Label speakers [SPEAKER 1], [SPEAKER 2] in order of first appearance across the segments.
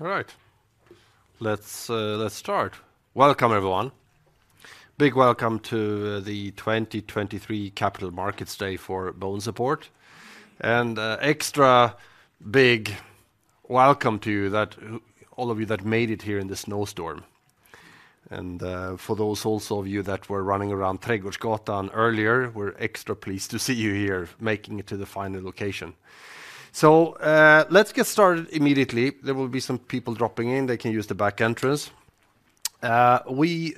[SPEAKER 1] All right, let's start. Welcome, everyone. Big welcome to the 2023 Capital Markets Day for BONESUPPORT, and extra big welcome to you that all of you that made it here in the snowstorm. And for those also of you that were running around in Trädgårdsgatan earlier, we're extra pleased to see you here, making it to the final location. So let's get started immediately. There will be some people dropping in. They can use the back entrance. We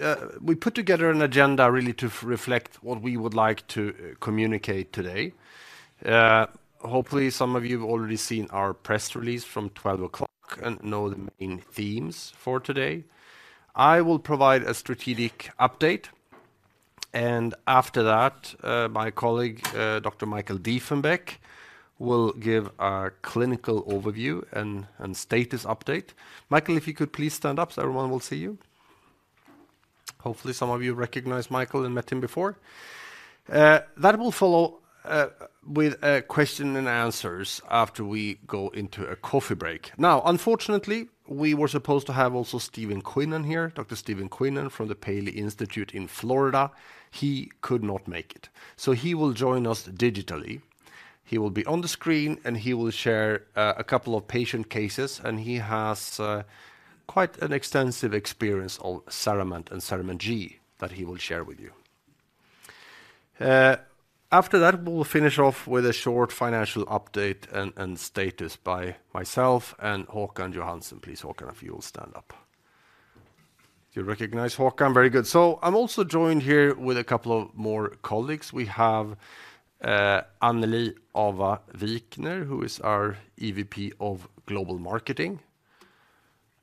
[SPEAKER 1] put together an agenda really to reflect what we would like to communicate today. Hopefully, some of you have already seen our press release from 12 o'clock and know the main themes for today. I will provide a strategic update, and after that, my colleague, Dr. Michael Diefenbeck, will give our clinical overview and status update. Michael, if you could please stand up, so everyone will see you. Hopefully, some of you recognize Michael and met him before. That will follow with question and answers after we go into a coffee break. Now, unfortunately, we were supposed to have also Stephen Quinnan here, Dr. Stephen Quinnan from the Paley Institute in Florida. He could not make it, so he will join us digitally. He will be on the screen, and he will share a couple of patient cases, and he has quite an extensive experience on CERAMENT and CERAMENT G that he will share with you. After that, we'll finish off with a short financial update and status by myself and Håkan Johansson. Please, Håkan, if you will stand up. Do you recognize Håkan? Very good. So I'm also joined here with a couple of more colleagues. We have Annelie Aava Vikner, who is our EVP of Global Marketing,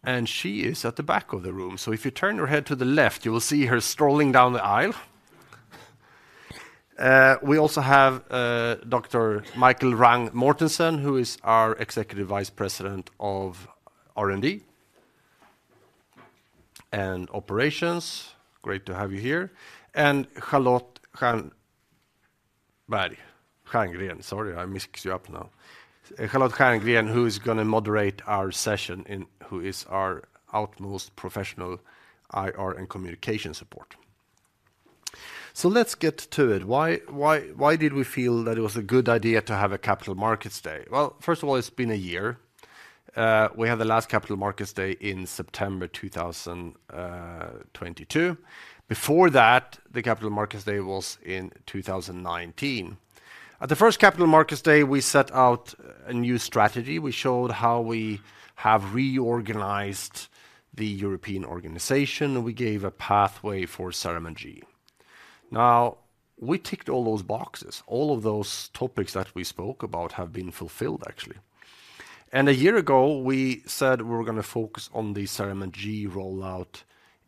[SPEAKER 1] and she is at the back of the room. So if you turn your head to the left, you will see her strolling down the aisle. We also have Dr. Michael Wrang Mortensen, who is our Executive Vice President of R&D and Operations. Great to have you here. And Charlotte Stjerngren. Sorry, I mixed you up now. Charlotte Stjerngren, who is gonna moderate our session and who is our utmost professional IR and communication support. So let's get to it. Why, why, why did we feel that it was a good idea to have a Capital Markets Day? Well, first of all, it's been a year. We had the last Capital Markets Day in September 2022. Before that, the Capital Markets Day was in 2019. At the first Capital Markets Day, we set out a new strategy. We showed how we have reorganized the European organization, and we gave a pathway for CERAMENT G. Now, we ticked all those boxes. All of those topics that we spoke about have been fulfilled, actually. A year ago, we said we were gonna focus on the CERAMENT G rollout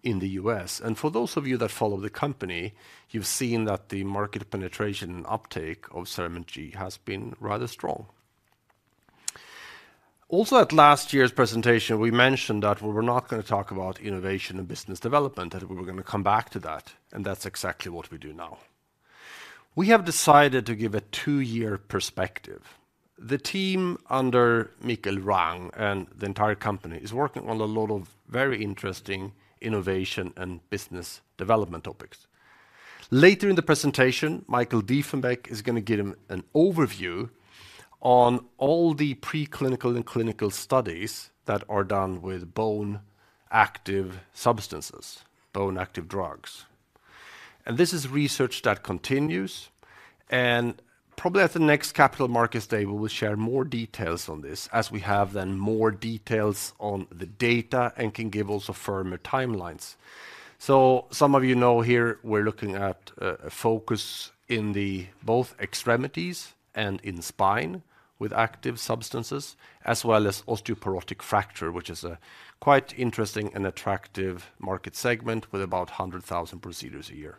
[SPEAKER 1] in the U.S. For those of you that follow the company, you've seen that the market penetration and uptake of CERAMENT G has been rather strong. Also, at last year's presentation, we mentioned that we were not gonna talk about innovation and business development, that we were gonna come back to that, and that's exactly what we do now. We have decided to give a two-year perspective. The team under Michael Wrang and the entire company is working on a lot of very interesting innovation and business development topics. Later in the presentation, Michael Diefenbeck is gonna give him an overview on all the preclinical and clinical studies that are done with bone-active substances, bone-active drugs. And this is research that continues, and probably at the next Capital Markets Day, we will share more details on this as we have then more details on the data and can give also firmer timelines. So some of you know here we're looking at a focus in the both extremities and in spine with active substances, as well as osteoporotic fracture, which is a quite interesting and attractive market segment with about 100,000 procedures a year.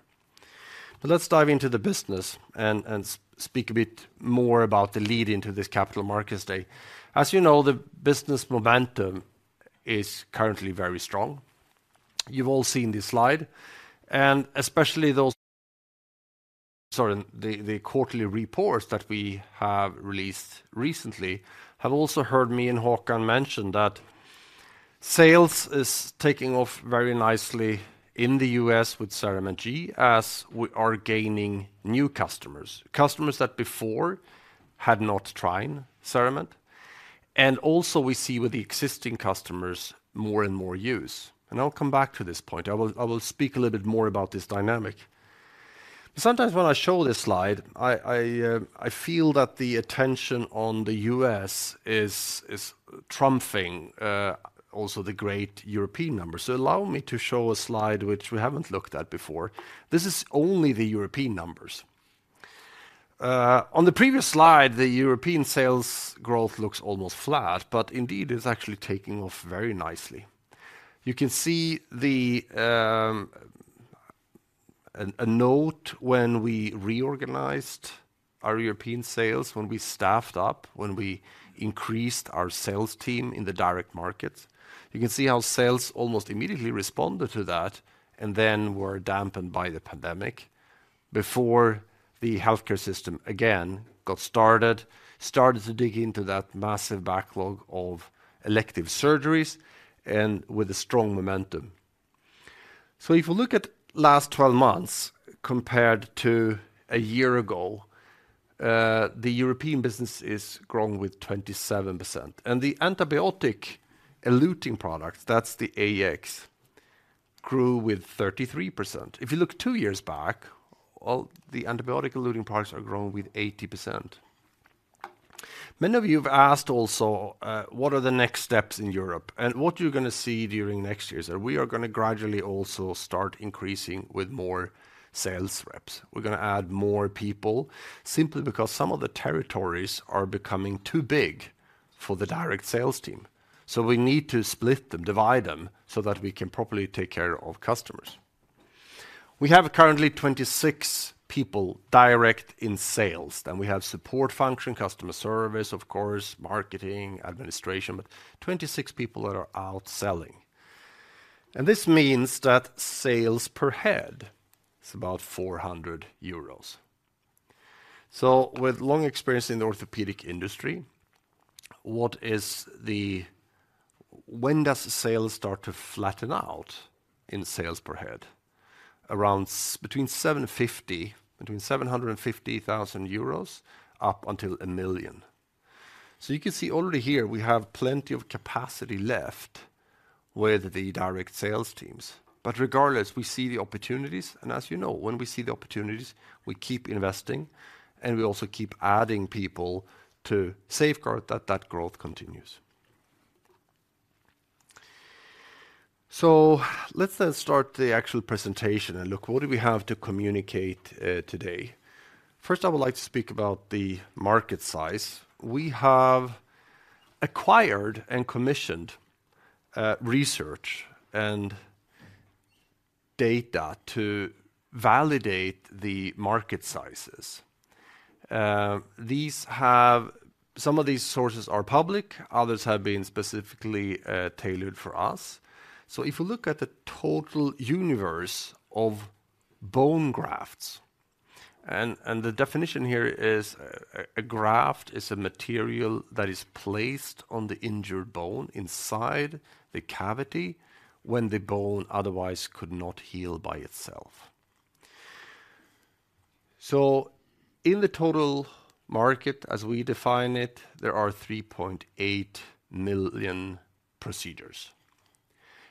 [SPEAKER 1] But let's dive into the business and speak a bit more about the lead into this Capital Markets Day. As you know, the business momentum is currently very strong. You've all seen this slide, and especially the quarterly reports that we have released recently have also heard me and Håkan mention that sales is taking off very nicely in the U.S. with CERAMENT G, as we are gaining new customers, customers that before had not tried CERAMENT. And also we see with the existing customers, more and more use. And I'll come back to this point. I will speak a little bit more about this dynamic. But sometimes when I show this slide, I feel that the attention on the U.S. is trumping also the great European numbers. So allow me to show a slide which we haven't looked at before. This is only the European numbers. On the previous slide, the European sales growth looks almost flat, but indeed, it's actually taking off very nicely. You can see a note when we reorganized our European sales, when we staffed up, when we increased our sales team in the direct markets. You can see how sales almost immediately responded to that and then were dampened by the pandemic before the healthcare system again got started to dig into that massive backlog of elective surgeries and with a strong momentum. If you look at last 12 months compared to a year ago, the European business is growing with 27%, and the antibiotic eluting product, that's the AEs, grew with 33%. If you look two years back, all the antibiotic eluting products are growing with 80%. Many of you have asked also, what are the next steps in Europe and what you're gonna see during next years, and we are gonna gradually also start increasing with more sales reps. We're gonna add more people simply because some of the territories are becoming too big for the direct sales team, so we need to split them, divide them, so that we can properly take care of customers. We have currently 26 people direct in sales. Then we have support function, customer service, of course, marketing, administration, but 26 people that are out selling. And this means that sales per head is about 400,000 euros. So with long experience in the orthopedic industry, what is the, When does sales start to flatten out in sales per head? Around between 750, between 750,000 euros and 1 million. So you can see already here, we have plenty of capacity left with the direct sales teams. But regardless, we see the opportunities, and as you know, when we see the opportunities, we keep investing, and we also keep adding people to safeguard that that growth continues. So let's then start the actual presentation and look, what do we have to communicate, today? First, I would like to speak about the market size. We have acquired and commissioned research and data to validate the market sizes. These have some of these sources are public, others have been specifically tailored for us. So if you look at the total universe of bone grafts, and the definition here is, a graft is a material that is placed on the injured bone inside the cavity when the bone otherwise could not heal by itself. So in the total market, as we define it, there are 3.8 million procedures,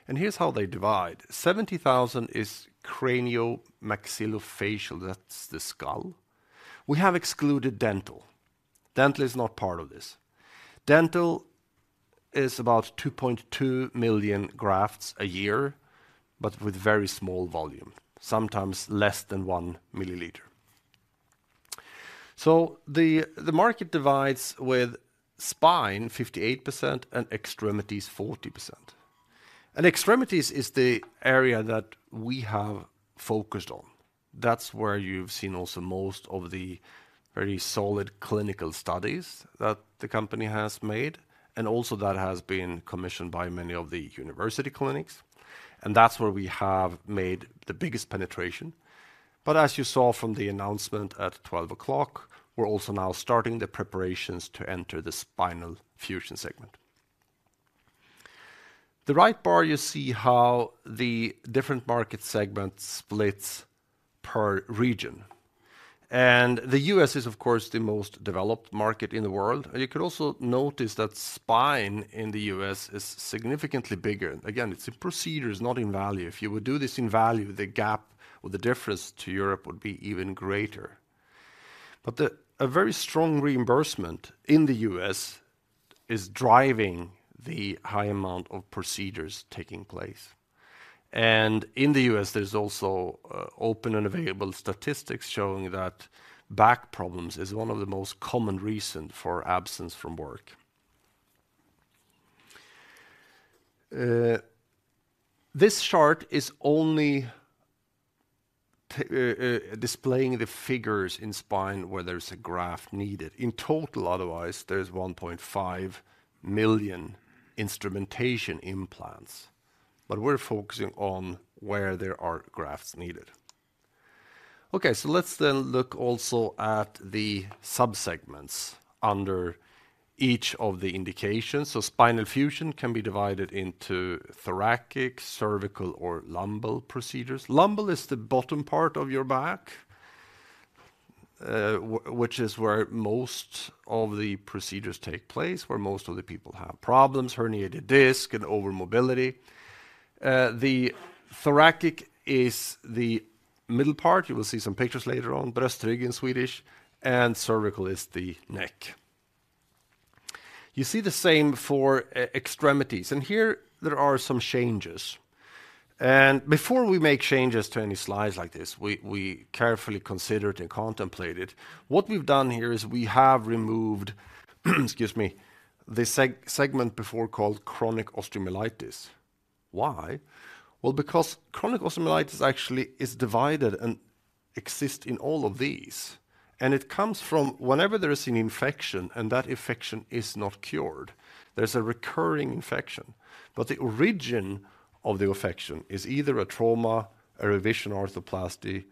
[SPEAKER 1] and here's how they divide: 70,000 is cranio-maxillofacial, that's the skull. We have excluded dental. Dental is not part of this. Dental is about 2.2 million grafts a year, but with very small volume, sometimes less than 1 ml. So the market divides with spine, 58%, and extremities, 40%. And extremities is the area that we have focused on. That's where you've seen also most of the very solid clinical studies that the company has made, and also that has been commissioned by many of the university clinics, and that's where we have made the biggest penetration. But as you saw from the announcement at 12:00, we're also now starting the preparations to enter the spinal fusion segment. The right bar, you see how the different market segments splits per region. The U.S. is, of course, the most developed market in the world. You could also notice that spine in the U.S. is significantly bigger. Again, it's in procedures, not in value. If you would do this in value, the gap or the difference to Europe would be even greater. But a very strong reimbursement in the U.S.. is driving the high amount of procedures taking place. In the U.S., there's also open and available statistics showing that back problems is one of the most common reason for absence from work. This chart is only displaying the figures in spine where there's a graft needed. In total, otherwise, there's 1.5 million instrumentation implants, but we're focusing on where there are grafts needed. Okay, so let's then look also at the subsegments under each of the indications. So spinal fusion can be divided into thoracic, cervical, or lumbar procedures. Lumbar is the bottom part of your back, which is where most of the procedures take place, where most of the people have problems, herniated disc and overmobility. The thoracic is the middle part. You will see some pictures later on, bröstrygg in Swedish, and cervical is the neck. You see the same for extremities, and here there are some changes. And before we make changes to any slides like this, we carefully consider it and contemplate it. What we've done here is we have removed, excuse me, the segment before called chronic osteomyelitis. Why? Well, because chronic osteomyelitis actually is divided and exist in all of these... And it comes from whenever there is an infection, and that infection is not cured, there's a recurring infection. But the origin of the infection is either a trauma, a revision arthroplasty,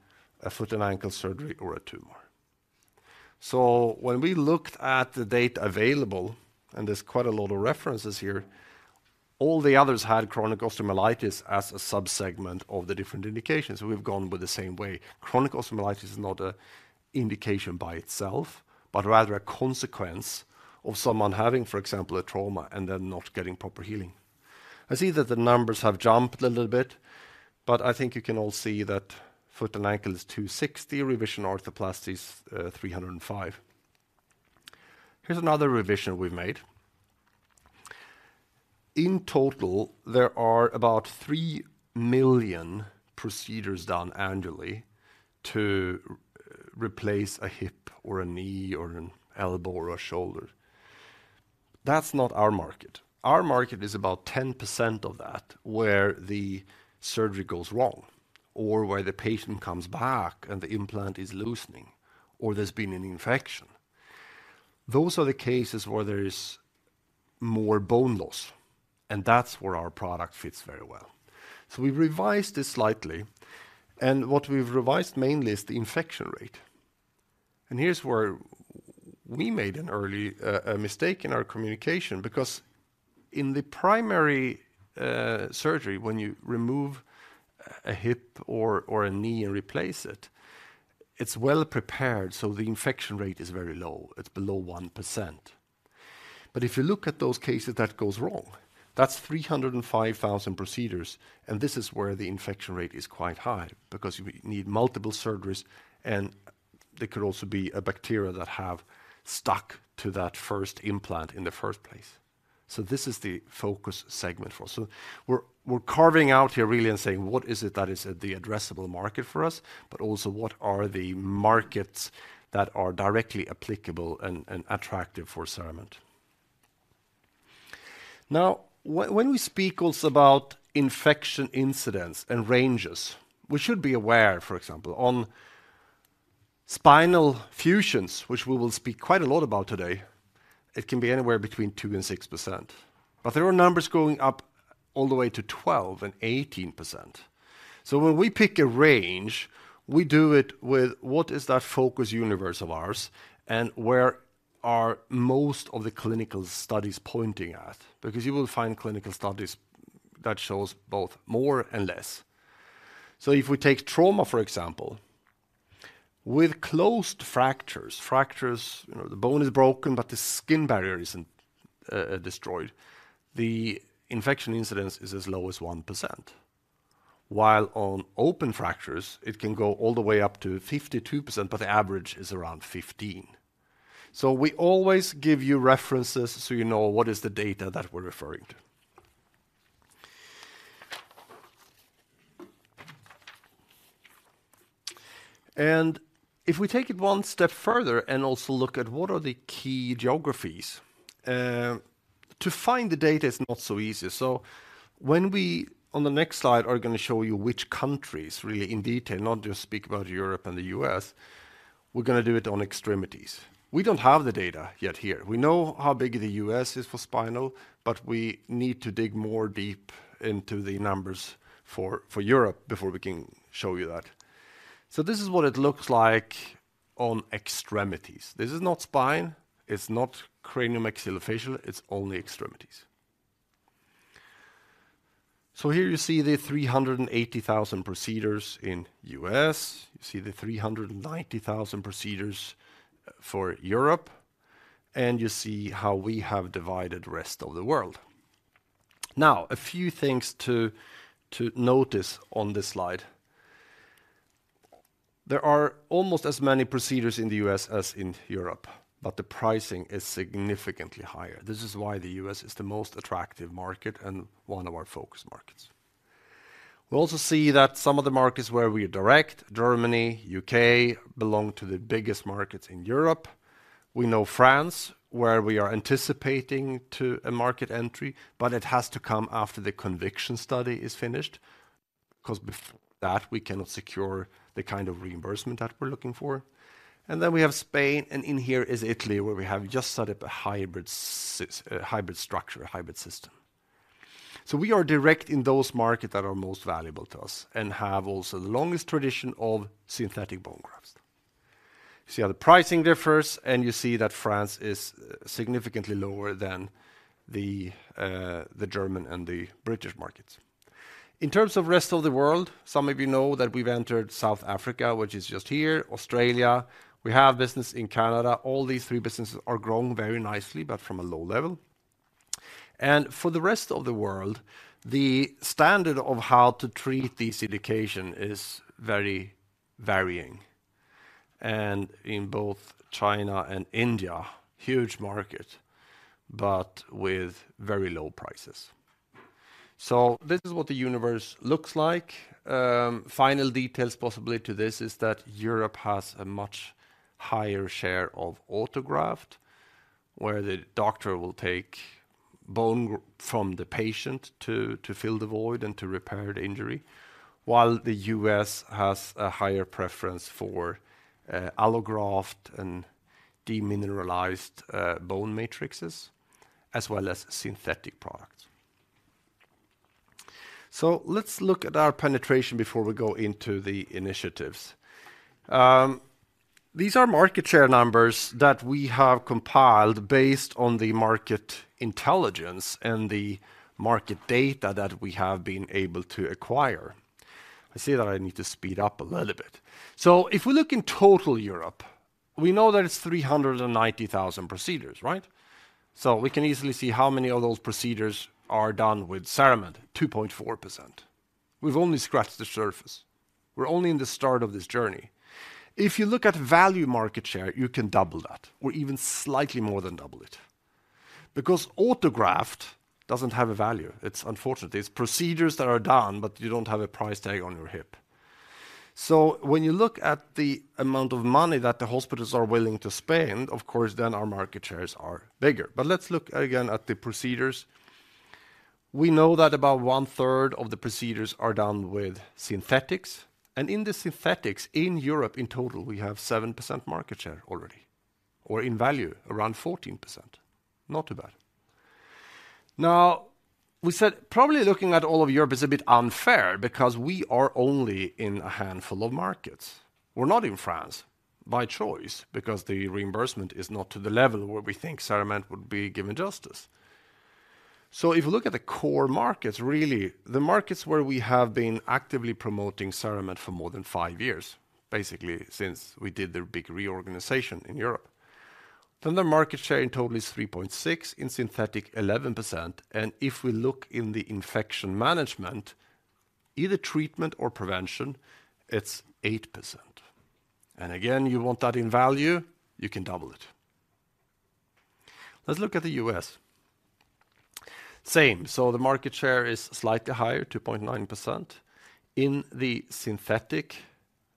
[SPEAKER 1] a foot and ankle surgery, or a tumor. So when we looked at the data available, and there's quite a lot of references here, all the others had chronic osteomyelitis as a sub-segment of the different indications. We've gone with the same way. Chronic osteomyelitis is not a indication by itself, but rather a consequence of someone having, for example, a trauma and then not getting proper healing. I see that the numbers have jumped a little bit, but I think you can all see that foot and ankle is $260, revision arthroplasty is $305. Here's another revision we've made. In total, there are about 3 million procedures done annually to replace a hip or a knee, or an elbow, or a shoulder. That's not our market. Our market is about 10% of that, where the surgery goes wrong, or where the patient comes back and the implant is loosening, or there's been an infection. Those are the cases where there is more bone loss, and that's where our product fits very well. So we've revised this slightly, and what we've revised mainly is the infection rate. And here's where we made an early a mistake in our communication, because in the primary surgery, when you remove a hip or a knee and replace it, it's well prepared, so the infection rate is very low. It's below 1%. But if you look at those cases that goes wrong. That's 305,000 procedures, and this is where the infection rate is quite high, because you need multiple surgeries, and there could also be a bacteria that have stuck to that first implant in the first place. So this is the focus segment for us. So we're carving out here really and saying, "What is it that is the addressable market for us, but also what are the markets that are directly applicable and attractive for CERAMENT?" Now, when we speak also about infection incidents and ranges, we should be aware, for example, on spinal fusions, which we will speak quite a lot about today, it can be anywhere between 2%-6%, but there are numbers going up all the way to 12%-18%. So when we pick a range, we do it with what is that focus universe of ours and where are most of the clinical studies pointing at? Because you will find clinical studies that shows both more and less. So if we take trauma, for example, with closed fractures, fractures, you know, the bone is broken, but the skin barrier isn't destroyed, the infection incidence is as low as 1%. While on open fractures, it can go all the way up to 52%, but the average is around 15%. So we always give you references, so you know, what is the data that we're referring to. And if we take it one step further and also look at what are the key geographies to find the data is not so easy. So when we... On the next slide, we're gonna show you which countries really in detail, not just speak about Europe and the U.S., we're gonna do it on extremities. We don't have the data yet here. We know how big the U.S. is for spinal, but we need to dig more deep into the numbers for, for Europe before we can show you that. So this is what it looks like on extremities. This is not spine, it's not craniomaxillofacial, it's only extremities. So here you see the 380,000 procedures in U.S., you see the 390,000 procedures for Europe, and you see how we have divided the rest of the world. Now, a few things to, to notice on this slide. There are almost as many procedures in the U.S. as in Europe, but the pricing is significantly higher. This is why the U.S. is the most attractive market and one of our focus markets. We also see that some of the markets where we are direct, Germany, U.K., belong to the biggest markets in Europe. We know France, where we are anticipating to a market entry, but it has to come after the conviction study is finished, because before that, we cannot secure the kind of reimbursement that we're looking for. Then we have Spain, and in here is Italy, where we have just set up a hybrid structure, a hybrid system. We are direct in those markets that are most valuable to us and have also the longest tradition of synthetic bone grafts. You see how the pricing differs, and you see that France is significantly lower than the German and the British markets. In terms of rest of the world, some of you know that we've entered South Africa, which is just here, Australia, we have business in Canada. All these three businesses are growing very nicely, but from a low level. For the rest of the world, the standard of how to treat this indication is very varying. In both China and India, huge market, but with very low prices. So this is what the universe looks like. Final details possibly to this is that Europe has a much higher share of autograft where the doctor will take bone from the patient to fill the void and to repair the injury, while the U.S. has a higher preference for allograft and demineralized bone matrixes, as well as synthetic products. Let's look at our penetration before we go into the initiatives. These are market share numbers that we have compiled based on the market intelligence and the market data that we have been able to acquire. I see that I need to speed up a little bit. So if we look in total Europe, we know that it's 390,000 procedures, right? So we can easily see how many of those procedures are done with CERAMENT, 2.4%. We've only scratched the surface. We're only in the start of this journey. If you look at value market share, you can double that, or even slightly more than double it. Because autograft doesn't have a value. It's unfortunate. It's procedures that are done, but you don't have a price tag on your hip. So when you look at the amount of money that the hospitals are willing to spend, of course, then our market shares are bigger. But let's look again at the procedures. We know that about one-third of the procedures are done with synthetics, and in the synthetics in Europe, in total, we have 7% market share already, or in value, around 14%. Not too bad. Now, we said, probably looking at all of Europe is a bit unfair because we are only in a handful of markets. We're not in France by choice because the reimbursement is not to the level where we think CERAMENT would be given justice. So if you look at the core markets, really, the markets where we have been actively promoting CERAMENT for more than five years, basically since we did the big reorganization in Europe, then the market share in total is 3.6, in synthetic, 11%, and if we look in the infection management, either treatment or prevention, it's 8%. And again, you want that in value, you can double it. Let's look at the U.S. Same. So the market share is slightly higher, 2.9%. In the synthetic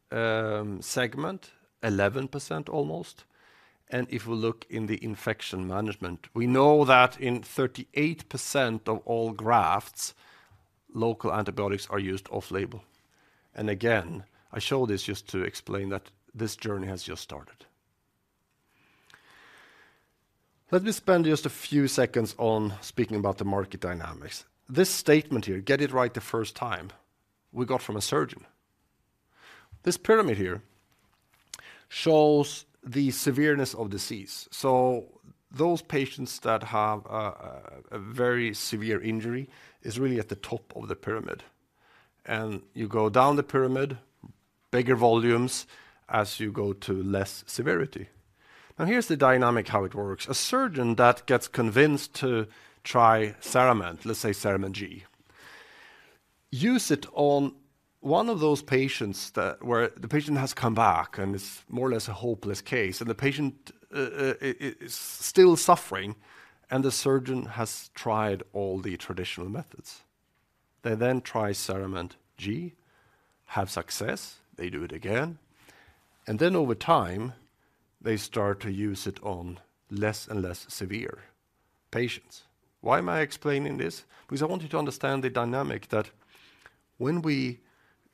[SPEAKER 1] segment, 11%, almost. And if we look in the infection management, we know that in 38% of all grafts, local antibiotics are used off-label. And again, I show this just to explain that this journey has just started. Let me spend just a few seconds on speaking about the market dynamics. This statement here, "Get it right the first time," we got from a surgeon. This pyramid here shows the severity of disease. So those patients that have a very severe injury is really at the top of the pyramid. And you go down the pyramid, bigger volumes as you go to less severity. Now, here's the dynamic, how it works. A surgeon that gets convinced to try CERAMENT, let's say CERAMENT G, use it on one of those patients that... where the patient has come back, and it's more or less a hopeless case, and the surgeon has tried all the traditional methods. They then try CERAMENT G, have success, they do it again, and then over time, they start to use it on less and less severe patients. Why am I explaining this? Because I want you to understand the dynamic that when we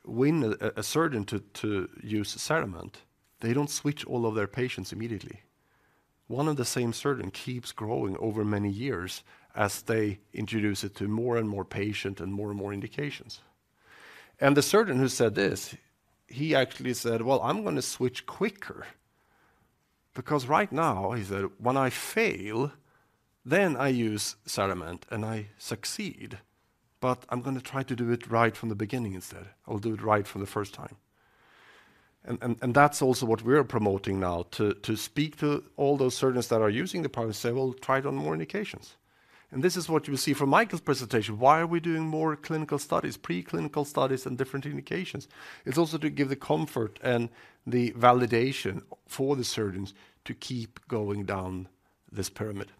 [SPEAKER 1] win a surgeon to use CERAMENT, they don't switch all of their patients immediately. One and the same surgeon keeps growing over many years as they introduce it to more and more patients and more and more indications. And the surgeon who said this, he actually said, "Well, I'm gonna switch quicker, because right now," he said, "when I fail, then I use CERAMENT, and I succeed, but I'm gonna try to do it right from the beginning instead. I will do it right for the first time." And that's also what we're promoting now, to speak to all those surgeons that are using the product and say, "Well, try it on more indications." And this is what you will see from Michael's presentation. Why are we doing more clinical studies, preclinical studies, and different indications? It's also to give the comfort and the validation for the surgeons to keep going down this pyramid.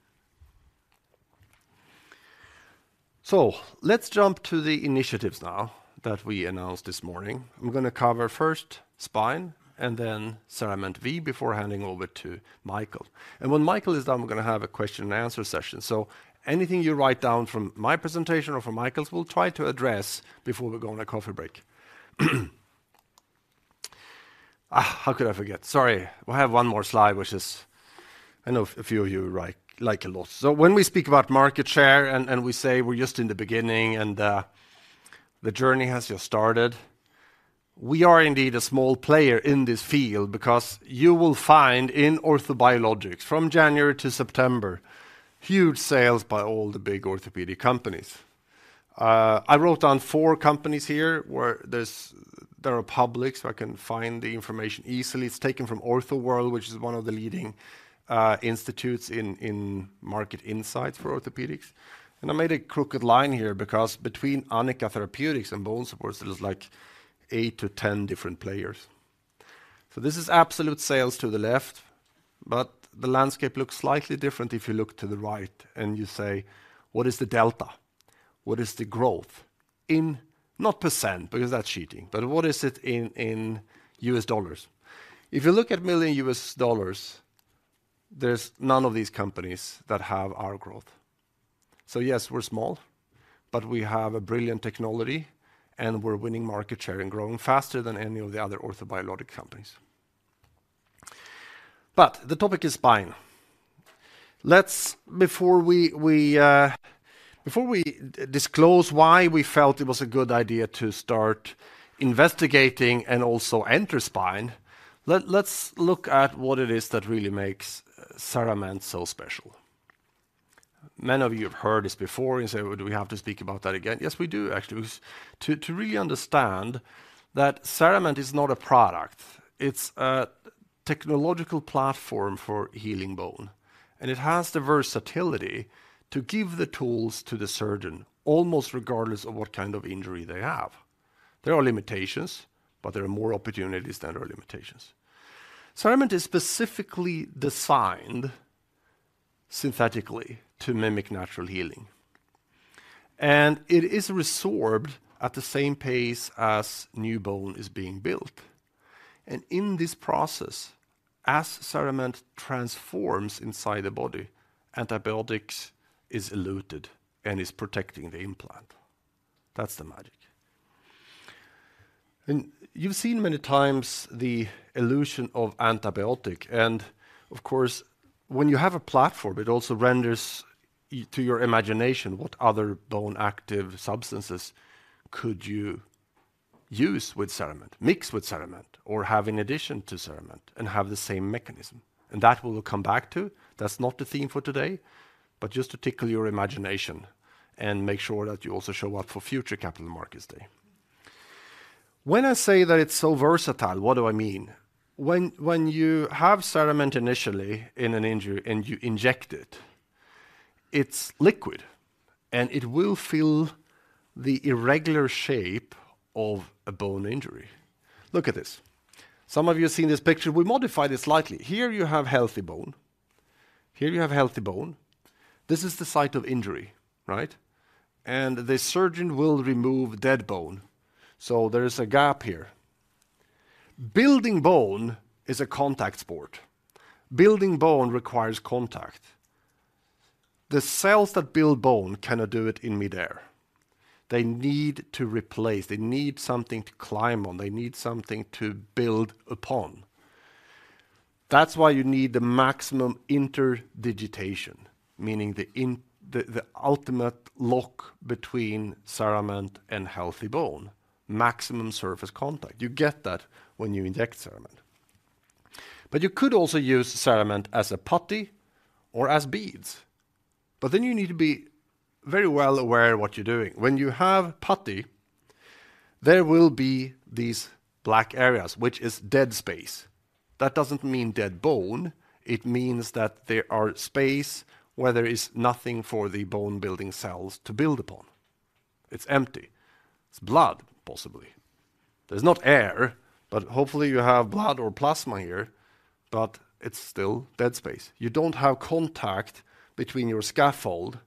[SPEAKER 1] So let's jump to the initiatives now that we announced this morning. I'm gonna cover first, spine, and then CERAMENT V, before handing over to Michael. And when Michael is done, we're gonna have a question and answer session. So anything you write down from my presentation or from Michael's, we'll try to address before we go on a coffee break. Ah, how could I forget? Sorry. We have one more slide, which is, I know a few of you like, like a lot. So when we speak about market share, and we say we're just in the beginning and, the journey has just started, we are indeed a small player in this field because you will find in orthobiologics, from January to September, huge sales by all the big orthopedic companies. I wrote down four companies here, where there's—they are public, so I can find the information easily. It's taken from Orthoworld, which is one of the leading institutes in market insights for orthopedics. And I made a crooked line here because between Anika Therapeutics and BONESUPPORT, it is like eight to 10 different players. So this is absolute sales to the left, but the landscape looks slightly different if you look to the right and you say, "What is the delta?"... What is the growth in, not percent, because that's cheating, but what is it in, in U.S. dollars? If you look at million U.S. dollars, there's none of these companies that have our growth. So yes, we're small, but we have a brilliant technology, and we're winning market share and growing faster than any of the other orthobiologic companies. But the topic is spine. Let's, before we, we, before we disclose why we felt it was a good idea to start investigating and also enter spine, let's look at what it is that really makes CERAMENT so special. Many of you have heard this before, and you say, "Do we have to speak about that again?" Yes, we do, actually. To really understand that CERAMENT is not a product, it's a technological platform for healing bone, and it has the versatility to give the tools to the surgeon, almost regardless of what kind of injury they have. There are limitations, but there are more opportunities than there are limitations. CERAMENT is specifically designed synthetically to mimic natural healing, and it is resorbed at the same pace as new bone is being built. And in this process, as CERAMENT transforms inside the body, antibiotics is eluted and is protecting the implant. That's the magic. And you've seen many times the illusion of antibiotic, and of course, when you have a platform, it also renders to your imagination what other bone active substances could you use with CERAMENT, mix with CERAMENT, or have in addition to CERAMENT, and have the same mechanism? And that we will come back to. That's not the theme for today, but just to tickle your imagination and make sure that you also show up for future Capital Markets Day. When I say that it's so versatile, what do I mean? When you have CERAMENT initially in an injury, and you inject it, it's liquid, and it will fill the irregular shape of a bone injury. Look at this. Some of you have seen this picture. We modified it slightly. Here you have healthy bone. Here you have healthy bone. This is the site of injury, right? And the surgeon will remove dead bone, so there is a gap here. Building bone is a contact sport. Building bone requires contact. The cells that build bone cannot do it in midair. They need to replace, they need something to climb on, they need something to build upon. That's why you need the maximum interdigitation, meaning the ultimate lock between CERAMENT and healthy bone, maximum surface contact. You get that when you inject CERAMENT. But you could also use CERAMENT as a putty or as beads, but then you need to be very well aware of what you're doing. When you have putty, there will be these black areas, which is dead space. That doesn't mean dead bone, it means that there are space where there is nothing for the bone-building cells to build upon. It's empty. It's blood, possibly. There's not air, but hopefully you have blood or plasma here, but it's still dead space. You don't have contact between your scaffold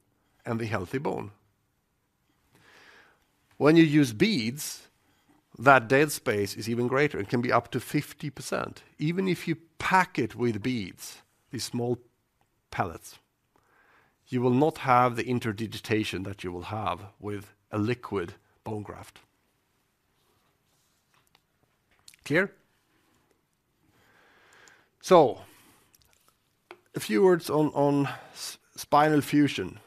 [SPEAKER 1] and the healthy bone. When you use beads, that dead space is even greater, it can be up to 50%. Even if you pack it with beads, these small pellets, you will not have the interdigitation that you will have with a liquid bone graft. Clear? So a few words on spinal fusion.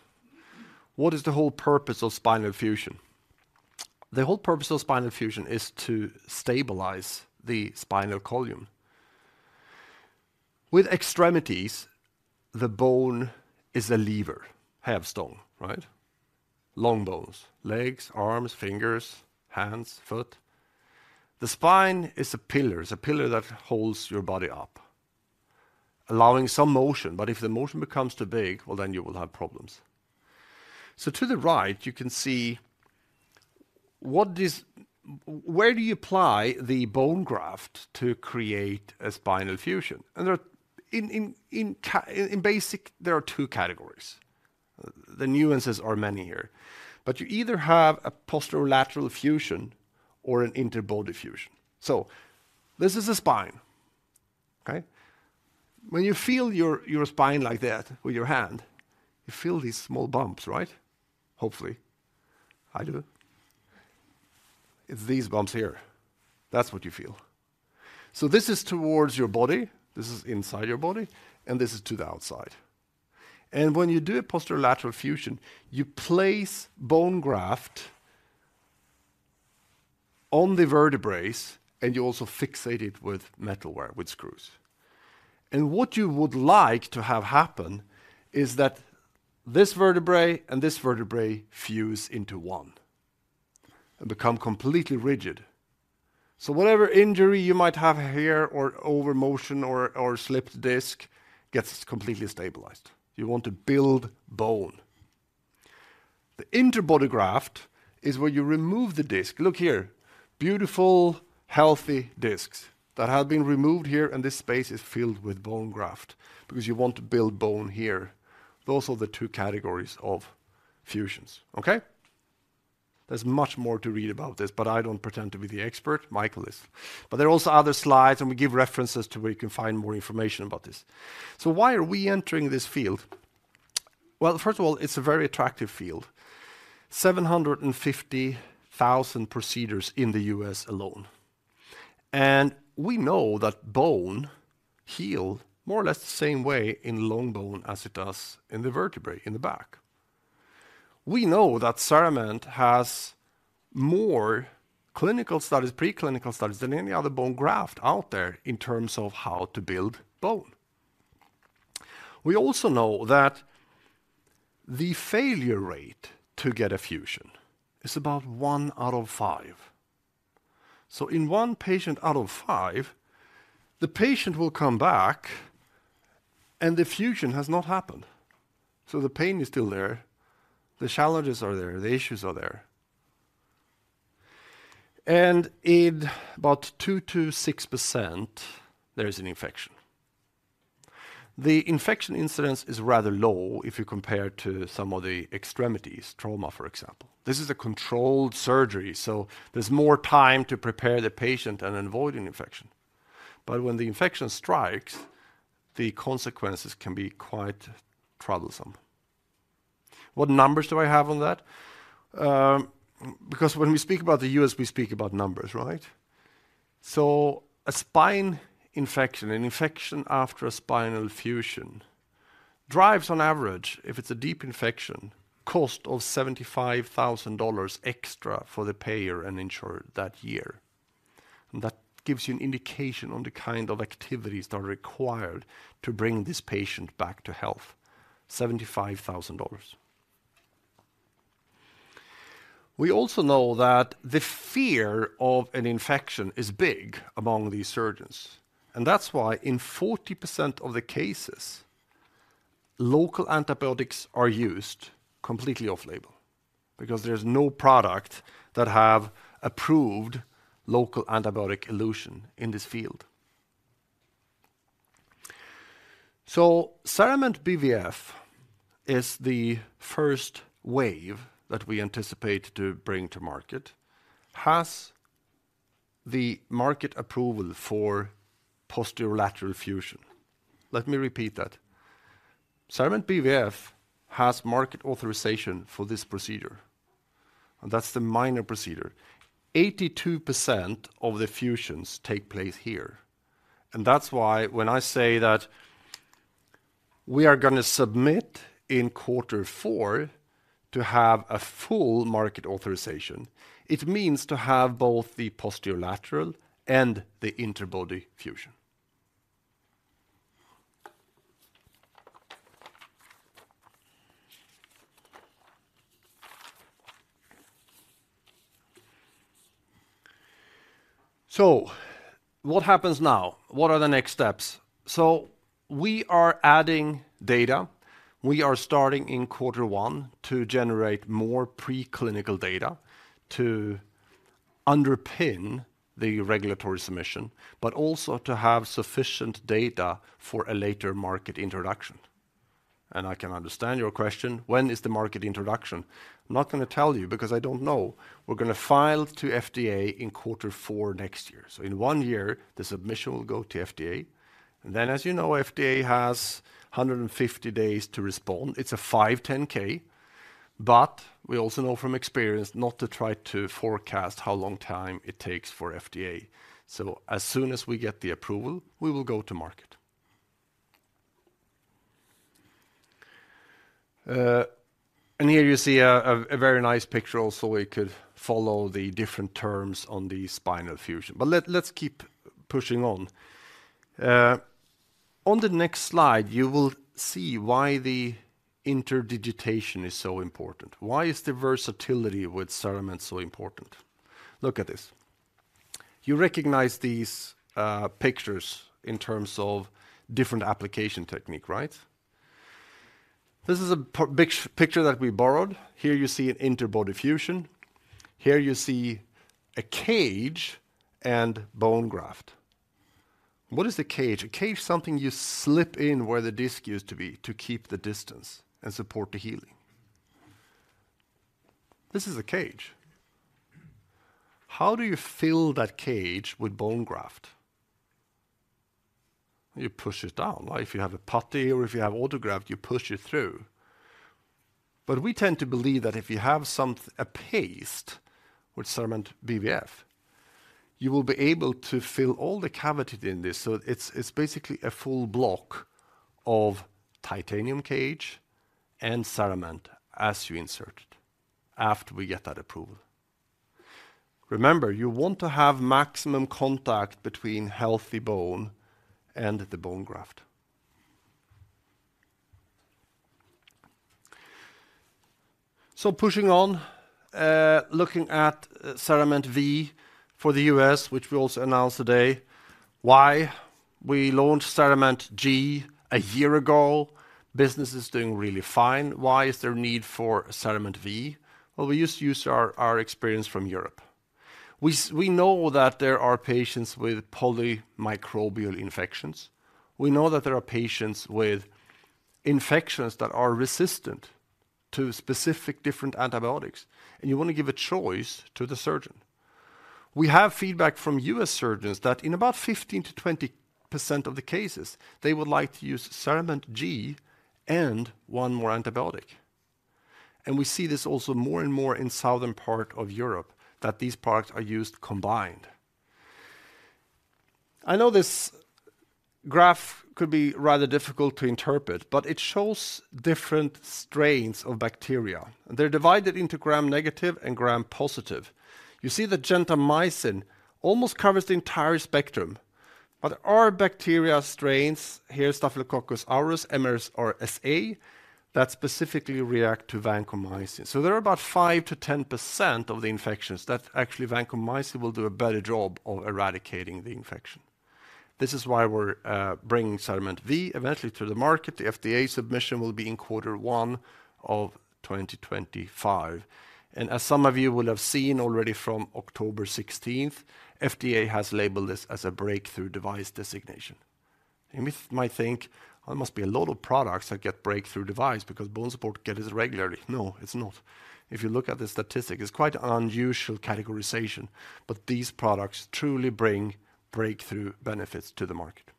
[SPEAKER 1] What is the whole purpose of spinal fusion? The whole purpose of spinal fusion is to stabilize the spinal column. With extremities, the bone is a lever, hävstång, right? Long bones, legs, arms, fingers, hands, foot. The spine is a pillar. It's a pillar that holds your body up, allowing some motion, but if the motion becomes too big, well, then you will have problems. So to the right, you can see what is where do you apply the bone graft to create a spinal fusion? And in basic, there are two categories. The nuances are many here, but you either have a posterolateral fusion or an interbody fusion. So this is a spine, okay? When you feel your, your spine like that with your hand, you feel these small bumps, right? Hopefully. I do. It's these bumps here. That's what you feel. So this is towards your body, this is inside your body, and this is to the outside. And when you do a posterolateral fusion, you place bone graft on the vertebrae, and you also fixate it with metalware, with screws. And what you would like to have happen is that this vertebra and this vertebra fuse into one and become completely rigid. So whatever injury you might have here or over motion or, or slipped disc gets completely stabilized. You want to build bone. The interbody graft is where you remove the disc. Look here, beautiful, healthy disks that have been removed here, and this space is filled with bone graft because you want to build bone here. Those are the two categories of fusions, okay? There's much more to read about this, but I don't pretend to be the expert, Michael is. But there are also other slides, and we give references to where you can find more information about this. So why are we entering this field? Well, first of all, it's a very attractive field, 750,000 procedures in the U.S. alone. And we know that bones heal more or less the same way in long bone as it does in the vertebrae, in the back. We know that CERAMENT has more clinical studies, preclinical studies than any other bone graft out there in terms of how to build bone. We also know that the failure rate to get a fusion is about one out of five. So in one patient out of five, the patient will come back, and the fusion has not happened. So the pain is still there, the challenges are there, the issues are there. And in about 2%-6%, there is an infection. The infection incidence is rather low if you compare to some of the extremities, trauma, for example. This is a controlled surgery, so there's more time to prepare the patient and avoid an infection. But when the infection strikes, the consequences can be quite troublesome. What numbers do I have on that? Because when we speak about the U.S., we speak about numbers, right? So a spine infection, an infection after a spinal fusion, drives, on average, if it's a deep infection, cost of $75,000 extra for the payer and insurer that year. And that gives you an indication on the kind of activities that are required to bring this patient back to health, $75,000. We also know that the fear of an infection is big among these surgeons, and that's why in 40% of the cases, local antibiotics are used completely off-label, because there's no product that have approved local antibiotic elution in this field. So CERAMENT BVF is the first wave that we anticipate to bring to market, has the market approval for posterolateral fusion. Let me repeat that. CERAMENT BVF has market authorization for this procedure, and that's the minor procedure. 82% of the fusions take place here, and that's why when I say that we are going to submit in Q4 to have a full market authorization, it means to have both the posterolateral and the interbody fusion. So what happens now? What are the next steps? So we are adding data. We are starting in Q1 to generate more preclinical data to underpin the regulatory submission, but also to have sufficient data for a later market introduction. And I can understand your question, when is the market introduction? I'm not going to tell you because I don't know. We're going to file to FDA in Q4 next year. So in one year, the submission will go to FDA, and then, as you know, FDA has 150 days to respond. It's a 510(k), but we also know from experience not to try to forecast how long time it takes for FDA. So as soon as we get the approval, we will go to market. And here you see a very nice picture, also, we could follow the different terms on the spinal fusion. But let's keep pushing on. On the next slide, you will see why the interdigitation is so important. Why is the versatility with CERAMENT so important? Look at this. You recognize these pictures in terms of different application technique, right? This is a picture that we borrowed. Here you see an interbody fusion. Here you see a cage and bone graft. What is a cage? A cage is something you slip in where the disk used to be to keep the distance and support the healing. This is a cage. How do you fill that cage with bone graft? You push it down. If you have a putty or if you have autograft, you push it through. But we tend to believe that if you have some a paste with CERAMENT BVF, you will be able to fill all the cavity in this. So it's, it's basically a full block of titanium cage and CERAMENT as you insert it, after we get that approval. Remember, you want to have maximum contact between healthy bone and the bone graft. So pushing on, looking at, CERAMENT V for the U.S., which we also announced today. Why we launched CERAMENT G a year ago? Business is doing really fine. Why is there a need for CERAMENT V? Well, we just use our, our experience from Europe. We know that there are patients with polymicrobial infections. We know that there are patients with infections that are resistant to specific different antibiotics, and you want to give a choice to the surgeon. We have feedback from U.S. surgeons that in about 15%-20% of the cases, they would like to use CERAMENT G and one more antibiotic. We see this also more and more in southern part of Europe, that these products are used combined. I know this graph could be rather difficult to interpret, but it shows different strains of bacteria, and they're divided into Gram-negative and Gram-positive. You see that gentamicin almost covers the entire spectrum, but there are bacteria strains, here, Staphylococcus aureus, MRSA, that specifically react to vancomycin. So there are about 5%-10% of the infections that actually vancomycin will do a better job of eradicating the infection. This is why we're bringing CERAMENT V eventually to the market. The FDA submission will be in Q1 of 2025, and as some of you will have seen already from October 16, FDA has labeled this as a Breakthrough Device Designation. You might think, "There must be a lot of products that get breakthrough device because BONESUPPORT gets this regularly." No, it's not. If you look at the statistic, it's quite an unusual categorization, but these products truly bring breakthrough benefits to the market.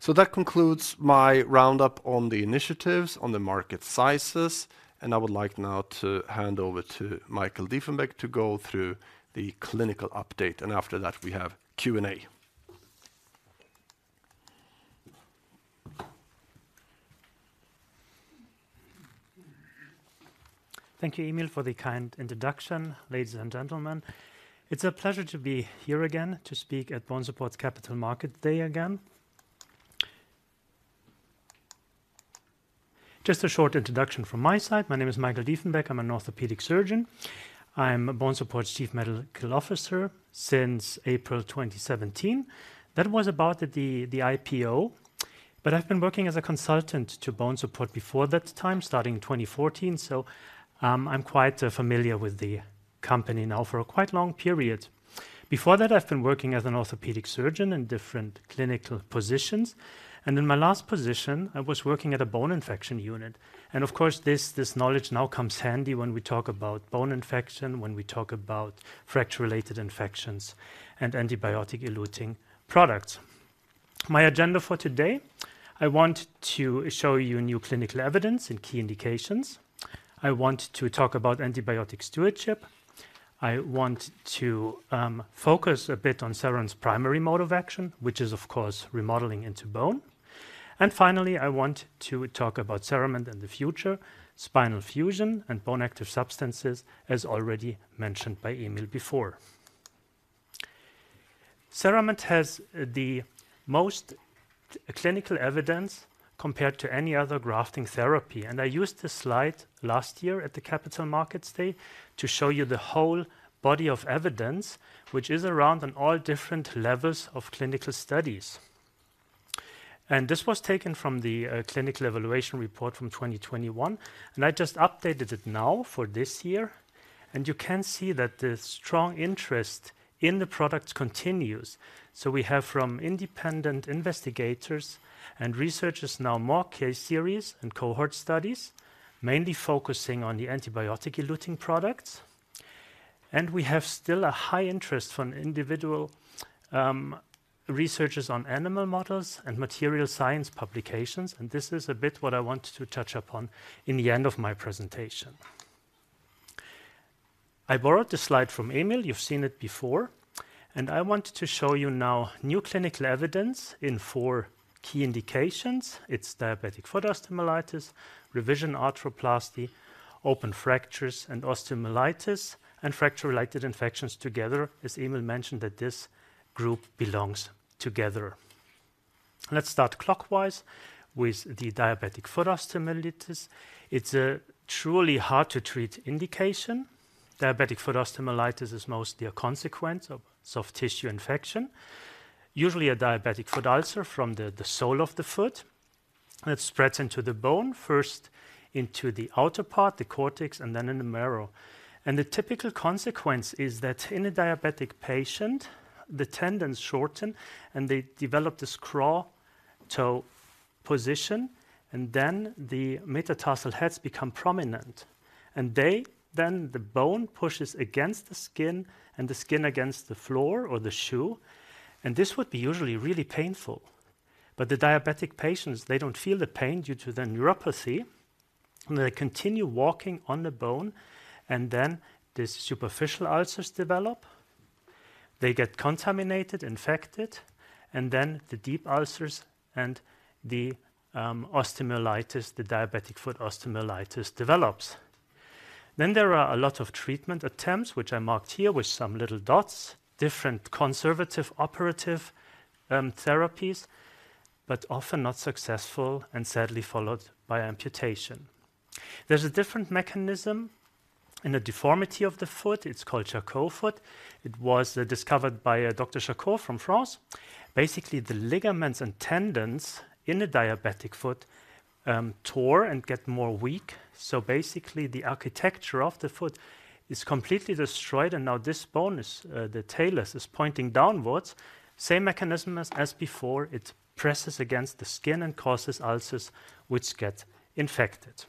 [SPEAKER 1] So that concludes my roundup on the initiatives, on the market sizes, and I would like now to hand over to Michael Diefenbeck to go through the clinical update. And after that, we have Q&A.
[SPEAKER 2] Thank you, Emil, for the kind introduction. Ladies and gentlemen, it's a pleasure to be here again to speak at BONESUPPORT's Capital Markets Day again. Just a short introduction from my side. My name is Michael Diefenbeck. I'm an orthopedic surgeon. I'm BONESUPPORT's Chief Medical Officer since April 2017. That was about the IPO, but I've been working as a consultant to BONESUPPORT before that time, starting in 2014, so, I'm quite familiar with the company now for a quite long period. Before that, I've been working as an orthopedic surgeon in different clinical positions, and in my last position, I was working at a bone infection unit. Of course, this knowledge now comes handy when we talk about bone infection, when we talk about fracture-related infections and antibiotic-eluting products. My agenda for today, I want to show you new clinical evidence and key indications. I want to talk about antibiotic stewardship. I want to focus a bit on CERAMENT's primary mode of action, which is, of course, remodeling into bone. And finally, I want to talk about CERAMENT in the future, spinal fusion, and bone active substances, as already mentioned by Emil before. CERAMENT has the most clinical evidence compared to any other grafting therapy, and I used this slide last year at the Capital Markets Day to show you the whole body of evidence, which is around on all different levels of clinical studies. And this was taken from the clinical evaluation report from 2021, and I just updated it now for this year, and you can see that the strong interest in the product continues. We have from independent investigators and researchers now more case series and cohort studies, mainly focusing on the antibiotic-eluting products. We have still a high interest from individual researchers on animal models and material science publications, and this is a bit what I want to touch upon in the end of my presentation. I borrowed this slide from Emil. You've seen it before, and I want to show you now new clinical evidence in four key indications. It's diabetic foot osteomyelitis, revision arthroplasty, open fractures, and osteomyelitis, and fracture-related infections together, as Emil mentioned, that this group belongs together. Let's start clockwise with the diabetic foot osteomyelitis. It's a truly hard-to-treat indication. Diabetic foot osteomyelitis is mostly a consequence of soft tissue infection, usually a diabetic foot ulcer from the sole of the foot that spreads into the bone, first into the outer part, the cortex, and then in the marrow. The typical consequence is that in a diabetic patient, the tendons shorten, and they develop this claw toe position, and then the metatarsal heads become prominent. Then the bone pushes against the skin, and the skin against the floor or the shoe, and this would be usually really painful. But the diabetic patients, they don't feel the pain due to the neuropathy, and they continue walking on the bone, and then these superficial ulcers develop. They get contaminated, infected, and then the deep ulcers and the osteomyelitis, the diabetic foot osteomyelitis, develops. Then there are a lot of treatment attempts, which I marked here with some little dots, different conservative, operative, therapies, but often not successful and sadly followed by amputation. There's a different mechanism and the deformity of the foot, it's called Charcot Foot. It was discovered by a Dr. Charcot from France. Basically, the ligaments and tendons in a diabetic foot tore and get more weak. So basically, the architecture of the foot is completely destroyed, and now this bone is the talus pointing downwards. Same mechanism as before: it presses against the skin and causes ulcers, which get infected.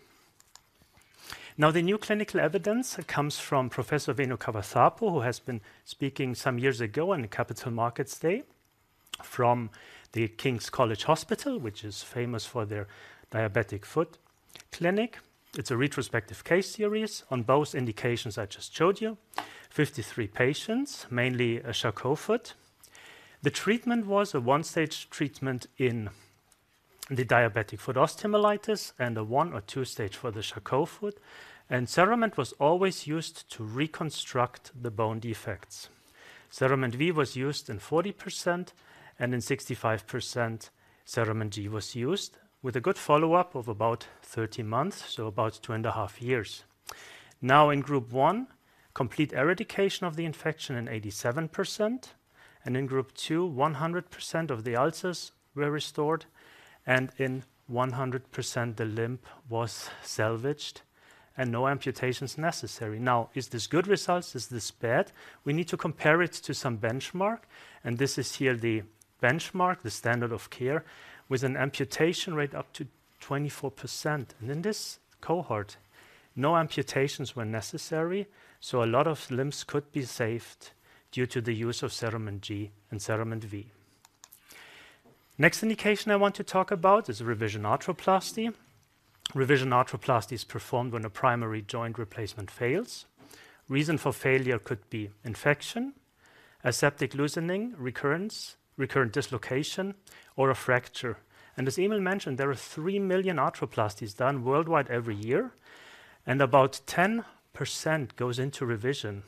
[SPEAKER 2] Now, the new clinical evidence comes from Professor Venu Kavarthapu, who has been speaking some years ago on the Capital Markets Day from the King's College Hospital, which is famous for their diabetic foot clinic. It's a retrospective case series on both indications I just showed you. 53 patients, mainly Charcot foot. The treatment was a one-stage treatment in the diabetic foot osteomyelitis and a one or two-stage for the Charcot foot, and CERAMENT was always used to reconstruct the bone defects. CERAMENT V was used in 40%, and in 65%, CERAMENT G was used, with a good follow-up of about 13 months, so about 2.5 years. Now, in group one, complete eradication of the infection in 87%, and in group two, 100% of the ulcers were restored, and in 100%, the limb was salvaged and no amputations necessary. Now, is this good results? Is this bad? We need to compare it to some benchmark, and this is here the benchmark, the standard of care, with an amputation rate up to 24%. In this cohort, no amputations were necessary, so a lot of limbs could be saved due to the use of CERAMENT G and CERAMENT V. Next indication I want to talk about is revision arthroplasty. Revision arthroplasty is performed when a primary joint replacement fails. Reason for failure could be infection, aseptic loosening, recurrence, recurrent dislocation, or a fracture. As Emil mentioned, there are 3 million arthroplasties done worldwide every year, and about 10% goes into revision.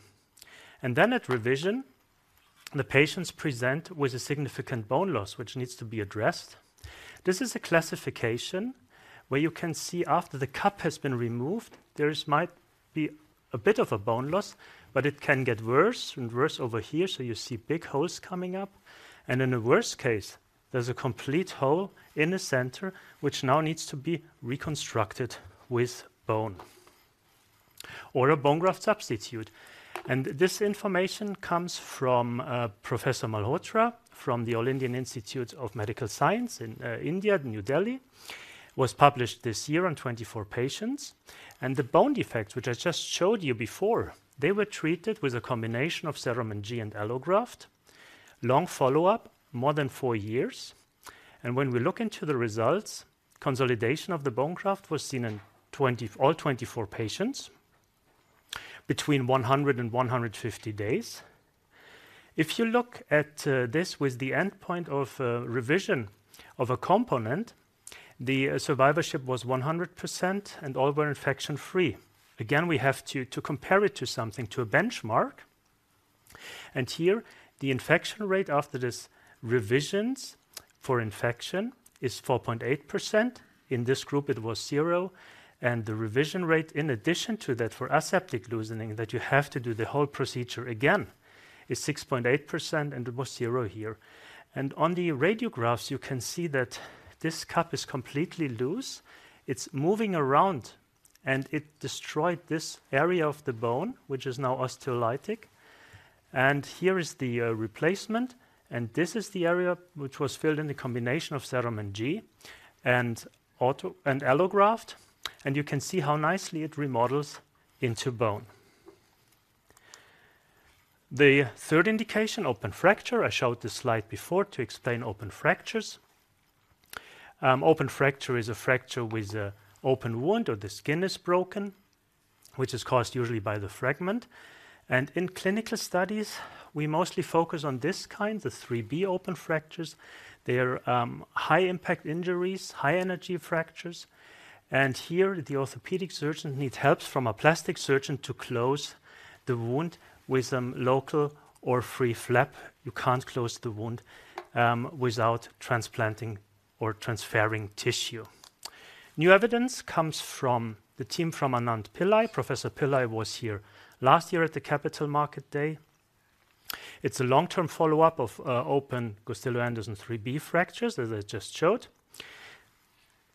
[SPEAKER 2] Then at revision, the patients present with a significant bone loss, which needs to be addressed. This is a classification where you can see after the cup has been removed, there might be a bit of a bone loss, but it can get worse and worse over here, so you see big holes coming up. In the worst case, there's a complete hole in the center, which now needs to be reconstructed with bone or a bone graft substitute. This information comes from Professor Malhotra, from the All India Institute of Medical Sciences in New Delhi, India, was published this year on 24 patients. The bone defects, which I just showed you before, they were treated with a combination of CERAMENT G and allograft. Long follow-up, more than four years. When we look into the results, consolidation of the bone graft was seen in all 24 patients between 100 and 150 days. If you look at this with the endpoint of revision of a component, the survivorship was 100% and all were infection-free. Again, we have to compare it to something, to a benchmark. Here, the infection rate after this revisions for infection is 4.8%. In this group, it was 0, and the revision rate, in addition to that, for aseptic loosening, that you have to do the whole procedure again, is 6.8%, and it was zero here. On the radiographs, you can see that this cup is completely loose. It's moving around, and it destroyed this area of the bone, which is now osteolytic. Here is the replacement, and this is the area which was filled in the combination of CERAMENT G and autograft and allograft, and you can see how nicely it remodels into bone. The third indication, open fracture. I showed this slide before to explain open fractures. Open fracture is a fracture with an open wound or the skin is broken, which is caused usually by the fragment. In clinical studies, we mostly focus on this kind, the IIIb open fractures. They are high-impact injuries, high-energy fractures, and here, the orthopedic surgeon needs help from a plastic surgeon to close the wound with some local or free flap. You can't close the wound without transplanting or transferring tissue. New evidence comes from the team from Anand Pillai. Professor Pillai was here last year at the Capital Markets Day. It's a long-term follow-up of open Gustilo-Anderson IIIb fractures, as I just showed.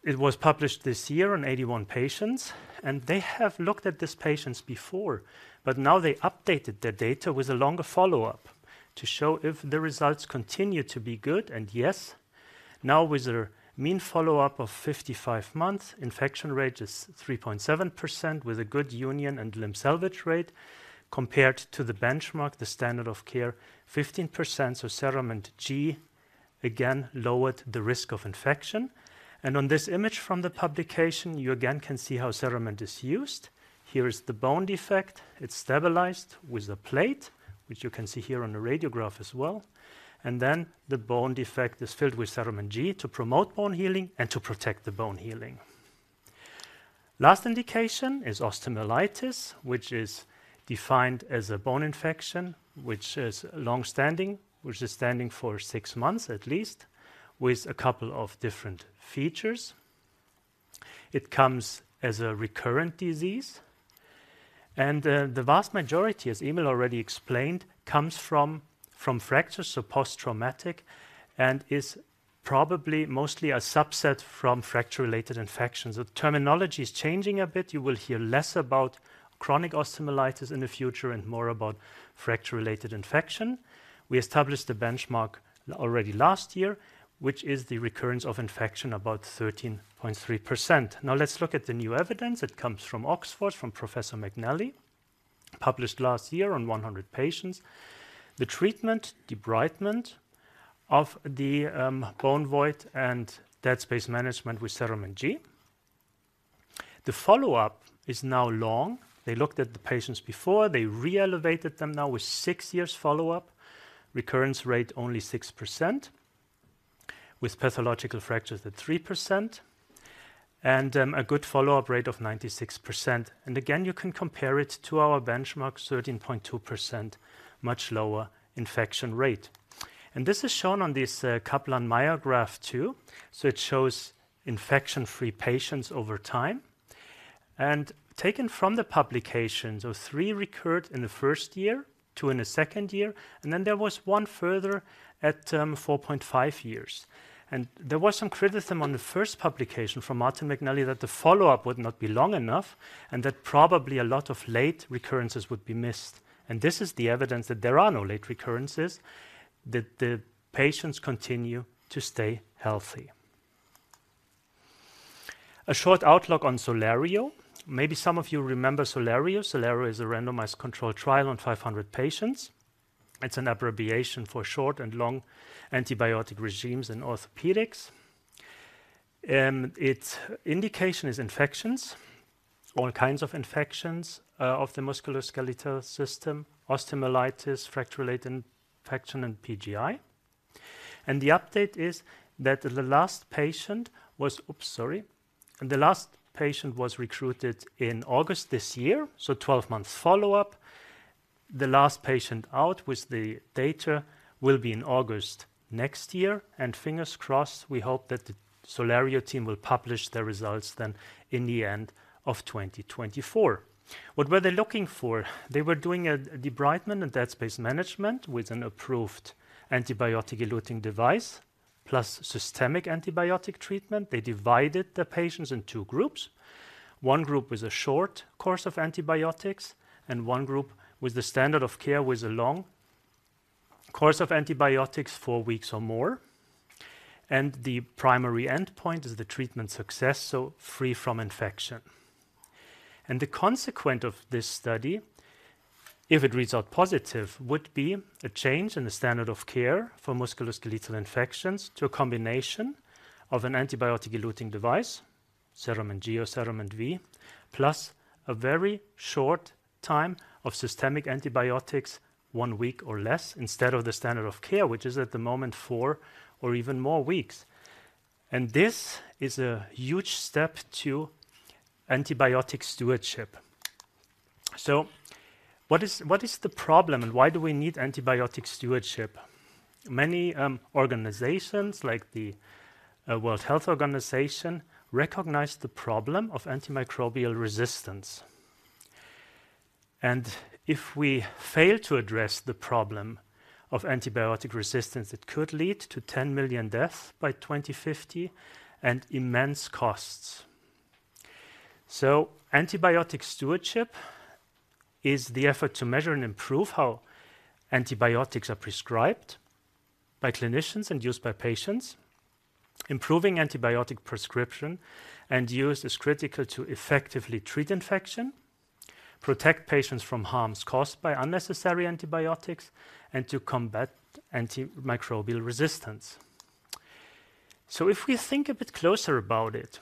[SPEAKER 2] It was published this year on 81 patients, and they have looked at these patients before, but now they updated their data with a longer follow-up to show if the results continue to be good. And yes, now, with a mean follow-up of 55 months, infection rate is 3.7%, with a good union and limb salvage rate. Compared to the benchmark, the standard of care, 15%, so CERAMENT G again lowered the risk of infection. On this image from the publication, you again can see how CERAMENT is used. Here is the bone defect. It's stabilized with a plate, which you can see here on the radiograph as well. Then the bone defect is filled with CERAMENT G to promote bone healing and to protect the bone healing. Last indication is osteomyelitis, which is defined as a bone infection, which is long-standing, which is standing for six months at least, with a couple of different features. It comes as a recurrent disease, and the vast majority, as Emil already explained, comes from fractures, so post-traumatic, and is probably mostly a subset from fracture-related infections. The terminology is changing a bit. You will hear less about chronic osteomyelitis in the future and more about fracture-related infection. We established the benchmark already last year, which is the recurrence of infection, about 13.3%. Now let's look at the new evidence that comes from Oxford, from Professor McNally, published last year on 100 patients. The treatment, debridement of the bone void and dead space management with CERAMENT G. The follow-up is now long. They looked at the patients before, they re-evaluated them now with six years follow-up. Recurrence rate only 6%, with pathological fractures at 3%, and a good follow-up rate of 96%. And again, you can compare it to our benchmark, 13.2%, much lower infection rate. And this is shown on this Kaplan-Meier graph, too. So it shows infection-free patients over time. Taken from the publication, so three recurred in the first year, two in the second year, and then there was one further at 4.5 years. There was some criticism on the first publication from Martin McNally that the follow-up would not be long enough and that probably a lot of late recurrences would be missed. This is the evidence that there are no late recurrences, that the patients continue to stay healthy. A short outlook on SOLARIO. Maybe some of you remember SOLARIO. SOLARIO is a randomized controlled trial on 500 patients. It's an abbreviation for Short and Long Antibiotic Regimes in Orthopedics. Its indication is infections, all kinds of infections, of the musculoskeletal system, osteomyelitis, fracture-related infection, and PJI. The update is that the last patient was. Oops, sorry. The last patient was recruited in August this year, so 12-month follow-up. The last patient out with the data will be in August next year, and fingers crossed, we hope that the SOLARIO team will publish their results then in the end of 2024. What were they looking for? They were doing a debridement and dead space management with an approved antibiotic-eluting device, plus systemic antibiotic treatment. They divided the patients in two groups. One group was a short course of antibiotics, and one group with the standard of care was a long course of antibiotics, four weeks or more. The primary endpoint is the treatment success, so free from infection. The consequence of this study, if it reads out positive, would be a change in the standard of care for musculoskeletal infections to a combination of an antibiotic-eluting device, CERAMENT G or CERAMENT V, plus a very short time of systemic antibiotics, one week or less, instead of the standard of care, which is at the moment, four or even more weeks. This is a huge step to antibiotic stewardship. So what is the problem, and why do we need antibiotic stewardship? Many organizations, like the World Health Organization, recognize the problem of antimicrobial resistance. If we fail to address the problem of antibiotic resistance, it could lead to 10 million deaths by 2050 and immense costs. So antibiotic stewardship is the effort to measure and improve how antibiotics are prescribed by clinicians and used by patients. Improving antibiotic prescription and use is critical to effectively treat infection, protect patients from harms caused by unnecessary antibiotics, and to combat antimicrobial resistance. So if we think a bit closer about it,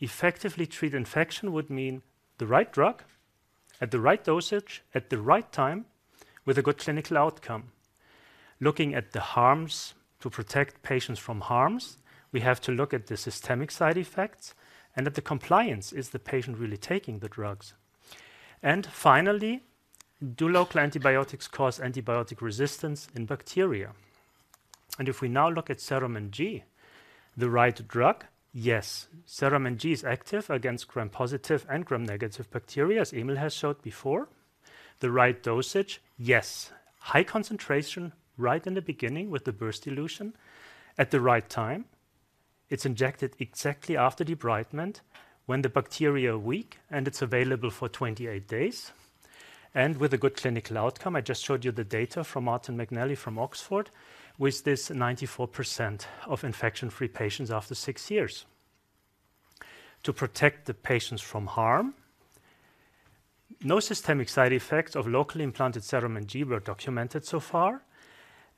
[SPEAKER 2] effectively treat infection would mean the right drug, at the right dosage, at the right time, with a good clinical outcome. Looking at the harms. To protect patients from harms, we have to look at the systemic side effects and at the compliance, is the patient really taking the drugs? And finally, do local antibiotics cause antibiotic resistance in bacteria? And if we now look at CERAMENT G, the right drug? Yes. CERAMENT G is active against Gram-positive and Gram-negative bacteria, as Emil has showed before. The right dosage? Yes. High concentration, right in the beginning with the burst elution. At the right time? It's injected exactly after debridement, when the bacteria are weak, and it's available for 28 days. With a good clinical outcome, I just showed you the data from Martin McNally from Oxford, with this 94% of infection-free patients after six years. To protect the patients from harm, no systemic side effects of locally implanted CERAMENT G were documented so far.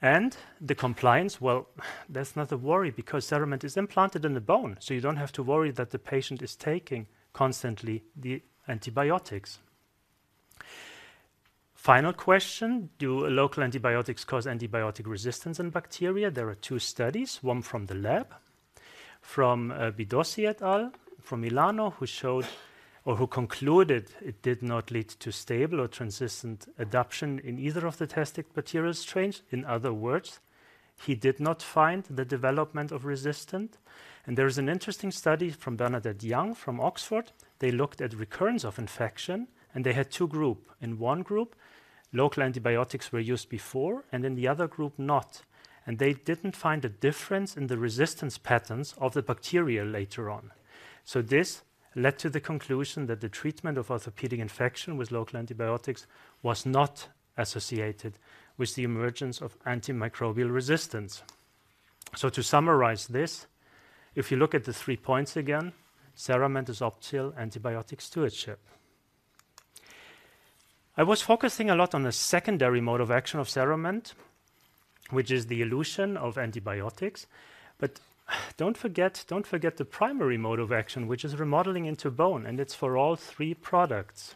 [SPEAKER 2] The compliance, well, that's not a worry, because CERAMENT is implanted in the bone, so you don't have to worry that the patient is taking constantly the antibiotics. Final question: Do local antibiotics cause antibiotic resistance in bacteria? There are two studies, one from Bidossi et al. from Milano, who showed or who concluded it did not lead to stable or transient adaptation in either of the tested material strains. In other words, he did not find the development of resistant. There is an interesting study from Bernadette Young from Oxford. They looked at recurrence of infection, and they had two groups. In one group, local antibiotics were used before, and in the other group, not. And they didn't find a difference in the resistance patterns of the bacteria later on. So this led to the conclusion that the treatment of orthopedic infection with local antibiotics was not associated with the emergence of antimicrobial resistance. So to summarize this, if you look at the three points again, CERAMENT is optimal antibiotic stewardship. I was focusing a lot on the secondary mode of action of CERAMENT, which is the elution of antibiotics. But don't forget, don't forget the primary mode of action, which is remodeling into bone, and it's for all three products.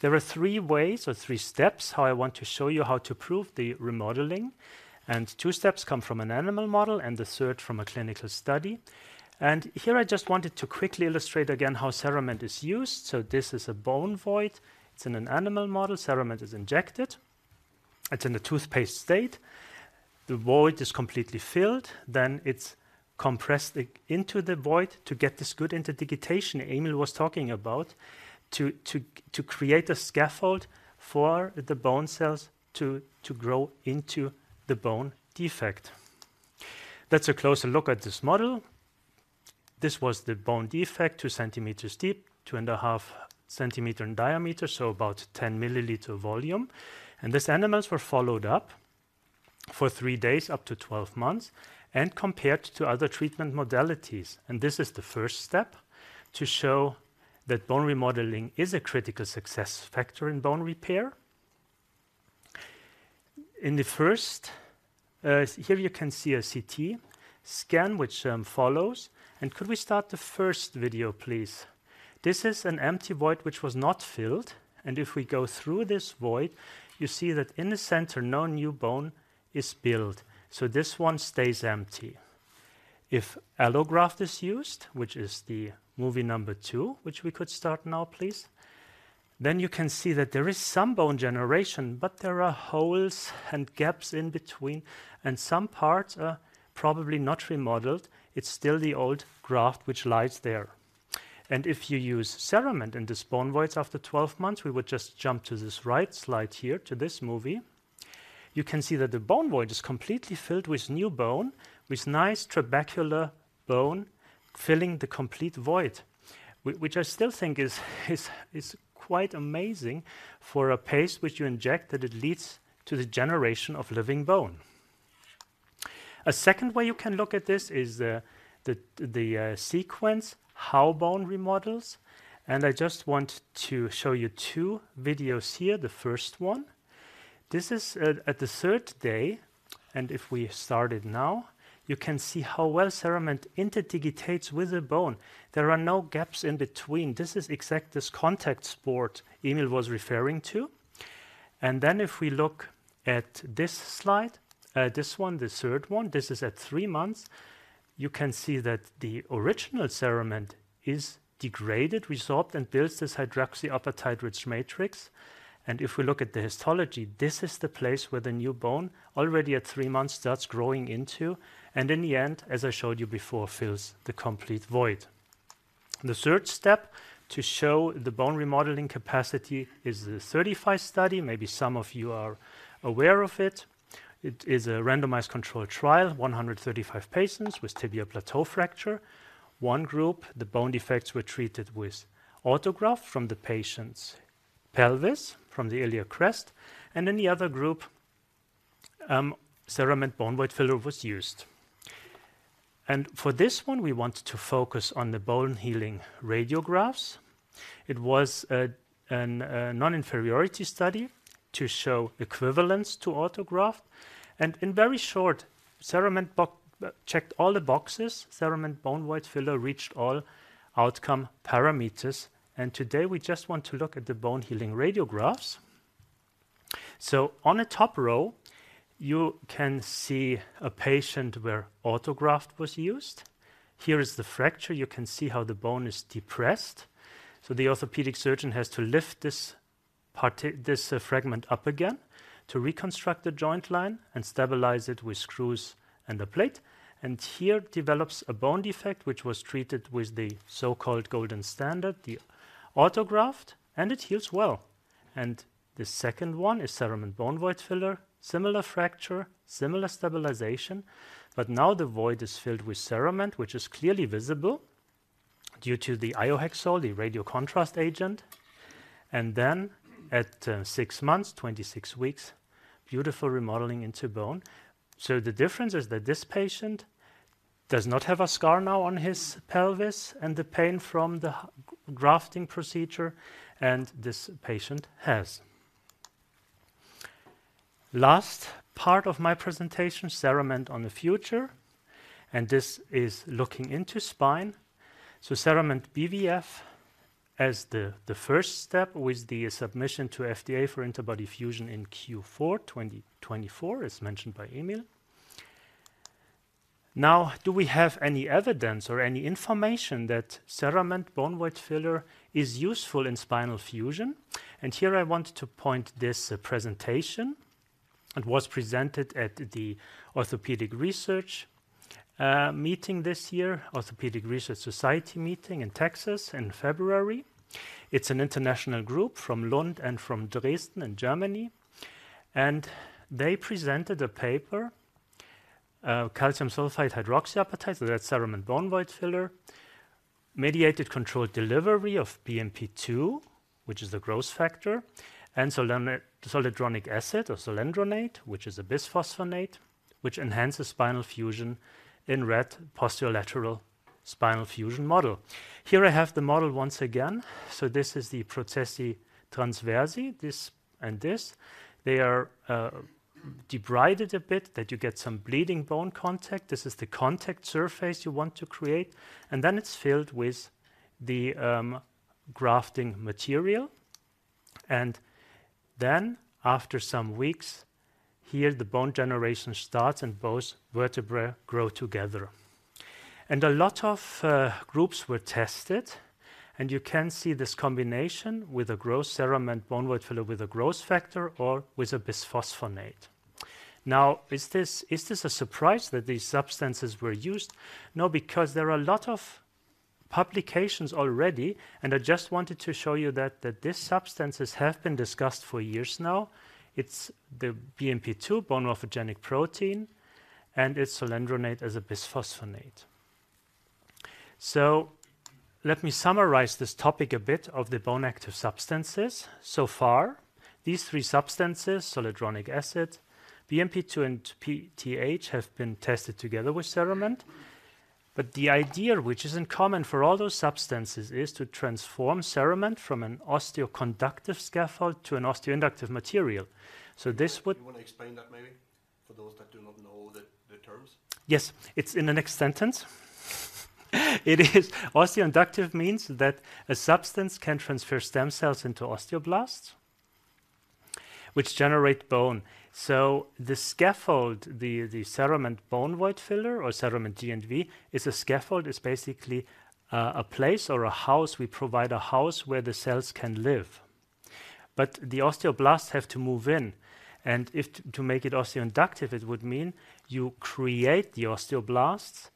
[SPEAKER 2] There are three ways or three steps how I want to show you how to prove the remodeling, and two steps come from an animal model and the third from a clinical study. Here I just wanted to quickly illustrate again how CERAMENT is used. This is a bone void. It's in an animal model. CERAMENT is injected. It's in a toothpaste state. The void is completely filled, then it's compressed into the void to get this good interdigitation Emil was talking about, to create a scaffold for the bone cells to grow into the bone defect. That's a closer look at this model. This was the bone defect, 2 cm deep, 2.5 cm in diameter, so about 10 ml volume. These animals were followed up for three days, up to 12 months and compared to other treatment modalities. This is the first step to show that bone remodeling is a critical success factor in bone repair. In the first, here you can see a CT scan, which follows. And could we start the first video, please? This is an empty void which was not filled, and if we go through this void, you see that in the center, no new bone is built, so this one stays empty. If allograft is used, which is the movie number two, which we could start now, please, then you can see that there is some bone generation, but there are holes and gaps in between, and some parts are probably not remodeled. It's still the old graft which lies there. And if you use CERAMENT in this bone voids after 12 months, we would just jump to this right slide here, to this movie. You can see that the bone void is completely filled with new bone, with nice trabecular bone filling the complete void, which I still think is quite amazing for a paste which you inject, that it leads to the generation of living bone. A second way you can look at this is the sequence, how bone remodels, and I just want to show you two videos here. The first one, this is at the third day, and if we start it now, you can see how well CERAMENT interdigitates with the bone. There are no gaps in between. This is exact, this contact sport Emil was referring to. And then if we look at this slide, this one, the third one, this is at three months. You can see that the original CERAMENT is degraded, resorbed, and builds this hydroxyapatite-rich matrix. If we look at the histology, this is the place where the new bone, already at three months, starts growing into, and in the end, as I showed you before, fills the complete void. The third step to show the bone remodeling capacity is the CERTiFy study. Maybe some of you are aware of it. It is a randomized control trial, 135 patients with tibial plateau fracture. One group, the bone defects were treated with autograft from the patient's pelvis, from the iliac crest, and then the other group, CERAMENT Bone Void Filler was used. And for this one, we want to focus on the bone healing radiographs. It was a, an, non-inferiority study to show equivalence to autograft. And in very short, CERAMENT checked all the boxes. CERAMENT Bone Void Filler reached all outcome parameters, and today we just want to look at the bone healing radiographs. So on the top row, you can see a patient where autograft was used. Here is the fracture. You can see how the bone is depressed. So the orthopedic surgeon has to lift this, this fragment up again to reconstruct the joint line and stabilize it with screws and a plate. And here develops a bone defect, which was treated with the so-called golden standard, the autograft, and it heals well. And the second one is CERAMENT Bone Void Filler. Similar fracture, similar stabilization, but now the void is filled with CERAMENT, which is clearly visible due to the Iohexol, the radiocontrast agent. And then at six months, 26 weeks, beautiful remodeling into bone. So the difference is that this patient does not have a scar now on his pelvis and the pain from the grafting procedure, and this patient has. Last part of my presentation, CERAMENT on the future, and this is looking into spine. So CERAMENT BVF as the first step with the submission to FDA for interbody fusion in Q4 2024, as mentioned by Emil. Now, do we have any evidence or any information that CERAMENT Bone Void Filler is useful in spinal fusion? And here I want to point this presentation. It was presented at the Orthopedic Research meeting this year, Orthopedic Research Society meeting in Texas in February. It's an international group from Lund and from Dresden in Germany, and they presented a paper, calcium sulfate hydroxyapatite, so that's CERAMENT Bone Void Filler, mediated controlled delivery of BMP-2, which is the growth factor, and zoledronic acid or zoledronate, which is a bisphosphonate, which enhances spinal fusion in rat posterolateral spinal fusion model. Here I have the model once again. So this is the processus transversi, this and this. They are debrided a bit, that you get some bleeding bone contact. This is the contact surface you want to create, and then it's filled with the grafting material. And then, after some weeks, here, the bone generation starts, and both vertebrae grow together. And a lot of groups were tested, and you can see this combination with a growth CERAMENT Bone Void Filler with a growth factor or with a bisphosphonate. Now, is this, is this a surprise that these substances were used? No, because there are a lot of publications already, and I just wanted to show you that, that these substances have been discussed for years now. It's the BMP-2 bone morphogenetic protein, and it's zoledronate as a bisphosphonate. So let me summarize this topic a bit of the bone active substances. So far, these three substances, zoledronic acid, BMP-2, and PTH, have been tested together with CERAMENT, but the idea which is in common for all those substances is to transform CERAMENT from an osteoconductive scaffold to an osteoinductive material. So this would-
[SPEAKER 1] You want to explain that maybe for those that do not know the terms?
[SPEAKER 2] Yes, it's in the next sentence. Osteoinductive means that a substance can transfer stem cells into osteoblasts, which generate bone. So the scaffold, the CERAMENT Bone Void Filler or CERAMENT G and V, is a scaffold, is basically a place or a house. We provide a house where the cells can live, but the osteoblasts have to move in, and to make it osteoinductive, it would mean you create the osteoblasts,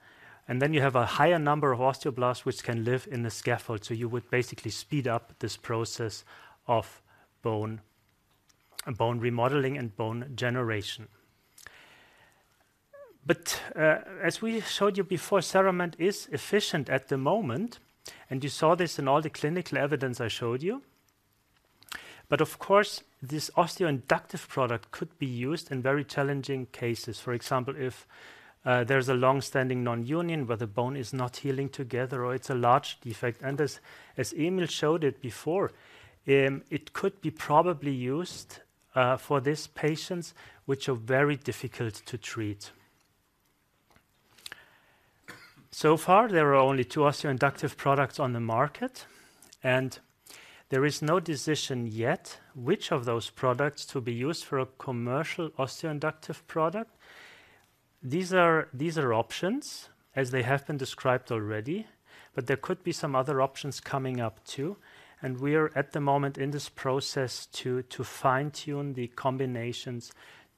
[SPEAKER 2] and then you have a higher number of osteoblasts which can live in the scaffold. So you would basically speed up this process of bone remodeling and bone generation. But as we showed you before, CERAMENT is efficient at the moment, and you saw this in all the clinical evidence I showed you. But of course, this osteoinductive product could be used in very challenging cases. For example, if there's a long-standing nonunion where the bone is not healing together or it's a large defect, and as Emil showed it before, it could be probably used for these patients, which are very difficult to treat. So far, there are only two osteoinductive products on the market, and there is no decision yet which of those products to be used for a commercial osteoinductive product. These are options as they have been described already, but there could be some other options coming up, too, and we are, at the moment, in this process to fine-tune the combinations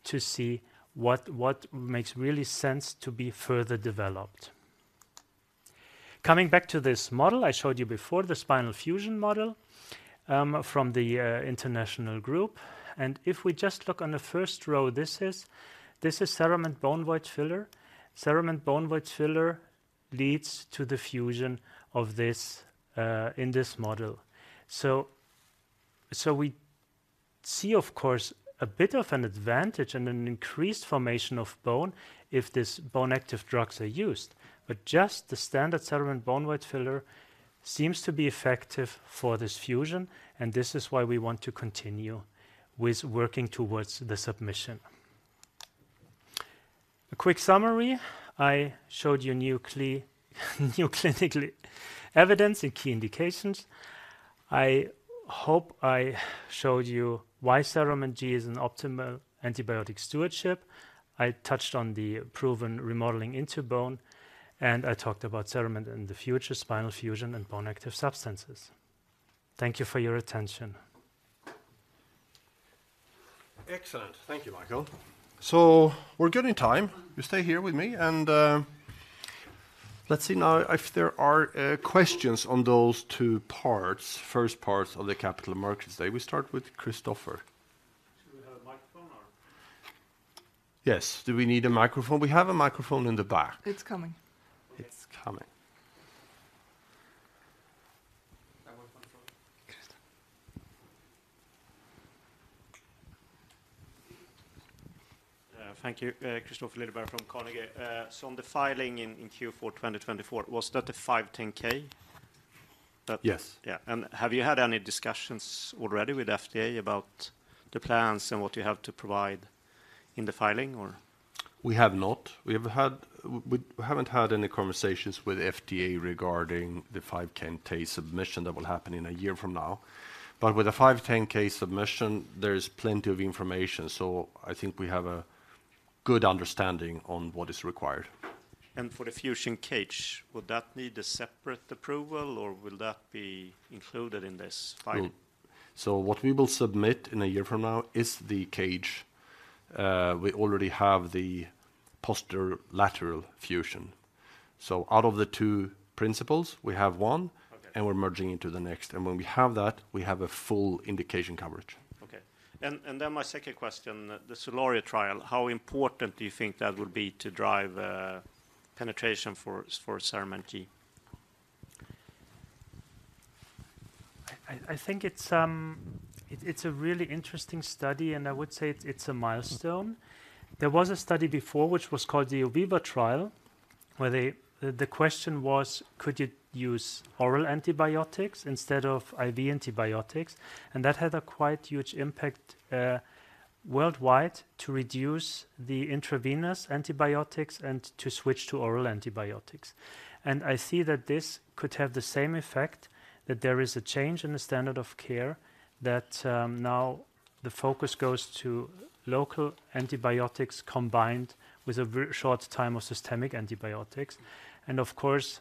[SPEAKER 2] to see what makes really sense to be further developed. Coming back to this model I showed you before, the spinal fusion model, from the international group, and if we just look on the first row, this is CERAMENT Bone Void Filler. CERAMENT Bone Void Filler leads to the fusion of this, in this model. So we see, of course, a bit of an advantage and an increased formation of bone if these bone active drugs are used. But just the standard CERAMENT Bone Void Filler seems to be effective for this fusion, and this is why we want to continue with working towards the submission. A quick summary. I showed you new clinical evidence and key indications. I hope I showed you why CERAMENT G is an optimal antibiotic stewardship. I touched on the proven remodeling into bone, and I talked about CERAMENT in the future, spinal fusion and bone active substances. Thank you for your attention.
[SPEAKER 1] Excellent. Thank you, Michael. So we're good in time. You stay here with me, and, let's see now if there are questions on those two parts, first parts of the capital markets day. We start with Kristofer.
[SPEAKER 3] Should we have a microphone or?
[SPEAKER 1] Yes. Do we need a microphone? We have a microphone in the back.
[SPEAKER 3] It's coming.
[SPEAKER 1] It's coming.
[SPEAKER 3] I want one more. Kristofer.
[SPEAKER 4] Thank you. Kristofer Liljeberg from Carnegie. So on the filing in Q4 2024, was that a 510(k)? That-
[SPEAKER 1] Yes.
[SPEAKER 4] Yeah, and have you had any discussions already with FDA about the plans and what you have to provide... in the filing, or?
[SPEAKER 1] We have not. We haven't had any conversations with FDA regarding the 510(k) submission that will happen in a year from now. But with a 510(k) submission, there is plenty of information, so I think we have a good understanding on what is required.
[SPEAKER 4] For the fusion cage, would that need a separate approval, or will that be included in this filing?
[SPEAKER 1] So what we will submit in a year from now is the cage. We already have the posterolateral fusion. So out of the two principles, we have one-
[SPEAKER 4] Okay.
[SPEAKER 1] and we're merging into the next, and when we have that, we have a full indication coverage.
[SPEAKER 4] Okay. And then my second question, the SOLARIO trial, how important do you think that will be to drive penetration for CERAMENT G?
[SPEAKER 2] I think it's a really interesting study, and I would say it's a milestone. There was a study before, which was called the OVIVA trial, where the question was: Could you use oral antibiotics instead of IV antibiotics? And that had a quite huge impact worldwide to reduce the intravenous antibiotics and to switch to oral antibiotics. And I see that this could have the same effect, that there is a change in the standard of care, that now the focus goes to local antibiotics combined with a very short time of systemic antibiotics. And of course,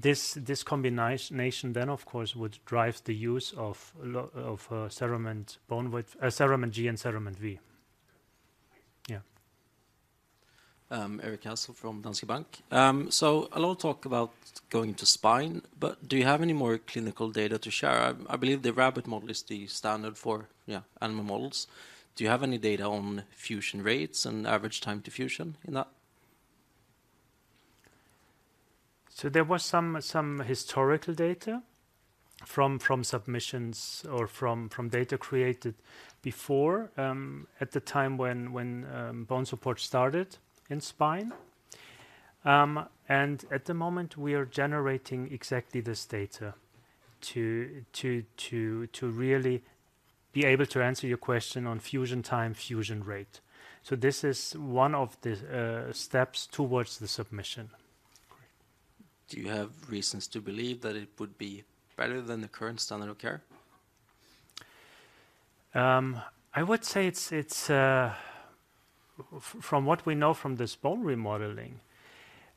[SPEAKER 2] this combination then, of course, would drive the use of CERAMENT bone with CERAMENT G and CERAMENT V. Yeah.
[SPEAKER 5] Erik Cassel from Danske Bank. So a lot of talk about going to spine, but do you have any more clinical data to share? I believe the rabbit model is the standard for animal models. Do you have any data on fusion rates and average time to fusion in that?
[SPEAKER 2] So there was some historical data from submissions or from data created before, at the time when BONESUPPORT started in spine. And at the moment, we are generating exactly this data to really be able to answer your question on fusion time, fusion rate. So this is one of the steps towards the submission.
[SPEAKER 5] Great. Do you have reasons to believe that it would be better than the current standard of care?
[SPEAKER 2] I would say it's from what we know from this bone remodeling,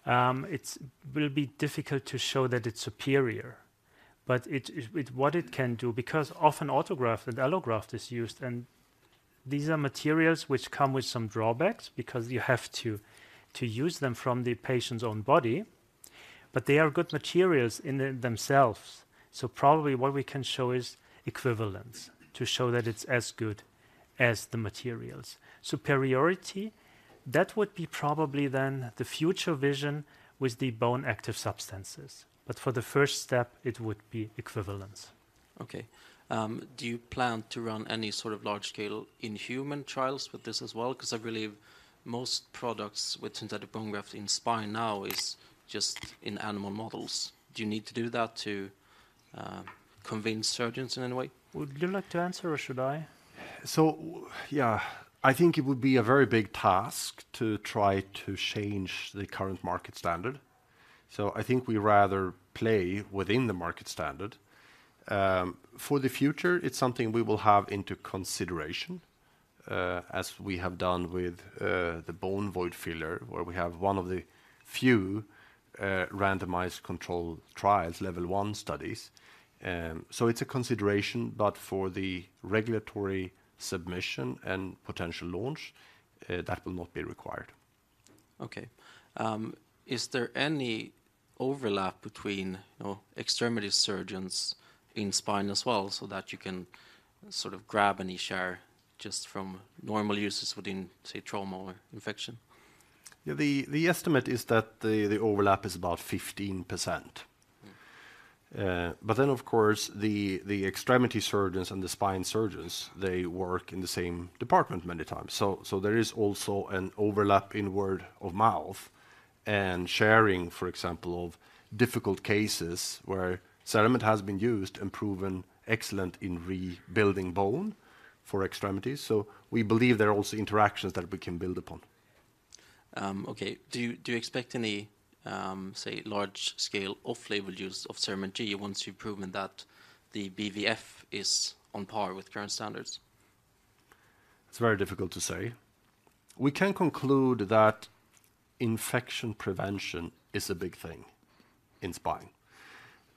[SPEAKER 2] it will be difficult to show that it's superior, but what it can do, because often autograft and allograft is used, and these are materials which come with some drawbacks because you have to use them from the patient's own body, but they are good materials in themselves. So probably what we can show is equivalence, to show that it's as good as the materials. Superiority, that would be probably then the future vision with the bone active substances, but for the first step, it would be equivalence.
[SPEAKER 5] Okay. Do you plan to run any sort of large-scale in human trials with this as well? Because I believe most products with synthetic bone graft in spine now is just in animal models. Do you need to do that to convince surgeons in any way?
[SPEAKER 2] Would you like to answer, or should I?
[SPEAKER 1] So yeah, I think it would be a very big task to try to change the current market standard. So I think we rather play within the market standard. For the future, it's something we will have into consideration, as we have done with the bone void filler, where we have one of the few randomized control trials, level one studies. So it's a consideration, but for the regulatory submission and potential launch, that will not be required.
[SPEAKER 5] Okay. Is there any overlap between, you know, extremity surgeons in spine as well, so that you can sort of grab any share just from normal uses within, say, trauma or infection?
[SPEAKER 1] Yeah, the estimate is that the overlap is about 15%.
[SPEAKER 5] Mm-hmm.
[SPEAKER 1] But then, of course, the extremity surgeons and the spine surgeons, they work in the same department many times. So there is also an overlap in word of mouth and sharing, for example, of difficult cases where CERAMENT has been used and proven excellent in rebuilding bone for extremities. So we believe there are also interactions that we can build upon.
[SPEAKER 5] Okay. Do you expect any, say, large-scale off-label use of CERAMENT G once you've proven that the BVF is on par with current standards?
[SPEAKER 1] It's very difficult to say. We can conclude that infection prevention is a big thing in spine.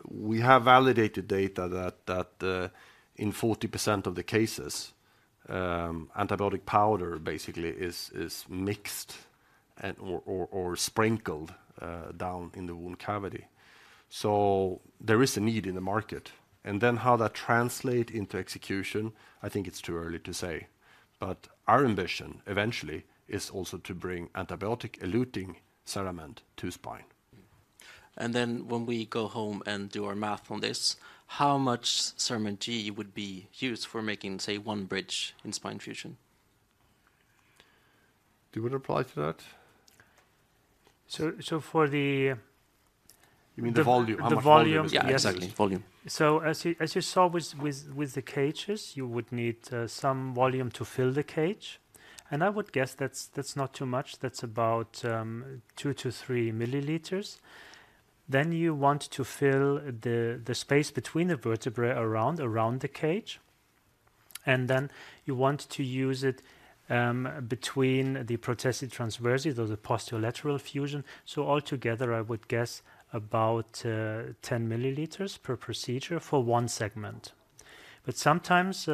[SPEAKER 1] We have validated data that in 40% of the cases, antibiotic powder basically is mixed and/or sprinkled down in the wound cavity. So there is a need in the market. And then how that translate into execution, I think it's too early to say. But our ambition, eventually, is also to bring antibiotic eluting CERAMENT to spine.
[SPEAKER 5] And then when we go home and do our math on this, how much CERAMENT G would be used for making, say, one bridge in spine fusion?
[SPEAKER 1] Do you want to reply to that?
[SPEAKER 2] So for the-
[SPEAKER 1] You mean the volume?
[SPEAKER 2] The volume.
[SPEAKER 1] How much volume?
[SPEAKER 5] Yeah, exactly.
[SPEAKER 1] Volume.
[SPEAKER 2] So as you saw with the cages, you would need some volume to fill the cage. And I would guess that's not too much. That's about 2 mL-3 mL. Then you want to fill the space between the vertebrae around the cage, and then you want to use it between the transverse processes, or the posterolateral fusion. So altogether, I would guess about 10 mL per procedure for one segment. But sometimes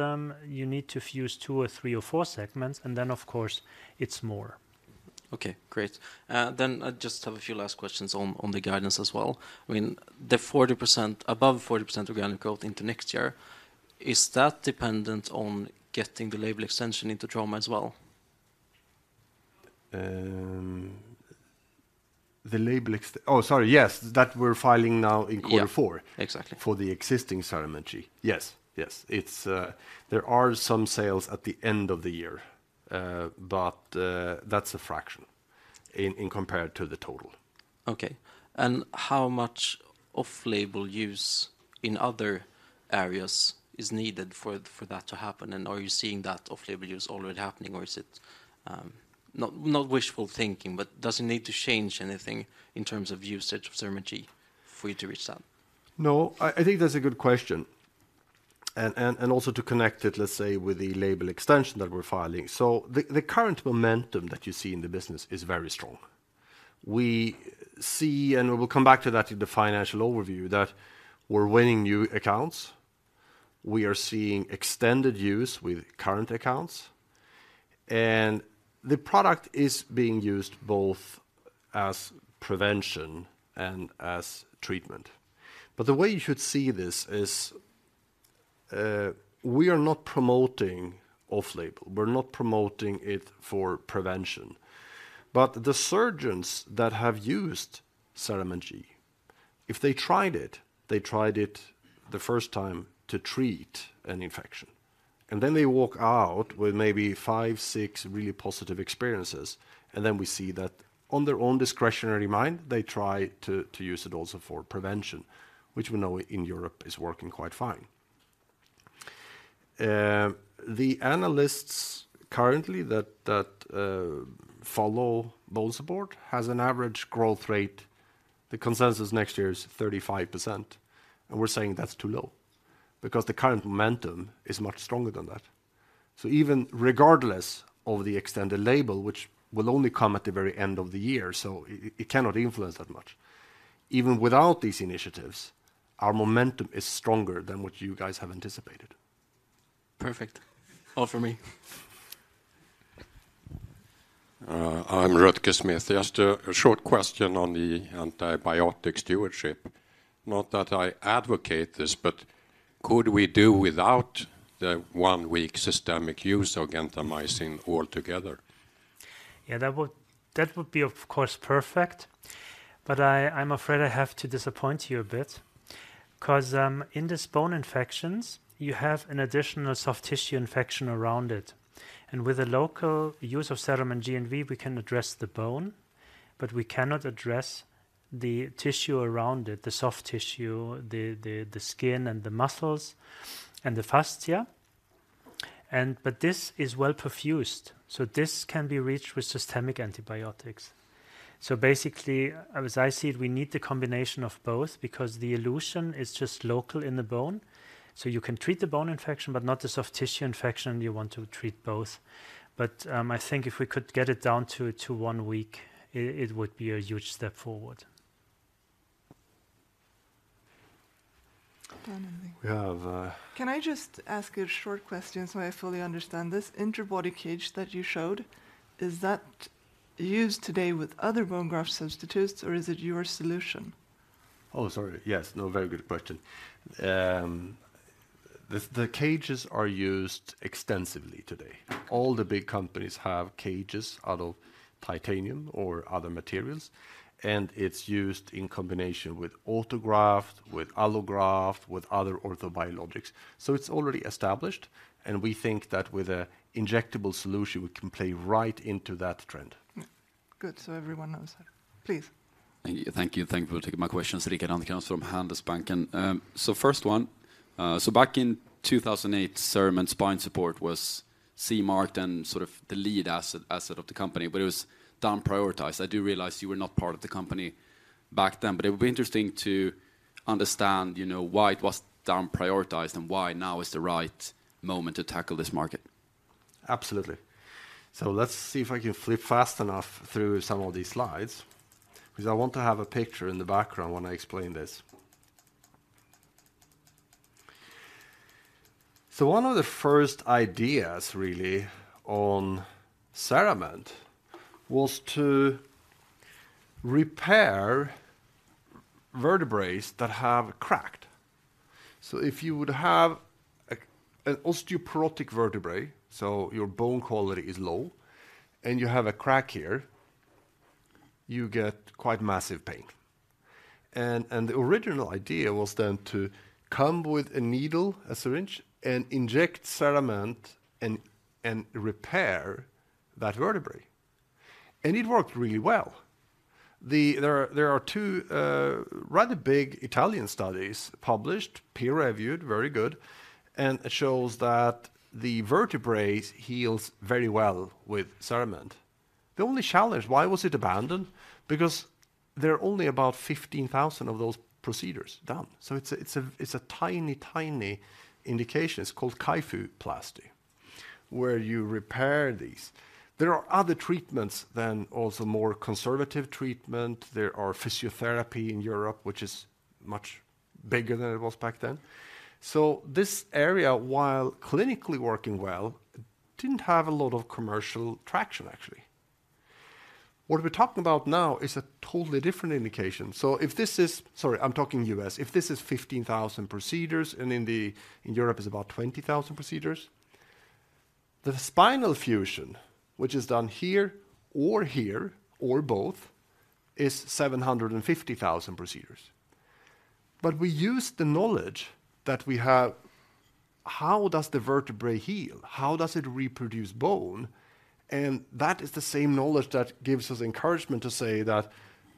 [SPEAKER 2] you need to fuse two or three or four segments, and then, of course, it's more.
[SPEAKER 5] Okay, great. Then I just have a few last questions on, on the guidance as well. I mean, the 40%, above 40% organic growth into next year, is that dependent on getting the label extension into trauma as well?
[SPEAKER 1] The label. Oh, sorry, yes. That we're filing now in Q4.
[SPEAKER 5] Yeah. Exactly
[SPEAKER 1] For the existing CERAMENT G. Yes. Yes. It's there are some sales at the end of the year, but that's a fraction in, in compared to the total.
[SPEAKER 5] Okay. And how much off-label use in other areas is needed for that to happen? And are you seeing that off-label use already happening, or is it not wishful thinking, but does it need to change anything in terms of usage of CERAMENT G for you to reach that?
[SPEAKER 1] No, I think that's a good question. And also to connect it, let's say, with the label extension that we're filing. So the current momentum that you see in the business is very strong. We see, and we will come back to that in the financial overview, that we're winning new accounts. We are seeing extended use with current accounts, and the product is being used both as prevention and as treatment. But the way you should see this is, we are not promoting off-label. We're not promoting it for prevention. But the surgeons that have used CERAMENT G, if they tried it, they tried it the first time to treat an infection, and then they walk out with maybe five, six really positive experiences, and then we see that on their own discretionary mind, they try to use it also for prevention, which we know in Europe is working quite fine. The analysts currently that follow BONESUPPORT has an average growth rate. The consensus next year is 35%, and we're saying that's too low, because the current momentum is much stronger than that. So even regardless of the extended label, which will only come at the very end of the year, so it cannot influence that much. Even without these initiatives, our momentum is stronger than what you guys have anticipated.
[SPEAKER 5] Perfect. All for me.
[SPEAKER 6] I'm Rutger Smith. Just a short question on the antibiotic stewardship. Not that I advocate this, but could we do without the one-week systemic use of gentamicin altogether?
[SPEAKER 2] Yeah, that would, that would be, of course, perfect, but I'm afraid I have to disappoint you a bit, 'cause in these bone infections, you have an additional soft tissue infection around it, and with a local use of CERAMENT G and V, we can address the bone, but we cannot address the tissue around it, the soft tissue, the skin and the muscles and the fascia. But this is well perfused, so this can be reached with systemic antibiotics. So basically, as I see it, we need the combination of both, because the elution is just local in the bone. So you can treat the bone infection, but not the soft tissue infection. You want to treat both. But I think if we could get it down to one week, it would be a huge step forward.
[SPEAKER 3] I have something.
[SPEAKER 1] We have,
[SPEAKER 3] Can I just ask a short question, so I fully understand? This interbody cage that you showed, is that used today with other bone graft substitutes, or is it your solution?
[SPEAKER 1] Oh, sorry. Yes. No, very good question. The cages are used extensively today. All the big companies have cages out of titanium or other materials, and it's used in combination with autograft, with allograft, with other orthobiologics. So it's already established, and we think that with an injectable solution, we can play right into that trend.
[SPEAKER 3] Good, so everyone knows that. Please.
[SPEAKER 7] Thank you. Thank you for taking my questions. Rickard Anderkrans from Handelsbanken. So first one, so back in 2008, CERAMENT Spine Support was CE-marked and sort of the lead asset, asset of the company, but it was down prioritized. I do realize you were not part of the company back then, but it would be interesting to understand, you know, why it was down prioritized and why now is the right moment to tackle this market.
[SPEAKER 1] Absolutely. So let's see if I can flip fast enough through some of these slides, because I want to have a picture in the background when I explain this. So one of the first ideas, really, on CERAMENT was to repair vertebrae that have cracked. So if you would have a, an osteoporotic vertebrae, so your bone quality is low, and you have a crack here, you get quite massive pain... And, and the original idea was then to come with a needle, a syringe, and inject CERAMENT and, and repair that vertebrae. And it worked really well. There are, there are two rather big Italian studies published, peer-reviewed, very good, and it shows that the vertebrae heals very well with CERAMENT. The only challenge, why was it abandoned? Because there are only about 15,000 of those procedures done, so it's a tiny, tiny indication. It's called kyphoplasty, where you repair these. There are other treatments than also more conservative treatment. There are physical therapy in Europe, which is much bigger than it was back then. So this area, while clinically working well, didn't have a lot of commercial traction, actually. What we're talking about now is a totally different indication. So if this is... Sorry, I'm talking U.S. If this is 15,000 procedures, and in Europe, it's about 20,000 procedures, the spinal fusion, which is done here or here or both, is 750,000 procedures. But we use the knowledge that we have, how does the vertebrae heal? How does it reproduce bone? And that is the same knowledge that gives us encouragement to say that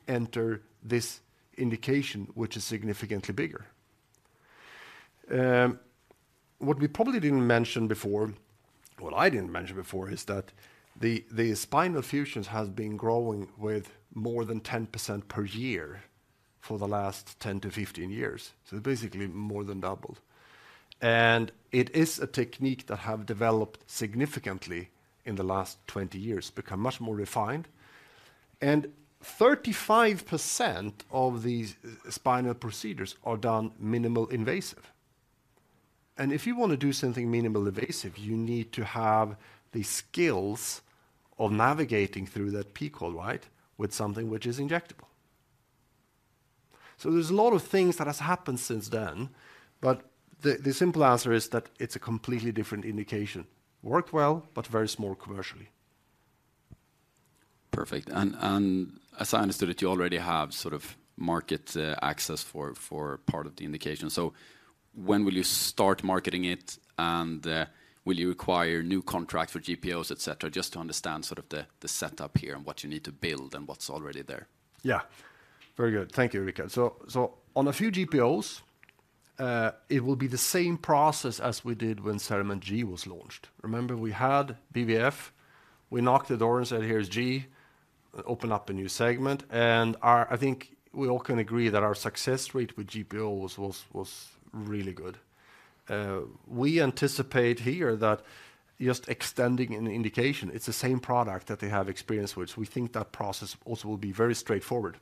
[SPEAKER 1] enter this indication, which is significantly bigger. What we probably didn't mention before, what I didn't mention before, is that the, the spinal fusions has been growing with more than 10% per year for the last 10-15 years, so basically more than doubled. And it is a technique that have developed significantly in the last 20 years, become much more refined, and 35% of these spinal procedures are done minimal invasive. And if you want to do something minimal invasive, you need to have the skills of navigating through that pedicle, right? With something which is injectable. So there's a lot of things that has happened since then, but the, the simple answer is that it's a completely different indication. Worked well, but very small commercially.
[SPEAKER 7] Perfect. And as I understood it, you already have sort of market access for part of the indication. So when will you start marketing it, and will you acquire new contracts for GPOs, et cetera, just to understand sort of the setup here and what you need to build and what's already there?
[SPEAKER 1] Yeah. Very good. Thank you, Rika. So on a few GPOs, it will be the same process as we did when CERAMENT G was launched. Remember, we had BBF, we knocked the door and said, "Here's G," opened up a new segment, and our, I think we all can agree that our success rate with GPO was really good. We anticipate here that just extending an indication, it's the same product that they have experience with. We think that process also will be very straightforward.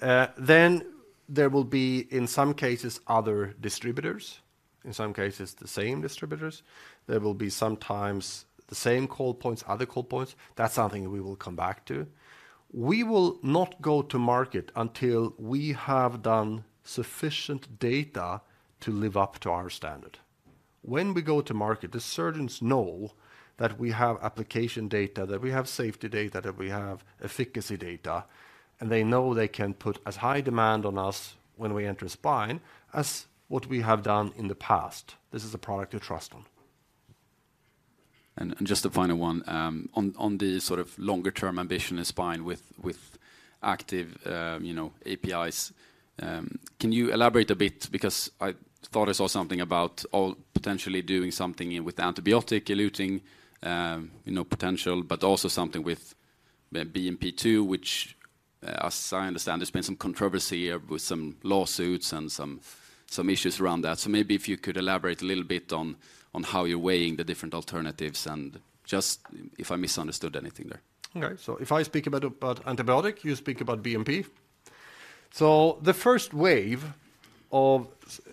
[SPEAKER 1] Then there will be, in some cases, other distributors, in some cases, the same distributors. There will be sometimes the same call points, other call points. That's something we will come back to. We will not go to market until we have done sufficient data to live up to our standard. When we go to market, the surgeons know that we have application data, that we have safety data, that we have efficacy data, and they know they can put as high demand on us when we enter spine, as what we have done in the past. This is a product to trust on.
[SPEAKER 7] Just a final one, on the sort of longer term ambition in spine with active, you know, APIs, can you elaborate a bit? Because I thought I saw something about potentially doing something with antibiotic-eluting, you know, potential, but also something with BMP-2, which, as I understand, there's been some controversy with some lawsuits and some issues around that. So maybe if you could elaborate a little bit on how you're weighing the different alternatives and just if I misunderstood anything there.
[SPEAKER 1] Okay. So if I speak about antibiotic, you speak about BMP. So the first wave of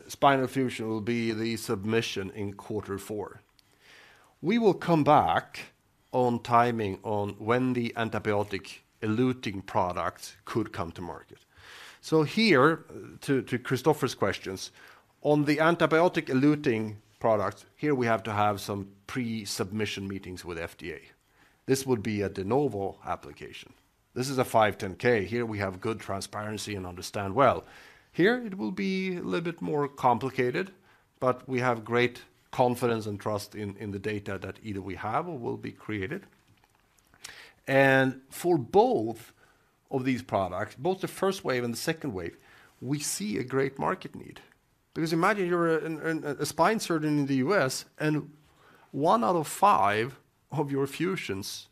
[SPEAKER 1] spinal fusion will be the submission in Q4. We will come back on timing on when the antibiotic-eluting products could come to market. So here, to Kristofer's questions, on the antibiotic-eluting products, here we have to have some pre-submission meetings with FDA. This would be a De Novo application. This is a 510(k). Here we have good transparency and understand well. Here it will be a little bit more complicated, but we have great confidence and trust in the data that either we have or will be created. And for both of these products, both the first wave and the second wave, we see a great market need. Because imagine you're a spine surgeon in the U.S., and one out of five of your fusions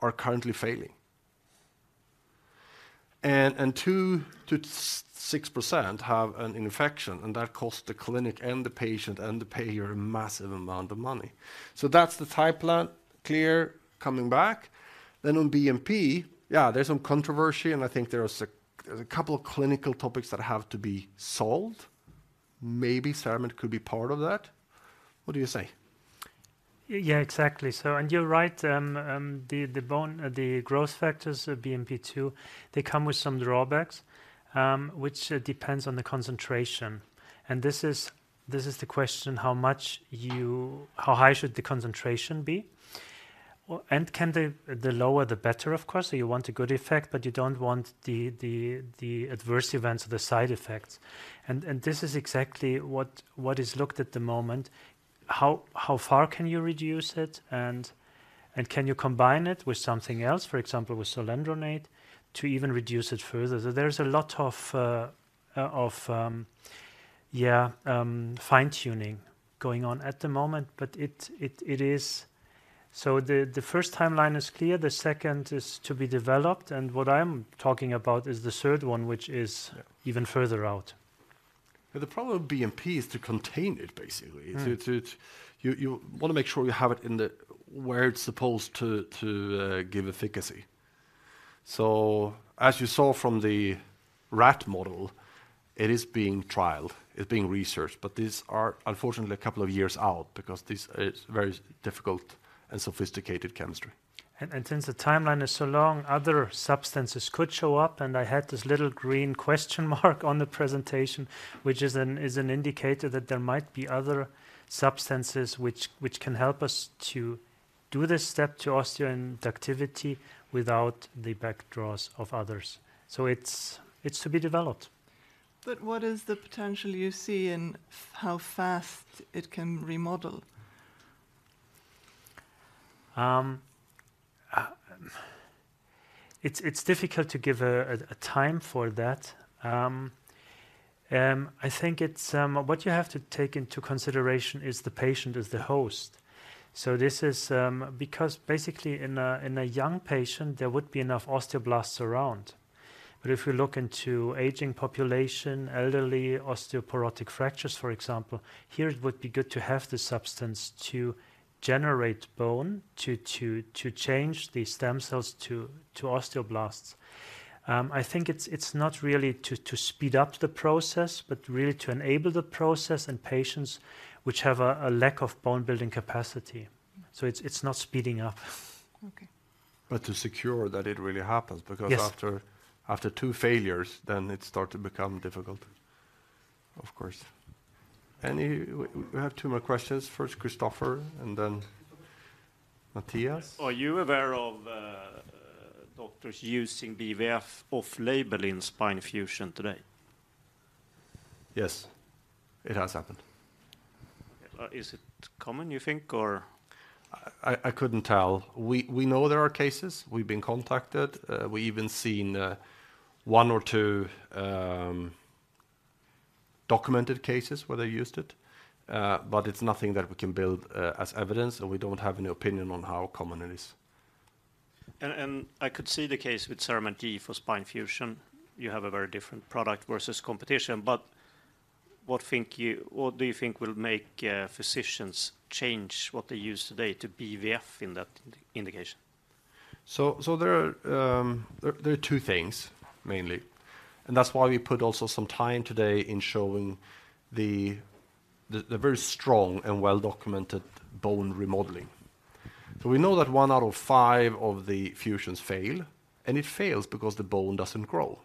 [SPEAKER 1] are currently failing. 2%-6% have an infection, and that costs the clinic and the patient and the payer a massive amount of money. So that's the implant failure coming back. Then on BMP, yeah, there's some controversy, and I think there is a couple of clinical topics that have to be solved. Maybe CERAMENT could be part of that. What do you say?
[SPEAKER 2] Yeah, exactly. So and you're right, the bone growth factors of BMP-2, they come with some drawbacks, which depends on the concentration. And this is the question, how much you... How high should the concentration be? Well, and the lower the better, of course. So you want a good effect, but you don't want the adverse events or the side effects. And this is exactly what is looked at the moment. How far can you reduce it? And can you combine it with something else, for example, with zoledronate, to even reduce it further? So there is a lot of fine-tuning going on at the moment, but it is— So the first timeline is clear, the second is to be developed, and what I'm talking about is the third one, which is-
[SPEAKER 1] Yeah...
[SPEAKER 2] even further out.
[SPEAKER 1] But the problem with BMP is to contain it, basically.
[SPEAKER 2] Mm.
[SPEAKER 1] You wanna make sure you have it in the where it's supposed to give efficacy. So as you saw from the rat model, it is being trialed, it's being researched. But these are unfortunately a couple of years out because this is very difficult and sophisticated chemistry.
[SPEAKER 2] Since the timeline is so long, other substances could show up, and I had this little green question mark on the presentation, which is an indicator that there might be other substances which can help us to do this step to osteoinductivity without the drawbacks of others. So it's to be developed.
[SPEAKER 3] What is the potential you see in how fast it can remodel?
[SPEAKER 2] It's difficult to give a time for that. I think it's what you have to take into consideration is the patient is the host. So this is because basically in a young patient, there would be enough osteoblasts around. But if you look into aging population, elderly, osteoporotic fractures, for example, here it would be good to have the substance to generate bone, to change the stem cells to osteoblasts. I think it's not really to speed up the process, but really to enable the process in patients which have a lack of bone-building capacity.
[SPEAKER 3] Mm.
[SPEAKER 2] So it's not speeding up.
[SPEAKER 3] Okay.
[SPEAKER 1] But to secure that it really happens because after, after two failures, then it start to become difficult, of course. Anyway, we have two more questions. First, Kristofer, and then Mattias.
[SPEAKER 4] Are you aware of doctors using BVF off-label in spine fusion today?
[SPEAKER 1] Yes, it has happened.
[SPEAKER 4] Is it common, you think, or?
[SPEAKER 1] I couldn't tell. We know there are cases. We've been contacted. We even seen one or two documented cases where they used it. But it's nothing that we can build as evidence, so we don't have any opinion on how common it is.
[SPEAKER 4] I could see the case with CERAMENT G for spine fusion. You have a very different product versus competition, but what do you think will make physicians change what they use today to BVF in that indication?
[SPEAKER 1] So there are two things, mainly, and that's why we put also some time today in showing the very strong and well-documented bone remodeling. So we know that one out of five of the fusions fail, and it fails because the bone doesn't grow.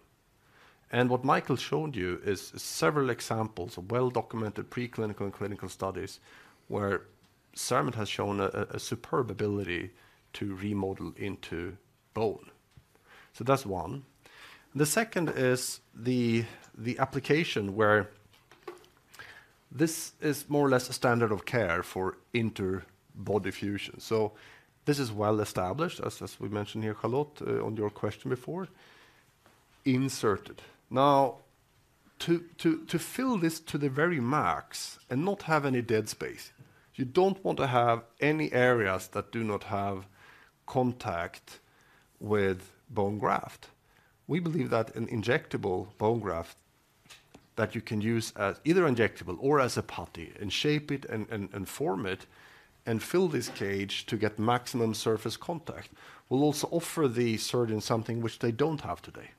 [SPEAKER 1] And what Michael showed you is several examples of well-documented preclinical and clinical studies where CERAMENT has shown a superb ability to remodel into bone. So that's one. The second is the application where this is more or less a standard of care for interbody fusion. So this is well established, as we mentioned here, Charlotte, on your question before, inserted. Now, to fill this to the very max and not have any dead space, you don't want to have any areas that do not have contact with bone graft. We believe that an injectable bone graft that you can use as either injectable or as a putty and shape it and form it and fill this cage to get maximum surface contact, will also offer the surgeon something which they don't have today.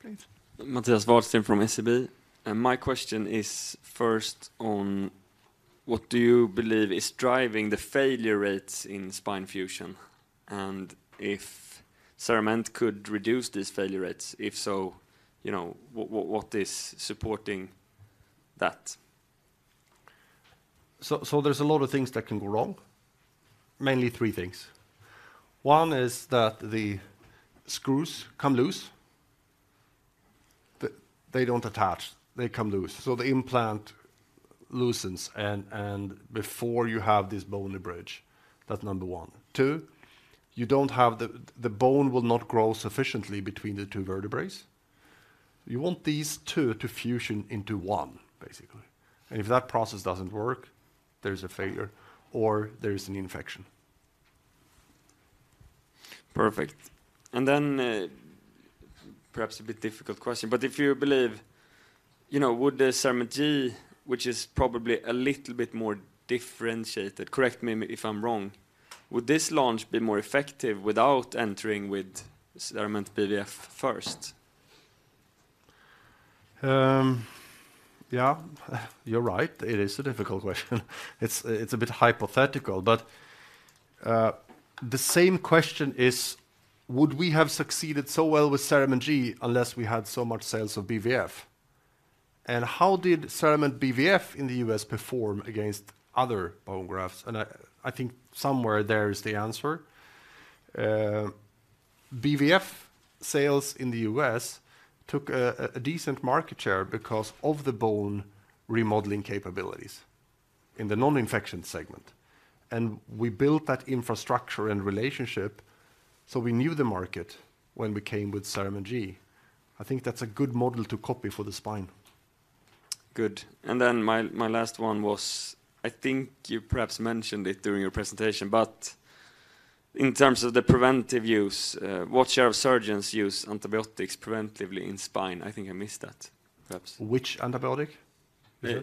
[SPEAKER 3] Please.
[SPEAKER 8] Mattias Vadsten from SEB. My question is first on: What do you believe is driving the failure rates in spine fusion? And if CERAMENT could reduce these failure rates, if so, you know, what is supporting that?
[SPEAKER 1] So there's a lot of things that can go wrong, mainly three things. One is that the screws come loose. They don't attach, they come loose, so the implant loosens and before you have this bony bridge. That's number one. Two, you don't have the.... The bone will not grow sufficiently between the two vertebrae. You want these two to fusion into one, basically. And if that process doesn't work, there's a failure or there is an infection.
[SPEAKER 8] Perfect. And then, perhaps a bit difficult question, but if you believe, you know, would the CERAMENT G, which is probably a little bit more differentiated, correct me if I'm wrong, would this launch be more effective without entering with CERAMENT BVF first?
[SPEAKER 1] Yeah, you're right. It is a difficult question. It's a bit hypothetical, but the same question is, would we have succeeded so well with CERAMENT G unless we had so much sales of BVF? And how did CERAMENT BVF in the US perform against other bone grafts? And I think somewhere there is the answer. BVF sales in the US took a decent market share because of the bone remodeling capabilities in the non-infection segment, and we built that infrastructure and relationship, so we knew the market when we came with CERAMENT G. I think that's a good model to copy for the spine.
[SPEAKER 8] Good. And then my last one was, I think you perhaps mentioned it during your presentation, but in terms of the preventive use, what share of surgeons use antibiotics preventively in spine? I think I missed that, perhaps.
[SPEAKER 1] Which antibiotic?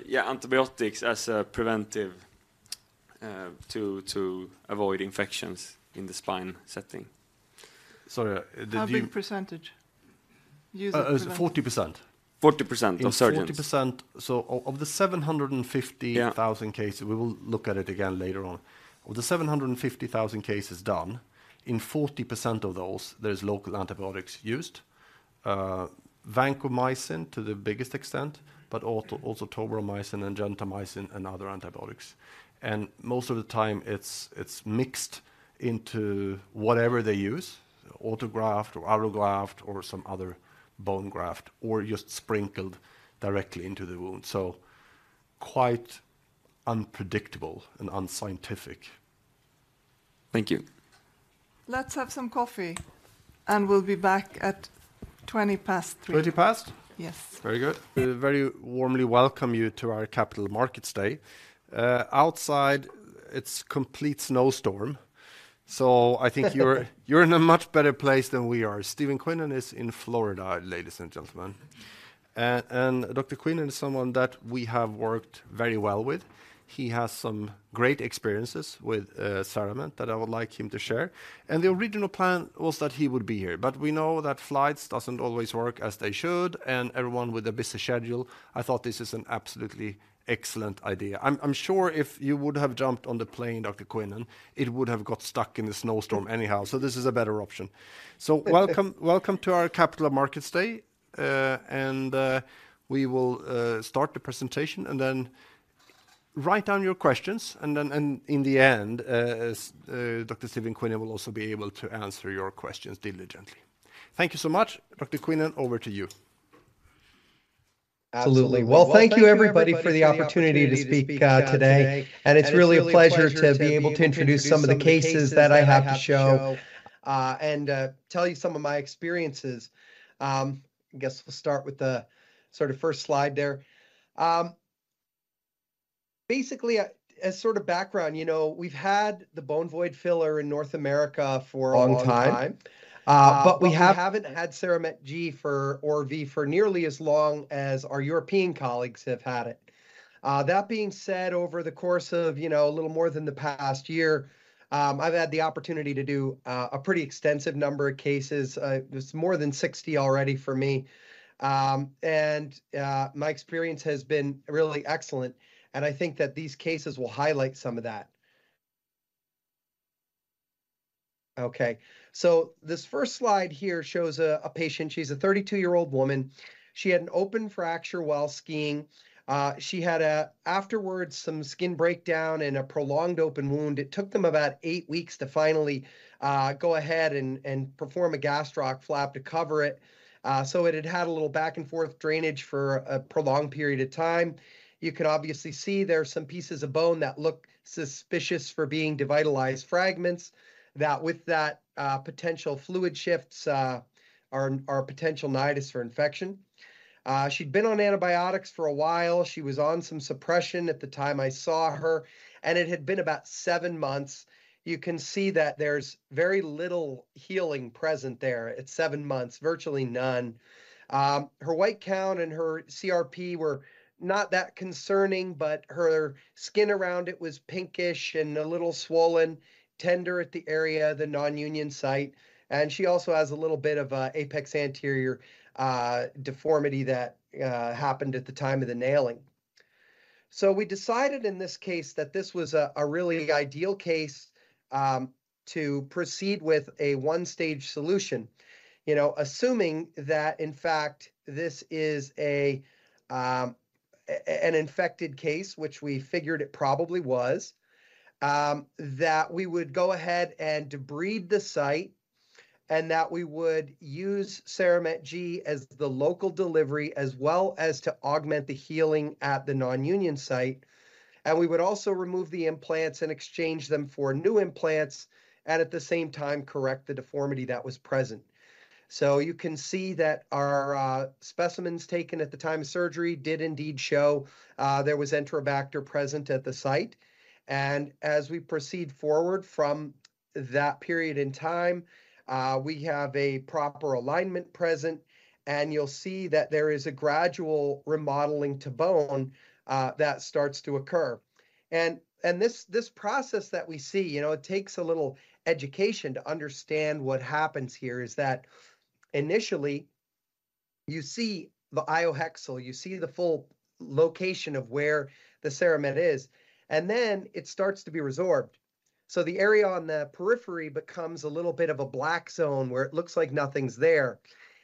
[SPEAKER 8] Yeah, antibiotics as a preventive to avoid infections in the spine setting.
[SPEAKER 1] Sorry, did you-
[SPEAKER 3] How big percentage use preventive?
[SPEAKER 1] It's 40%.
[SPEAKER 8] 40% of surgeons.
[SPEAKER 1] 40%. So of the 750,000
[SPEAKER 8] Yeah
[SPEAKER 1] cases, we will look at it again later on. Of the 750,000 cases done, in 40% of those, there is local antibiotics used. Vancomycin to the biggest extent, but also tobramycin and gentamicin and other antibiotics. And most of the time, it's mixed into whatever they use, autograft or allograft or some other bone graft, or just sprinkled directly into the wound. So quite unpredictable and unscientific.
[SPEAKER 8] Thank you.
[SPEAKER 3] Let's have some coffee, and we'll be back at 3:20 P.M.
[SPEAKER 1] Twenty past?
[SPEAKER 3] Yes.
[SPEAKER 1] Very good. We very warmly welcome you to our Capital Markets Day. Outside, it's complete snowstorm, so I think you're in a much better place than we are. Stephen Quinnan is in Florida, ladies and gentlemen. And Dr. Quinnan is someone that we have worked very well with. He has some great experiences with CERAMENT that I would like him to share, and the original plan was that he would be here, but we know that flights doesn't always work as they should, and everyone with a busy schedule, I thought this is an absolutely excellent idea. I'm sure if you would have jumped on the plane, Dr. Quinnan, it would have got stuck in the snowstorm anyhow, so this is a better option. So welcome, welcome to our Capital Markets Day. And we will start the presentation, and then write down your questions, and then in the end, Dr. Stephen Quinnan will also be able to answer your questions diligently. Thank you so much. Dr. Quinnan, over to you.
[SPEAKER 9] Absolutely. Well, thank you, everybody, for the opportunity to speak today, and it's really a pleasure to be able to introduce some of the cases that I have to show and tell you some of my experiences. I guess we'll start with the sort of first slide there. Basically, as sort of background, you know, we've had the Bone Void Filler in North America for a long time-
[SPEAKER 1] Long time.
[SPEAKER 9] But we haven't had CERAMENT G for, or V, for nearly as long as our European colleagues have had it. That being said, over the course of, you know, a little more than the past year, I've had the opportunity to do a pretty extensive number of cases. It's more than 60 already for me. And my experience has been really excellent, and I think that these cases will highlight some of that. Okay, so this first slide here shows a patient. She's a 32-year-old woman. She had an open fracture while skiing. She had afterwards some skin breakdown and a prolonged open wound. It took them about eight weeks to finally go ahead and perform a gastroc flap to cover it. So it had had a little back and forth drainage for a prolonged period of time. You can obviously see there are some pieces of bone that look suspicious for being devitalized fragments, that with that, potential fluid shifts, are potential nidus for infection. She'd been on antibiotics for a while. She was on some suppression at the time I saw her, and it had been about seven months. You can see that there's very little healing present there. At seven months, virtually none. Her white count and her CRP were not that concerning, but her skin around it was pinkish and a little swollen, tender at the area, the nonunion site, and she also has a little bit of a apex anterior, deformity that, happened at the time of the nailing. So we decided in this case that this was a really ideal case to proceed with a one-stage solution. You know, assuming that, in fact, this is an infected case, which we figured it probably was, that we would go ahead and debride the site, and that we would use CERAMENT G as the local delivery, as well as to augment the healing at the nonunion site, and we would also remove the implants and exchange them for new implants, and at the same time, correct the deformity that was present. So you can see that our specimens taken at the time of surgery did indeed show there was Enterobacter present at the site, and as we proceed forward from that period in time, we have a proper alignment present, and you'll see that there is a gradual remodeling to bone that starts to occur. And this process that we see, you know, it takes a little education to understand what happens here, is that initially you see the Iohexol, you see the full location of where the CERAMENT is, and then it starts to be resorbed. So the area on the periphery becomes a little bit of a black zone, where it looks like nothing's there.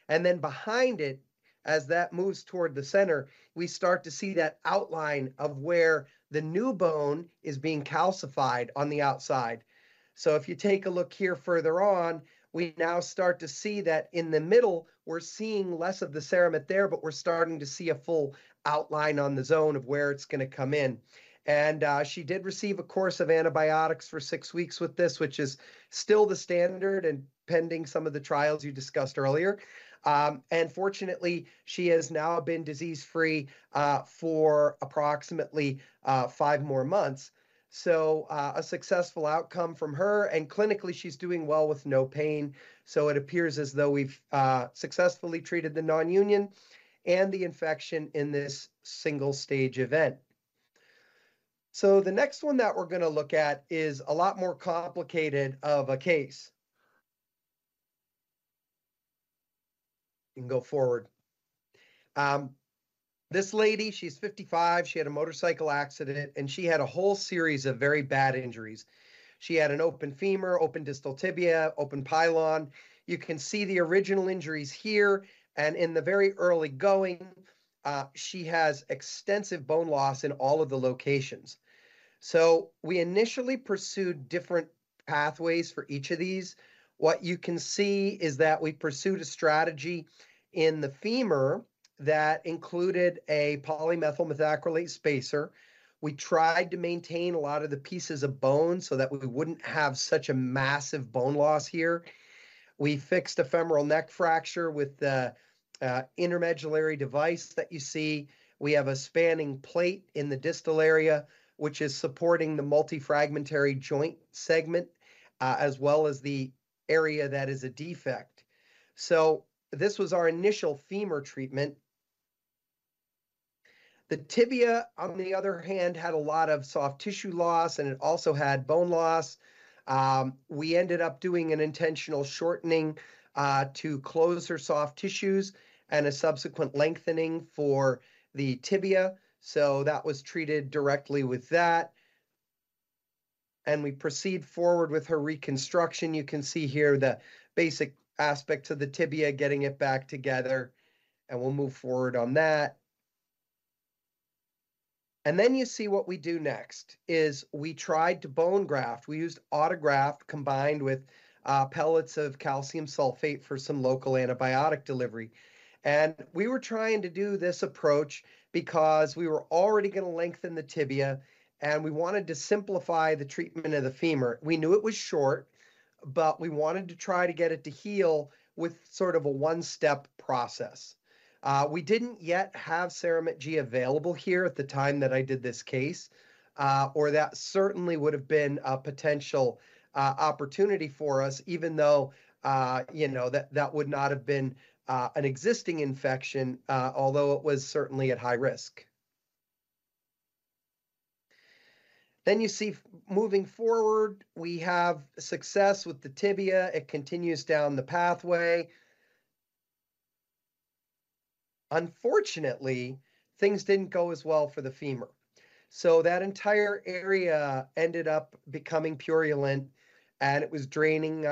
[SPEAKER 9] And then behind it, as that moves toward the center, we start to see that outline of where the new bone is being calcified on the outside. So if you take a look here further on, we now start to see that in the middle, we're seeing less of the CERAMENT there, but we're starting to see a full outline on the zone of where it's gonna come in. And, she did receive a course of antibiotics for six weeks with this, which is still the standard, and pending some of the trials you discussed earlier. And fortunately, she has now been disease-free, for approximately five more months, so, a successful outcome from her, and clinically, she's doing well with no pain, so it appears as though we've successfully treated the nonunion and the infection in this single-stage event. So the next one that we're gonna look at is a lot more complicated of a case. You can go forward. This lady, she's 55, she had a motorcycle accident, and she had a whole series of very bad injuries. She had an open femur, open distal tibia, open pilon. You can see the original injuries here, and in the very early going, she has extensive bone loss in all of the locations. So we initially pursued different pathways for each of these. What you can see is that we pursued a strategy in the femur that included a polymethyl methacrylate spacer. We tried to maintain a lot of the pieces of bone so that we wouldn't have such a massive bone loss here. We fixed a femoral neck fracture with a, a intramedullary device that you see. We have a spanning plate in the distal area, which is supporting the multi-fragmentary joint segment, as well as the area that is a defect. So this was our initial femur treatment. The tibia, on the other hand, had a lot of soft tissue loss, and it also had bone loss. We ended up doing an intentional shortening, to close her soft tissues and a subsequent lengthening for the tibia, so that was treated directly with that. And we proceed forward with her reconstruction. You can see here the basic aspects of the tibia, getting it back together, and we'll move forward on that. And then you see what we do next is we tried to bone graft. We used autograft combined with pellets of calcium sulfate for some local antibiotic delivery. And we were trying to do this approach because we were already gonna lengthen the tibia, and we wanted to simplify the treatment of the femur. We knew it was short, but we wanted to try to get it to heal with sort of a one-step process. We didn't yet have CERAMENT G available here at the time that I did this case, or that certainly would've been a potential opportunity for us, even though, you know, that, that would not have been an existing infection, although it was certainly at high risk. Then you see, moving forward, we have success with the tibia. It continues down the pathway. Unfortunately, things didn't go as well for the femur, so that entire area ended up becoming purulent, and it was draining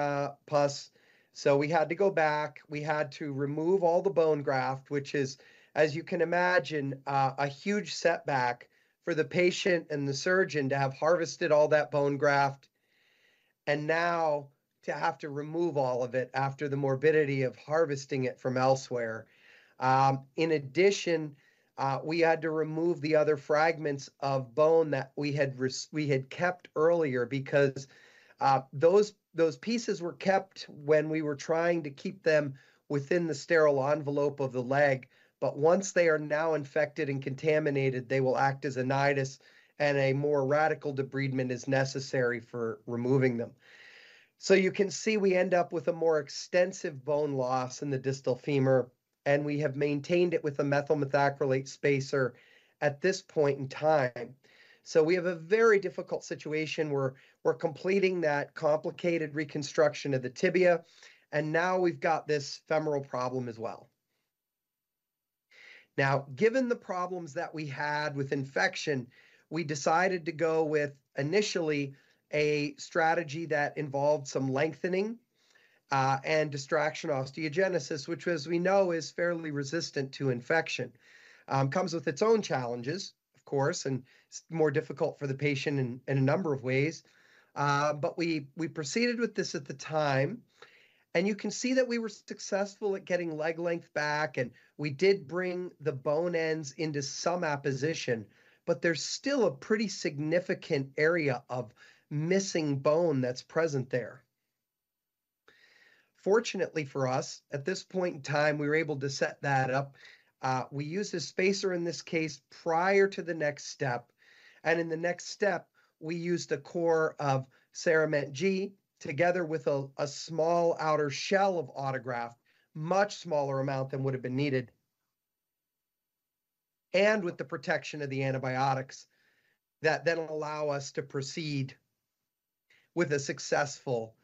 [SPEAKER 9] pus, so we had to go back. We had to remove all the bone graft, which is, as you can imagine, a huge setback for the patient and the surgeon to have harvested all that bone graft and now to have to remove all of it after the morbidity of harvesting it from elsewhere. In addition, we had to remove the other fragments of bone that we had kept earlier, because those pieces were kept when we were trying to keep them within the sterile envelope of the leg, but once they are now infected and contaminated, they will act as a nidus, and a more radical debridement is necessary for removing them. So you can see we end up with a more extensive bone loss in the distal femur, and we have maintained it with a methyl methacrylate spacer at this point in time. So we have a very difficult situation where we're completing that complicated reconstruction of the tibia, and now we've got this femoral problem as well. Now, given the problems that we had with infection, we decided to go with, initially, a strategy that involved some lengthening and distraction osteogenesis, which, as we know, is fairly resistant to infection. Comes with its own challenges, of course, and it's more difficult for the patient in a number of ways. But we proceeded with this at the time, and you can see that we were successful at getting leg length back, and we did bring the bone ends into some apposition, but there's still a pretty significant area of missing bone that's present there. Fortunately for us, at this point in time, we were able to set that up. We used a spacer in this case prior to the next step, and in the next step, we used a core of CERAMENT G together with a small outer shell of autograft, much smaller amount than would've been needed... and with the protection of the antibiotics, that then will allow us to proceed with a successful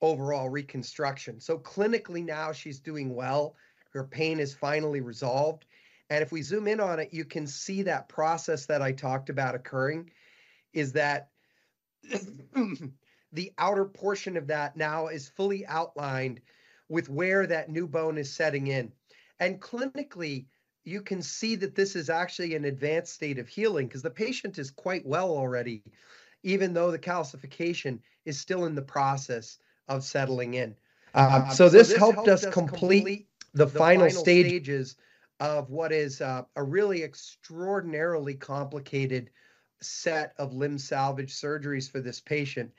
[SPEAKER 9] overall reconstruction. So clinically now, she's doing well. Her pain is finally resolved, and if we zoom in on it, you can see that process that I talked about occurring, is that the outer portion of that now is fully outlined with where that new bone is setting in. And clinically, you can see that this is actually an advanced state of healing, 'cause the patient is quite well already, even though the calcification is still in the process of settling in. So this helped us complete the final stages of what is a, a really extraordinarily complicated set of limb salvage surgeries for this patient.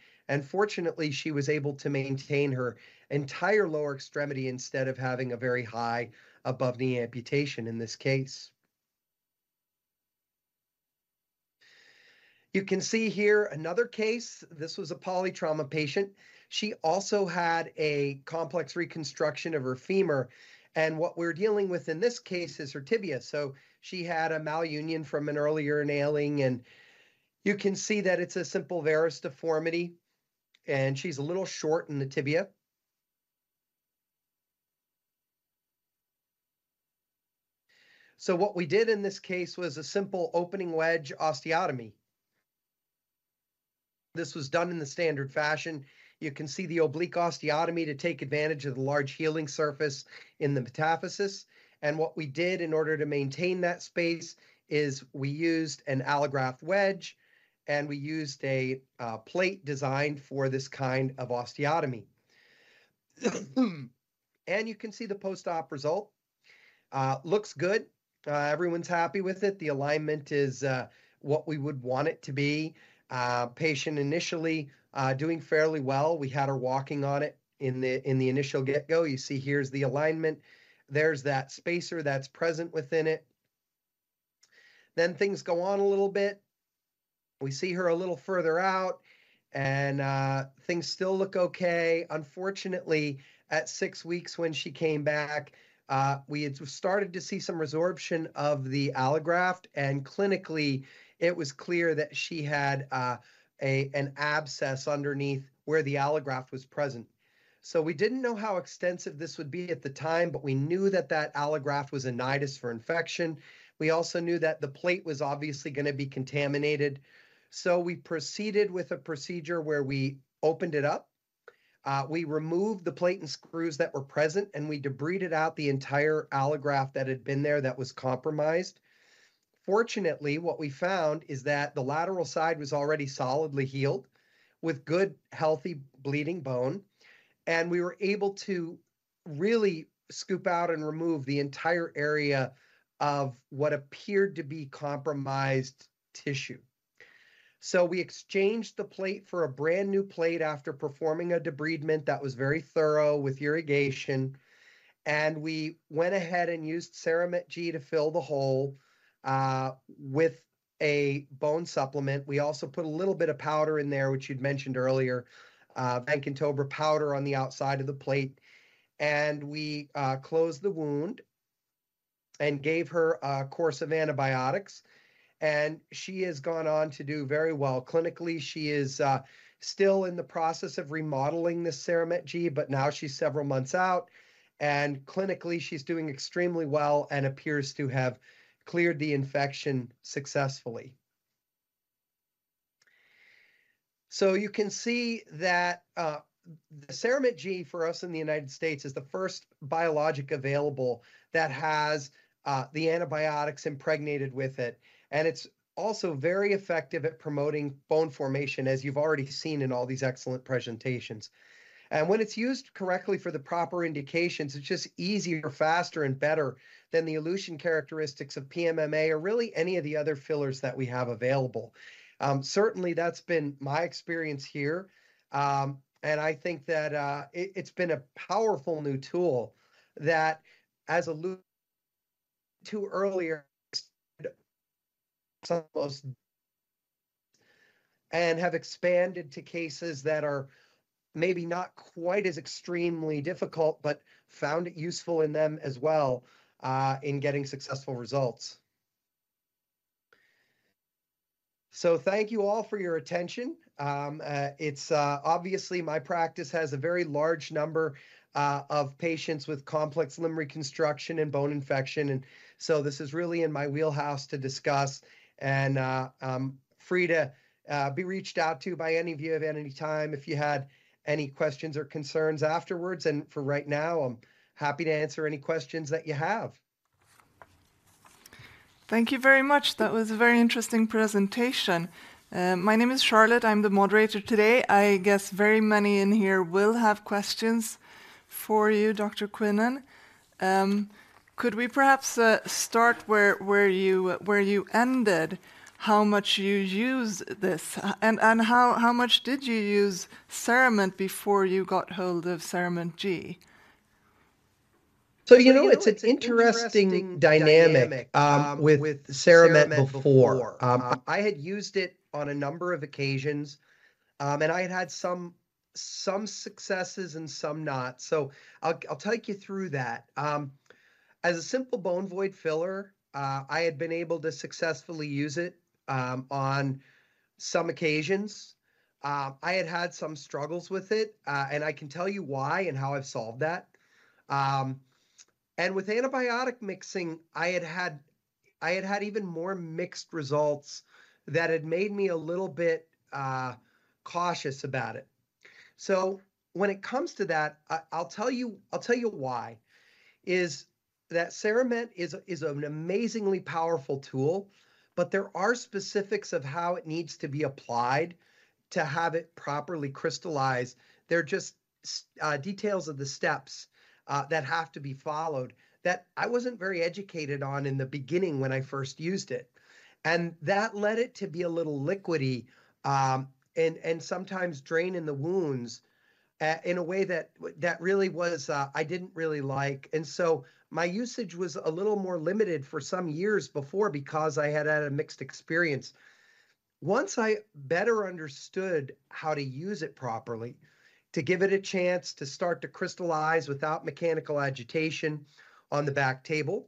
[SPEAKER 9] Fortunately, she was able to maintain her entire lower extremity instead of having a very high above-knee amputation in this case. You can see here another case. This was a polytrauma patient. She also had a complex reconstruction of her femur, and what we're dealing with in this case is her tibia. She had a malunion from an earlier nailing, and you can see that it's a simple varus deformity, and she's a little short in the tibia. What we did in this case was a simple opening wedge osteotomy. This was done in the standard fashion. You can see the oblique osteotomy to take advantage of the large healing surface in the metaphysis. What we did in order to maintain that space is we used an allograft wedge, and we used a plate designed for this kind of osteotomy. You can see the post-op result. Looks good. Everyone's happy with it. The alignment is what we would want it to be. Patient initially doing fairly well. We had her walking on it in the initial get-go. You see, here's the alignment. There's that spacer that's present within it. Then things go on a little bit. We see her a little further out, and things still look okay. Unfortunately, at six weeks, when she came back, we had started to see some resorption of the allograft, and clinically, it was clear that she had an abscess underneath where the allograft was present. So we didn't know how extensive this would be at the time, but we knew that that allograft was a nidus for infection. We also knew that the plate was obviously gonna be contaminated, so we proceeded with a procedure where we opened it up. We removed the plate and screws that were present, and we debrided out the entire allograft that had been there that was compromised. Fortunately, what we found is that the lateral side was already solidly healed, with good, healthy, bleeding bone, and we were able to really scoop out and remove the entire area of what appeared to be compromised tissue. So we exchanged the plate for a brand-new plate after performing a debridement that was very thorough with irrigation, and we went ahead and used CERAMENT G to fill the hole, with a bone supplement. We also put a little bit of powder in there, which you'd mentioned earlier, vancomycin powder on the outside of the plate, and we closed the wound and gave her a course of antibiotics, and she has gone on to do very well. Clinically, she is still in the process of remodeling the CERAMENT G, but now she's several months out, and clinically, she's doing extremely well and appears to have cleared the infection successfully. So you can see that, the CERAMENT G for us in the United States is the first biologic available that has the antibiotics impregnated with it, and it's also very effective at promoting bone formation, as you've already seen in all these excellent presentations. And when it's used correctly for the proper indications, it's just easier, faster, and better than the elution characteristics of PMMA or really any of the other fillers that we have available. Certainly, that's been my experience here. And I think that it, it's been a powerful new tool that as alluded to earlier and have expanded to cases that are maybe not quite as extremely difficult, but found it useful in them as well, in getting successful results. So thank you all for your attention. It's obviously my practice has a very large number of patients with complex limb reconstruction and bone infection, and so this is really in my wheelhouse to discuss. I'm free to be reached out to by any of you at any time if you had any questions or concerns afterwards. For right now, I'm happy to answer any questions that you have.
[SPEAKER 3] Thank you very much. That was a very interesting presentation. My name is Charlotte. I'm the moderator today. I guess very many in here will have questions for you, Dr. Quinnan. Could we perhaps start where you ended, how much you use this? And how much did you use CERAMENT before you got hold of CERAMENT G?
[SPEAKER 9] So, you know, it's an interesting dynamic with CERAMENT before. I had used it on a number of occasions, and I had had some successes and some not. So I'll, I'll take you through that. As a simple bone void filler, I had been able to successfully use it on some occasions. I had had some struggles with it, and I can tell you why and how I've solved that. And with antibiotic mixing, I had had even more mixed results that had made me a little bit cautious about it. So when it comes to that, I'll tell you, I'll tell you why, is that CERAMENT is a, is an amazingly powerful tool, but there are specifics of how it needs to be applied to have it properly crystallize. There are just details of the steps that have to be followed that I wasn't very educated on in the beginning when I first used it, and that led it to be a little liquidy, and sometimes drain in the wounds in a way that really was, I didn't really like. And so my usage was a little more limited for some years before because I had had a mixed experience. Once I better understood how to use it properly, to give it a chance to start to crystallize without mechanical agitation on the back table,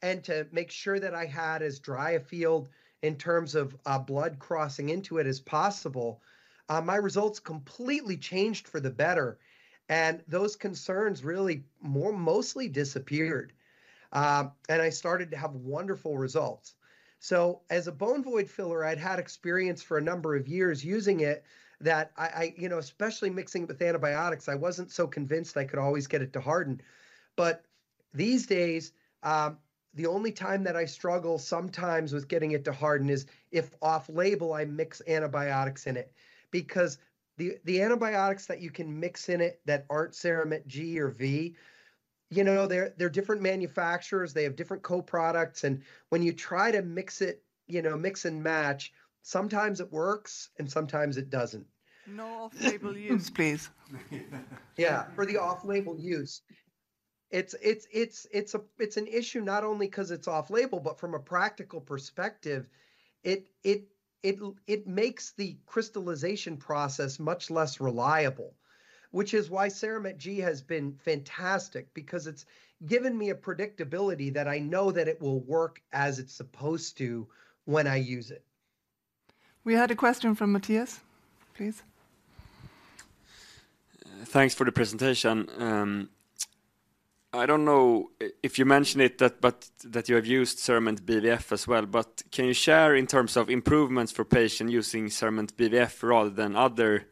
[SPEAKER 9] and to make sure that I had as dry a field in terms of blood crossing into it as possible, my results completely changed for the better, and those concerns really more mostly disappeared. And I started to have wonderful results. So as a bone void filler, I'd had experience for a number of years using it that I... You know, especially mixing with antibiotics, I wasn't so convinced I could always get it to harden. But these days, the only time that I struggle sometimes with getting it to harden is if off-label, I mix antibiotics in it. Because the antibiotics that you can mix in it that aren't CERAMENT G or V, you know, they're different manufacturers, they have different co-products, and when you try to mix it, you know, mix and match, sometimes it works and sometimes it doesn't.
[SPEAKER 3] No off-label use, please.
[SPEAKER 9] Yeah, for the off-label use, it's an issue not only 'cause it's off label, but from a practical perspective, it makes the crystallization process much less reliable. Which is why CERAMENT G has been fantastic, because it's given me a predictability that I know that it will work as it's supposed to when I use it.
[SPEAKER 3] We had a question from Mattias. Please.
[SPEAKER 8] Thanks for the presentation. I don't know if you mentioned it, that, but that you have used CERAMENT BVF as well, but can you share in terms of improvements for patient using CERAMENT BVF rather than other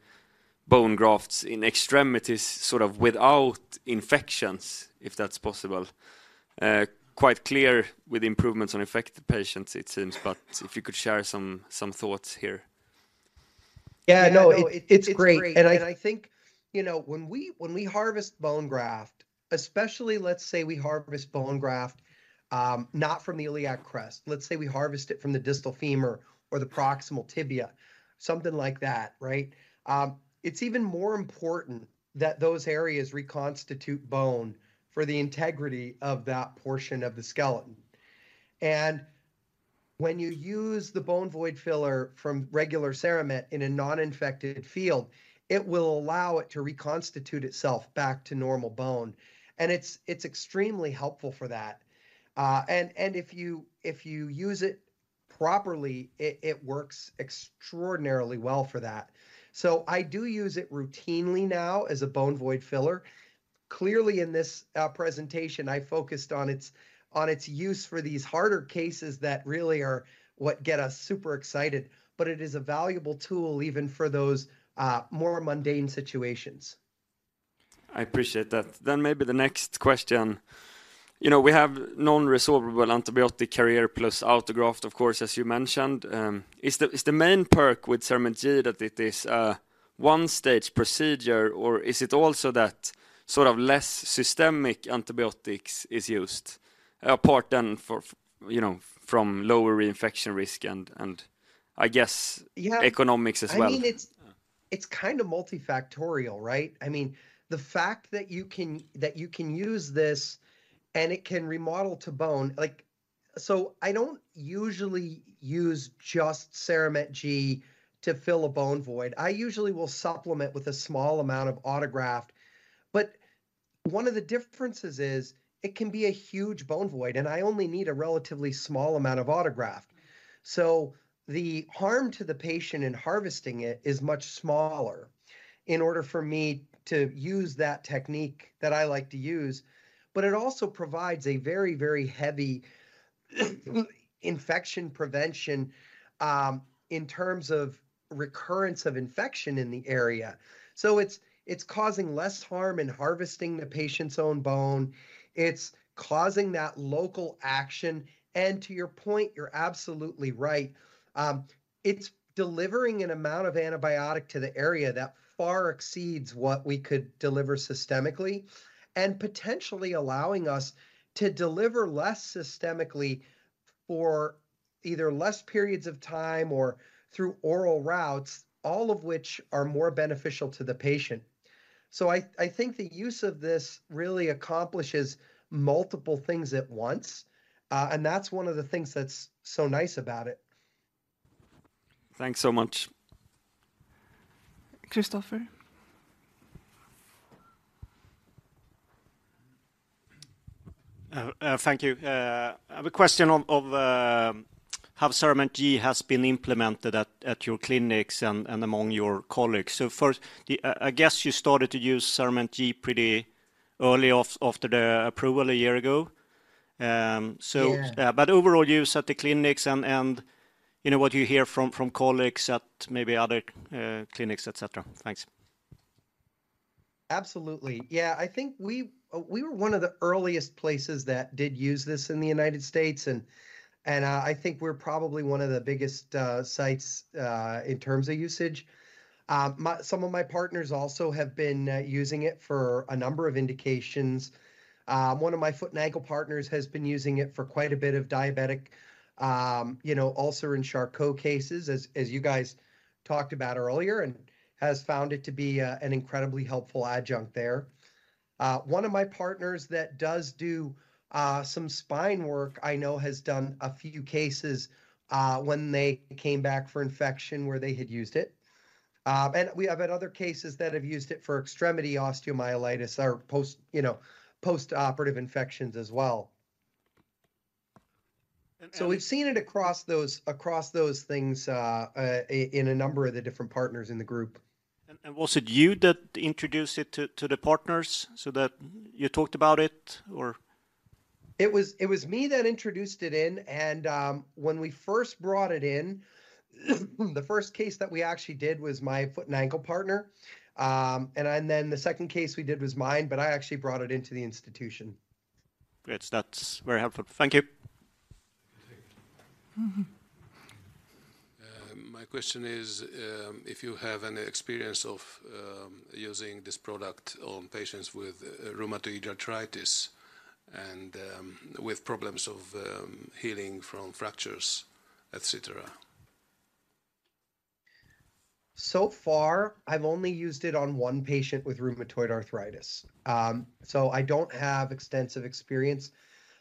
[SPEAKER 8] bone grafts in extremities, sort of without infections, if that's possible? Quite clear with improvements on infected patients, it seems, but if you could share some thoughts here.
[SPEAKER 9] Yeah, no, it, it's great. And I think, you know, when we, when we harvest bone graft, especially, let's say we harvest bone graft, not from the iliac crest. Let's say we harvest it from the distal femur or the proximal tibia, something like that, right? It's even more important that those areas reconstitute bone for the integrity of that portion of the skeleton. And when you use the bone void filler from regular CERAMENT in a non-infected field, it will allow it to reconstitute itself back to normal bone, and it's, it's extremely helpful for that. And, and if you, if you use it properly, it, it works extraordinarily well for that. So I do use it routinely now as a bone void filler. Clearly, in this presentation, I focused on its, on its use for these harder cases that really are what get us super excited, but it is a valuable tool even for those, more mundane situations.
[SPEAKER 8] I appreciate that. Then maybe the next question. You know, we have non-resorbable antibiotic carrier plus autograft, of course, as you mentioned. Is the main perk with CERAMENT G that it is a one-stage procedure, or is it also that sort of less systemic antibiotics is used, apart than for, you know, from lower reinfection risk and I guess-
[SPEAKER 9] Yeah...
[SPEAKER 8] economics as well?
[SPEAKER 9] I mean, it's kind of multifactorial, right? I mean, the fact that you can use this and it can remodel to bone. So I don't usually use just CERAMENT G to fill a bone void. I usually will supplement with a small amount of autograft. But one of the differences is, it can be a huge bone void, and I only need a relatively small amount of autograft. So the harm to the patient in harvesting it is much smaller, in order for me to use that technique that I like to use, but it also provides a very, very heavy infection prevention, in terms of recurrence of infection in the area. So it's causing less harm in harvesting the patient's own bone. It's causing that local action, and to your point, you're absolutely right, it's delivering an amount of antibiotic to the area that far exceeds what we could deliver systemically, and potentially allowing us to deliver less systemically for either less periods of time or through oral routes, all of which are more beneficial to the patient. So I think the use of this really accomplishes multiple things at once, and that's one of the things that's so nice about it.
[SPEAKER 8] Thanks so much.
[SPEAKER 3] Kristofer?
[SPEAKER 4] Thank you. I have a question of how CERAMENT G has been implemented at your clinics and among your colleagues. So first, I guess you started to use CERAMENT G pretty early off after the approval a year ago. So-
[SPEAKER 9] Yeah.
[SPEAKER 4] but overall use at the clinics and, you know, what you hear from colleagues at maybe other clinics, et cetera. Thanks.
[SPEAKER 9] Absolutely. Yeah, I think we, we were one of the earliest places that did use this in the United States, and, and, I think we're probably one of the biggest, sites, in terms of usage. Some of my partners also have been using it for a number of indications. One of my foot and ankle partners has been using it for quite a bit of diabetic, you know, ulcer and Charcot cases, as, as you guys talked about earlier, and has found it to be an incredibly helpful adjunct there. One of my partners that does do some spine work, I know has done a few cases, when they came back for infection, where they had used it. We have had other cases that have used it for extremity osteomyelitis or post, you know, postoperative infections as well.
[SPEAKER 4] And, and-
[SPEAKER 9] So we've seen it across those things, in a number of the different partners in the group.
[SPEAKER 4] Was it you that introduced it to the partners so that you talked about it, or?
[SPEAKER 9] It was me that introduced it in, and when we first brought it in, the first case that we actually did was my foot and ankle partner. And then the second case we did was mine, but I actually brought it into the institution.
[SPEAKER 4] Great. That's very helpful. Thank you.
[SPEAKER 3] Thank you.
[SPEAKER 9] Mm-hmm.
[SPEAKER 8] My question is, if you have any experience of using this product on patients with rheumatoid arthritis and with problems of healing from fractures, et cetera?
[SPEAKER 9] So far, I've only used it on one patient with rheumatoid arthritis. So I don't have extensive experience.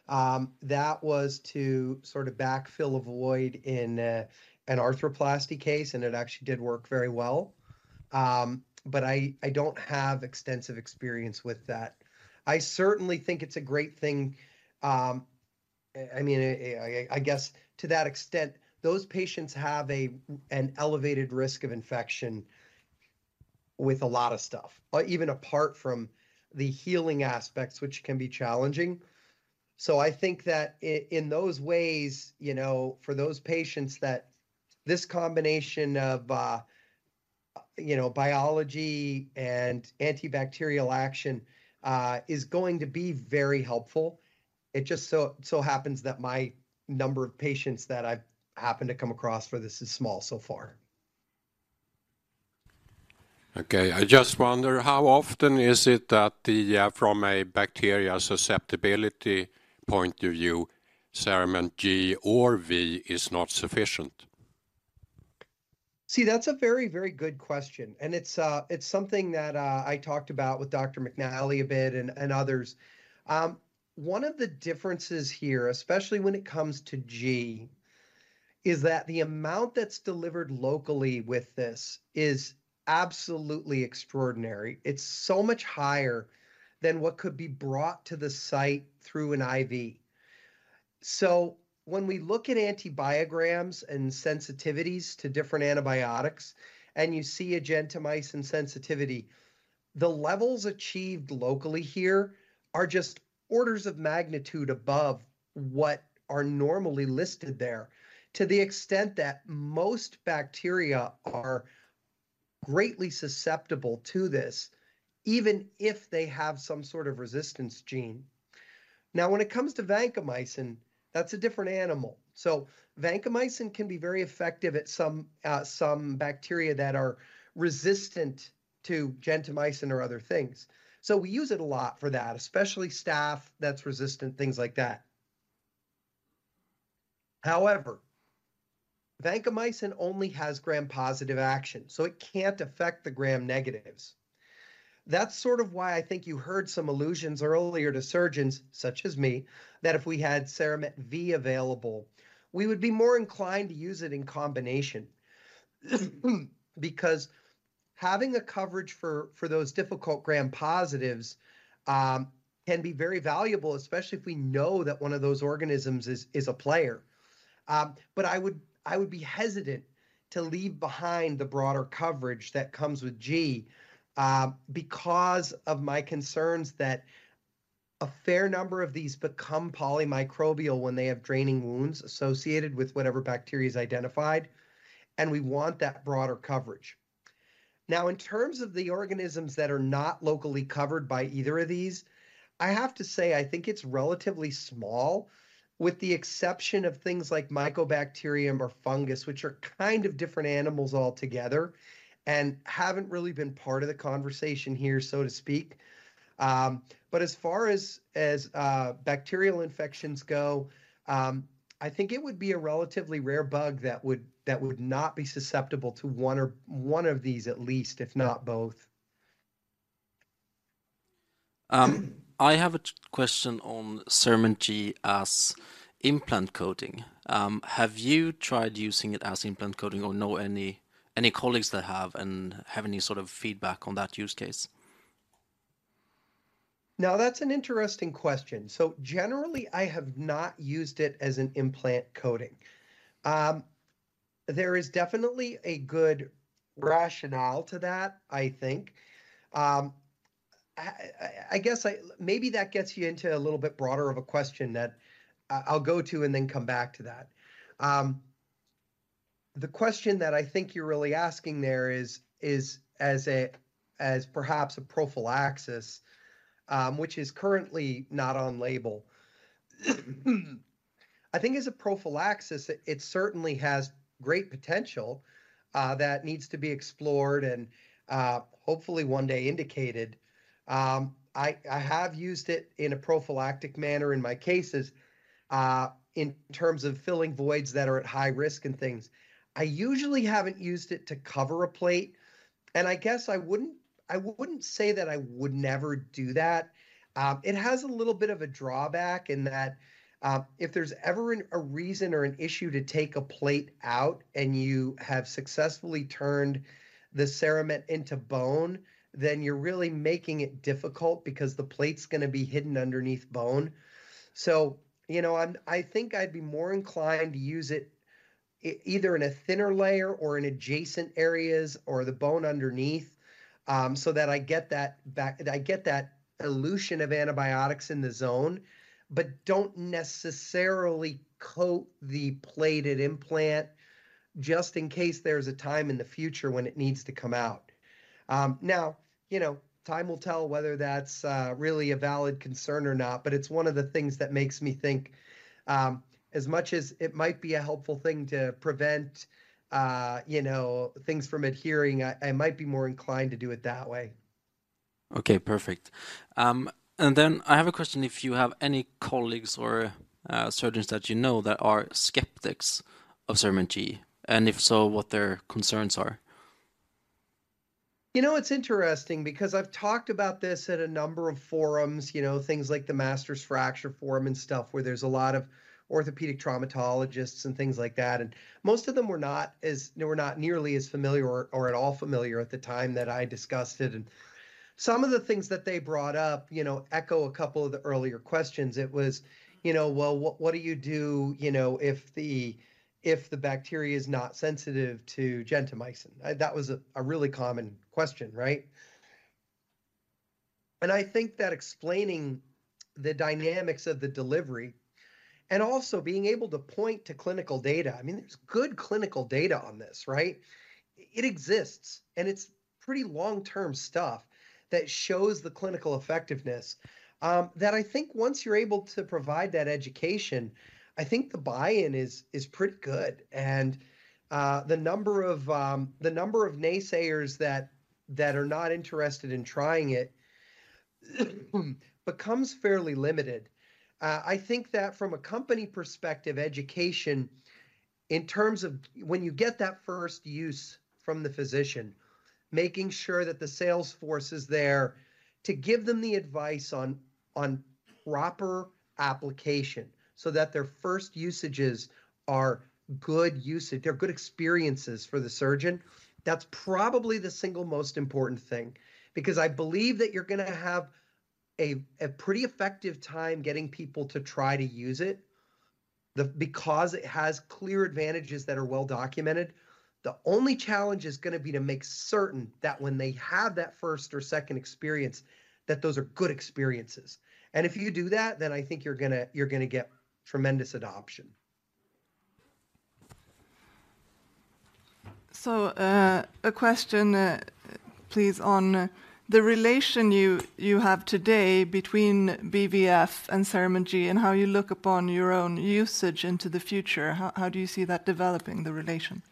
[SPEAKER 9] That was to sort of backfill a void in an arthroplasty case, and it actually did work very well. But I don't have extensive experience with that. I certainly think it's a great thing. I mean, I guess to that extent, those patients have an elevated risk of infection with a lot of stuff, even apart from the healing aspects, which can be challenging. So I think that in those ways, you know, for those patients, that this combination of, you know, biology and antibacterial action is going to be very helpful. It just so happens that my number of patients that I've happened to come across for this is small so far.
[SPEAKER 4] Okay. I just wonder, how often is it that the, from a bacterial susceptibility point of view, CERAMENT G or V is not sufficient?
[SPEAKER 9] See, that's a very, very good question, and it's something that I talked about with Dr. McNally a bit and others. One of the differences here, especially when it comes to G, is that the amount that's delivered locally with this is absolutely extraordinary. It's so much higher than what could be brought to the site through an IV. So when we look at antibiograms and sensitivities to different antibiotics, and you see a gentamicin sensitivity, the levels achieved locally here are just orders of magnitude above what are normally listed there, to the extent that most bacteria are greatly susceptible to this, even if they have some sort of resistance gene. Now, when it comes to vancomycin, that's a different animal. So vancomycin can be very effective at some, some bacteria that are resistant to gentamicin or other things, so we use it a lot for that, especially staph that's resistant, things like that. However, vancomycin only has Gram-positive action, so it can't affect the Gram-negatives. That's sort of why I think you heard some allusions earlier to surgeons, such as me, that if we had CERAMENT V available, we would be more inclined to use it in combination. Because having a coverage for, for those difficult Gram-positives, can be very valuable, especially if we know that one of those organisms is, is a player. But I would be hesitant to leave behind the broader coverage that comes with G, because of my concerns that a fair number of these become polymicrobial when they have draining wounds associated with whatever bacteria is identified, and we want that broader coverage. Now, in terms of the organisms that are not locally covered by either of these, I have to say, I think it's relatively small, with the exception of things like Mycobacterium or fungus, which are kind of different animals altogether and haven't really been part of the conversation here, so to speak. But as far as bacterial infections go, I think it would be a relatively rare bug that would not be susceptible to one or one of these at least, if not both.
[SPEAKER 5] I have a question on CERAMENT G as implant coating. Have you tried using it as implant coating or know any colleagues that have, and have any sort of feedback on that use case?...
[SPEAKER 9] Now, that's an interesting question. So generally, I have not used it as an implant coating. There is definitely a good rationale to that, I think. I guess maybe that gets you into a little bit broader of a question that I, I'll go to and then come back to that. The question that I think you're really asking there is as a, as perhaps a prophylaxis, which is currently not on label. I think as a prophylaxis, it certainly has great potential that needs to be explored and, hopefully one day indicated. I have used it in a prophylactic manner in my cases, in terms of filling voids that are at high risk and things. I usually haven't used it to cover a plate, and I guess I wouldn't, I wouldn't say that I would never do that. It has a little bit of a drawback in that, if there's ever a reason or an issue to take a plate out and you have successfully turned the CERAMENT into bone, then you're really making it difficult because the plate's gonna be hidden underneath bone. So, you know, I think I'd be more inclined to use it either in a thinner layer or in adjacent areas or the bone underneath, so that I get that back... I get that elution of antibiotics in the zone, but don't necessarily coat the plated implant just in case there's a time in the future when it needs to come out. Now, you know, time will tell whether that's really a valid concern or not, but it's one of the things that makes me think, as much as it might be a helpful thing to prevent, you know, things from adhering, I might be more inclined to do it that way.
[SPEAKER 5] Okay, perfect. And then I have a question, if you have any colleagues or, surgeons that you know that are skeptics of CERAMENT G, and if so, what their concerns are?
[SPEAKER 9] You know, it's interesting because I've talked about this at a number of forums, you know, things like the Masters Fracture Forum and stuff, where there's a lot of orthopedic traumatologists and things like that, and most of them were not as... They were not nearly as familiar or, or at all familiar at the time that I discussed it. And some of the things that they brought up, you know, echo a couple of the earlier questions. It was, you know, "Well, what, what do you do, you know, if the, if the bacteria is not sensitive to gentamicin?" That was a, a really common question, right? And I think that explaining the dynamics of the delivery and also being able to point to clinical data, I mean, there's good clinical data on this, right? It exists, and it's pretty long-term stuff that shows the clinical effectiveness. That I think once you're able to provide that education, I think the buy-in is pretty good, and the number of naysayers that are not interested in trying it becomes fairly limited. I think that from a company perspective, education in terms of when you get that first use from the physician, making sure that the sales force is there to give them the advice on proper application so that their first usages are good usage - they're good experiences for the surgeon. That's probably the single most important thing, because I believe that you're gonna have a pretty effective time getting people to try to use it, because it has clear advantages that are well documented. The only challenge is gonna be to make certain that when they have that first or second experience, that those are good experiences. If you do that, then I think you're gonna, you're gonna get tremendous adoption.
[SPEAKER 3] A question, please, on the relation you have today between BVF and CERAMENT G and how you look upon your own usage into the future. How do you see that developing, the relation?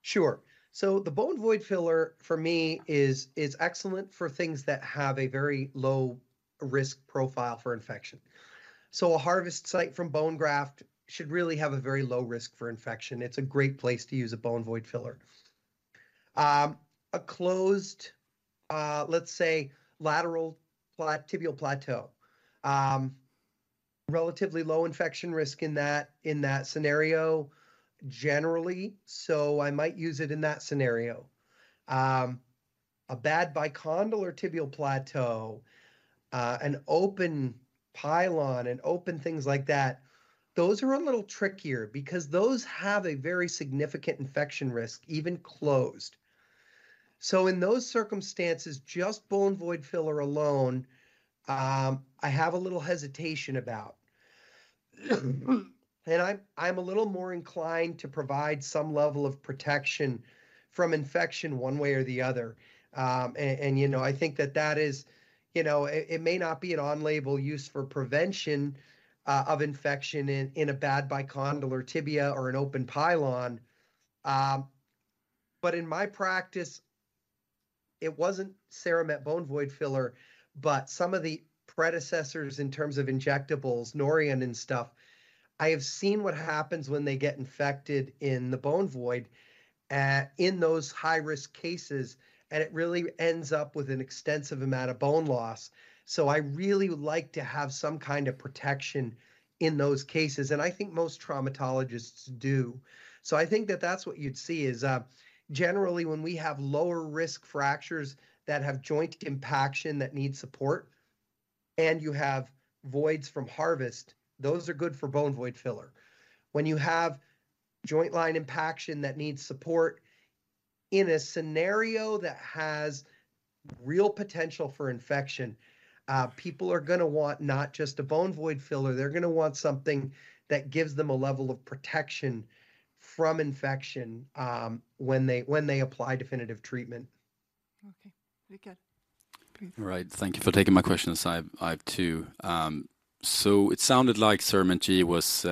[SPEAKER 9] Sure. So the bone void filler for me is excellent for things that have a very low-risk profile for infection. So a harvest site from bone graft should really have a very low risk for infection. It's a great place to use a bone void filler. A closed, let's say, tibial plateau. Relatively low infection risk in that scenario generally, so I might use it in that scenario. A bad bicondylar tibial plateau, an open pilon and open things like that, those are a little trickier because those have a very significant infection risk, even closed. So in those circumstances, just bone void filler alone, I have a little hesitation about. And I'm a little more inclined to provide some level of protection from infection one way or the other. You know, I think that that is... You know, it, it may not be an on-label use for prevention of infection in a bad bicondylar tibia or an open pilon, but in my practice, it wasn't CERAMENT Bone Void Filler, but some of the predecessors in terms of injectables, Norian and stuff. I have seen what happens when they get infected in the bone void in those high-risk cases, and it really ends up with an extensive amount of bone loss. So I really would like to have some kind of protection in those cases, and I think most traumatologists do. So I think that that's what you'd see, is generally, when we have lower risk fractures that have joint impaction that need support and you have voids from harvest, those are good for bone void filler. When you have joint line impaction that needs support in a scenario that has real potential for infection, people are gonna want not just a bone void filler, they're gonna want something that gives them a level of protection from infection, when they apply definitive treatment.
[SPEAKER 3] Okay. Rickard, please.
[SPEAKER 7] All right. Thank you for taking my questions. I have two. So it sounded like CERAMENT G was,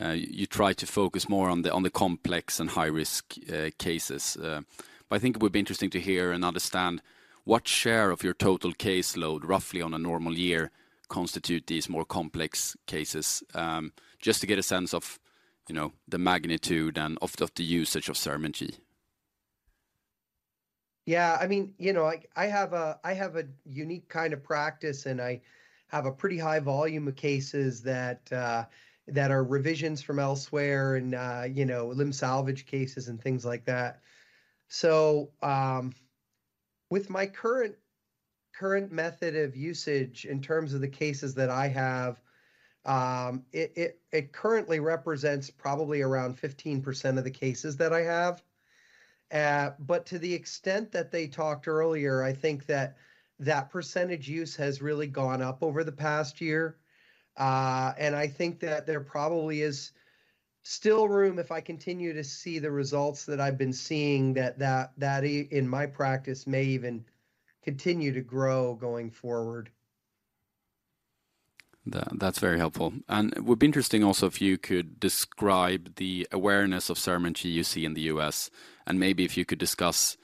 [SPEAKER 7] you try to focus more on the, on the complex and high-risk, cases. But I think it would be interesting to hear and understand what share of your total caseload, roughly on a normal year, constitute these more complex cases, just to get a sense of, you know, the magnitude and of, of the usage of CERAMENT G.
[SPEAKER 9] Yeah, I mean, you know, I have a unique kind of practice, and I have a pretty high volume of cases that are revisions from elsewhere and you know, limb salvage cases and things like that. So, with my current method of usage in terms of the cases that I have, it currently represents probably around 15% of the cases that I have. But to the extent that they talked earlier, I think that that percentage use has really gone up over the past year. And I think that there probably is still room, if I continue to see the results that I've been seeing, that in my practice may even continue to grow going forward.
[SPEAKER 7] That's very helpful. And it would be interesting also if you could describe the awareness of CERAMENT G you see in the U.S., and maybe if you could discuss,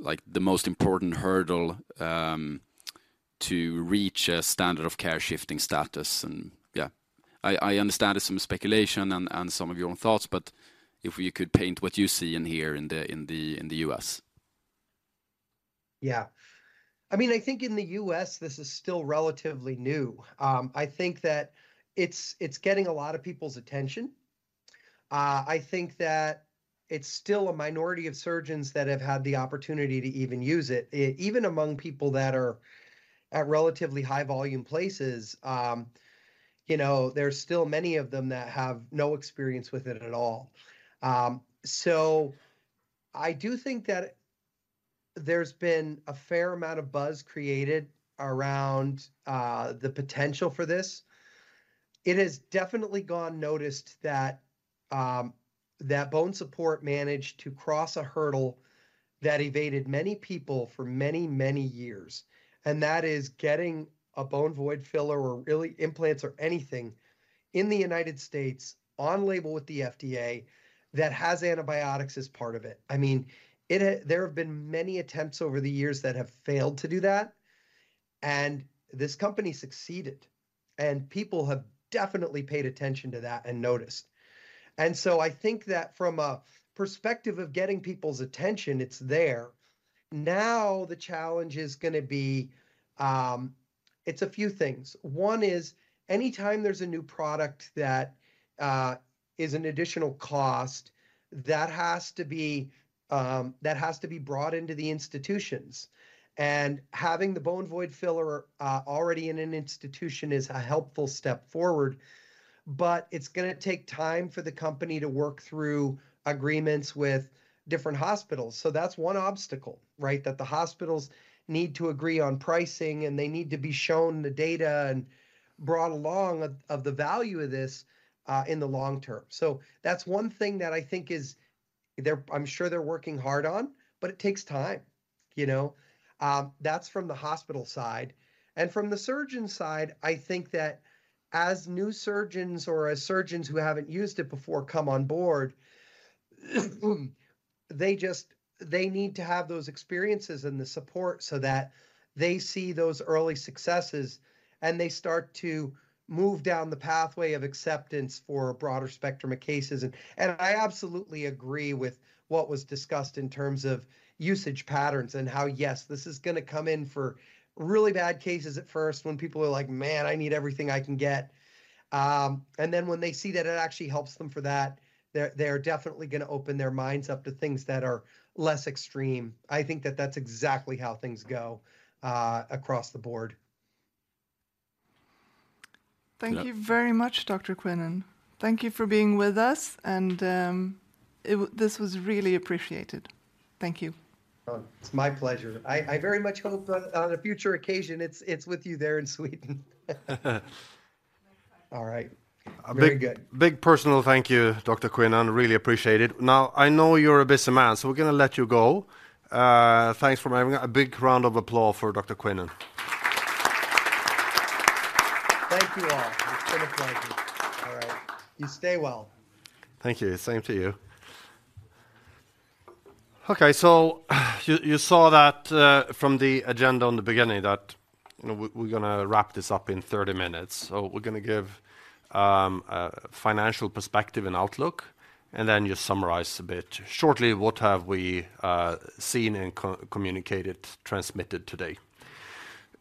[SPEAKER 7] like, the most important hurdle to reach a standard of care shifting status, and yeah. I, I understand it's some speculation and, and some of your own thoughts, but if you could paint what you see and hear in the, in the, in the U.S.
[SPEAKER 9] Yeah. I mean, I think in the U.S., this is still relatively new. I think that it's, it's getting a lot of people's attention. I think that it's still a minority of surgeons that have had the opportunity to even use it. Even among people that are at relatively high volume places, you know, there's still many of them that have no experience with it at all. So I do think that there's been a fair amount of buzz created around the potential for this. It has definitely gone noticed that that BONESUPPORT managed to cross a hurdle that evaded many people for many, many years, and that is getting a bone void filler or really implants or anything in the United States on label with the FDA that has antibiotics as part of it. I mean, there have been many attempts over the years that have failed to do that, and this company succeeded, and people have definitely paid attention to that and noticed. And so I think that from a perspective of getting people's attention, it's there. Now, the challenge is gonna be, it's a few things. One is, anytime there's a new product that is an additional cost, that has to be brought into the institutions, and having the bone void filler already in an institution is a helpful step forward, but it's gonna take time for the company to work through agreements with different hospitals. So that's one obstacle, right? That the hospitals need to agree on pricing, and they need to be shown the data and brought along on the value of this in the long term. So that's one thing that I think they're. I'm sure they're working hard on, but it takes time, you know? That's from the hospital side, and from the surgeon side, I think that as new surgeons or as surgeons who haven't used it before come on board, they just, they need to have those experiences and the support so that they see those early successes, and they start to move down the pathway of acceptance for a broader spectrum of cases. I absolutely agree with what was discussed in terms of usage patterns and how, yes, this is gonna come in for really bad cases at first when people are like, "Man, I need everything I can get." And then when they see that it actually helps them for that, they're, they're definitely gonna open their minds up to things that are less extreme. I think that that's exactly how things go, across the board.
[SPEAKER 3] Thank you very much, Dr. Quinnan. Thank you for being with us, and this was really appreciated. Thank you.
[SPEAKER 9] Oh, it's my pleasure. I very much hope that on a future occasion, it's with you there in Sweden. All right. I'm very good.
[SPEAKER 1] Big, big personal thank you, Dr. Quinnan. Really appreciate it. Now, I know you're a busy man, so we're gonna let you go. Thanks for having a big round of applause for Dr. Quinnan.
[SPEAKER 9] Thank you all. It's been a pleasure. All right. You stay well.
[SPEAKER 1] Thank you. Same to you. Okay, so you saw that from the agenda on the beginning that, you know, we're gonna wrap this up in 30 minutes. So we're gonna give a financial perspective and outlook. ...And then just summarize a bit shortly, what have we seen and communicated, transmitted today?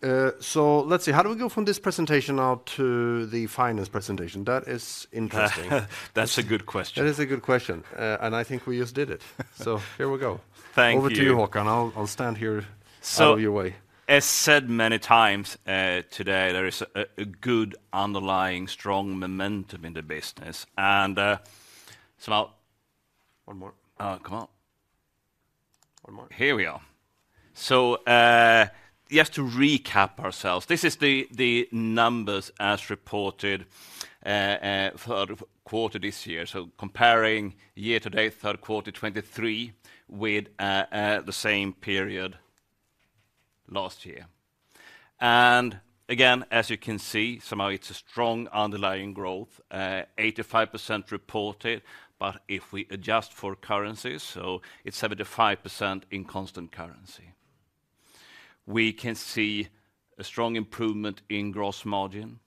[SPEAKER 1] So let's see. How do we go from this presentation now to the finance presentation? That is interesting.
[SPEAKER 10] That's a good question.
[SPEAKER 1] That is a good question, and I think we just did it. So here we go.
[SPEAKER 10] Thank you.
[SPEAKER 1] Over to you, Håkan. I'll stand here out of your way.
[SPEAKER 10] So, as said many times, today there is a good underlying strong momentum in the business. And, so now-
[SPEAKER 1] One more.
[SPEAKER 10] Come on.
[SPEAKER 1] One more.
[SPEAKER 10] Here we are. So, just to recap ourselves, this is the, the numbers as reported, Q3 this year. So comparing year to date, Q3 2023, with, the same period last year. And again, as you can see, somehow it's a strong underlying growth, 85% reported, but if we adjust for currency, so it's 75% in constant currency. We can see a strong improvement in gross margin.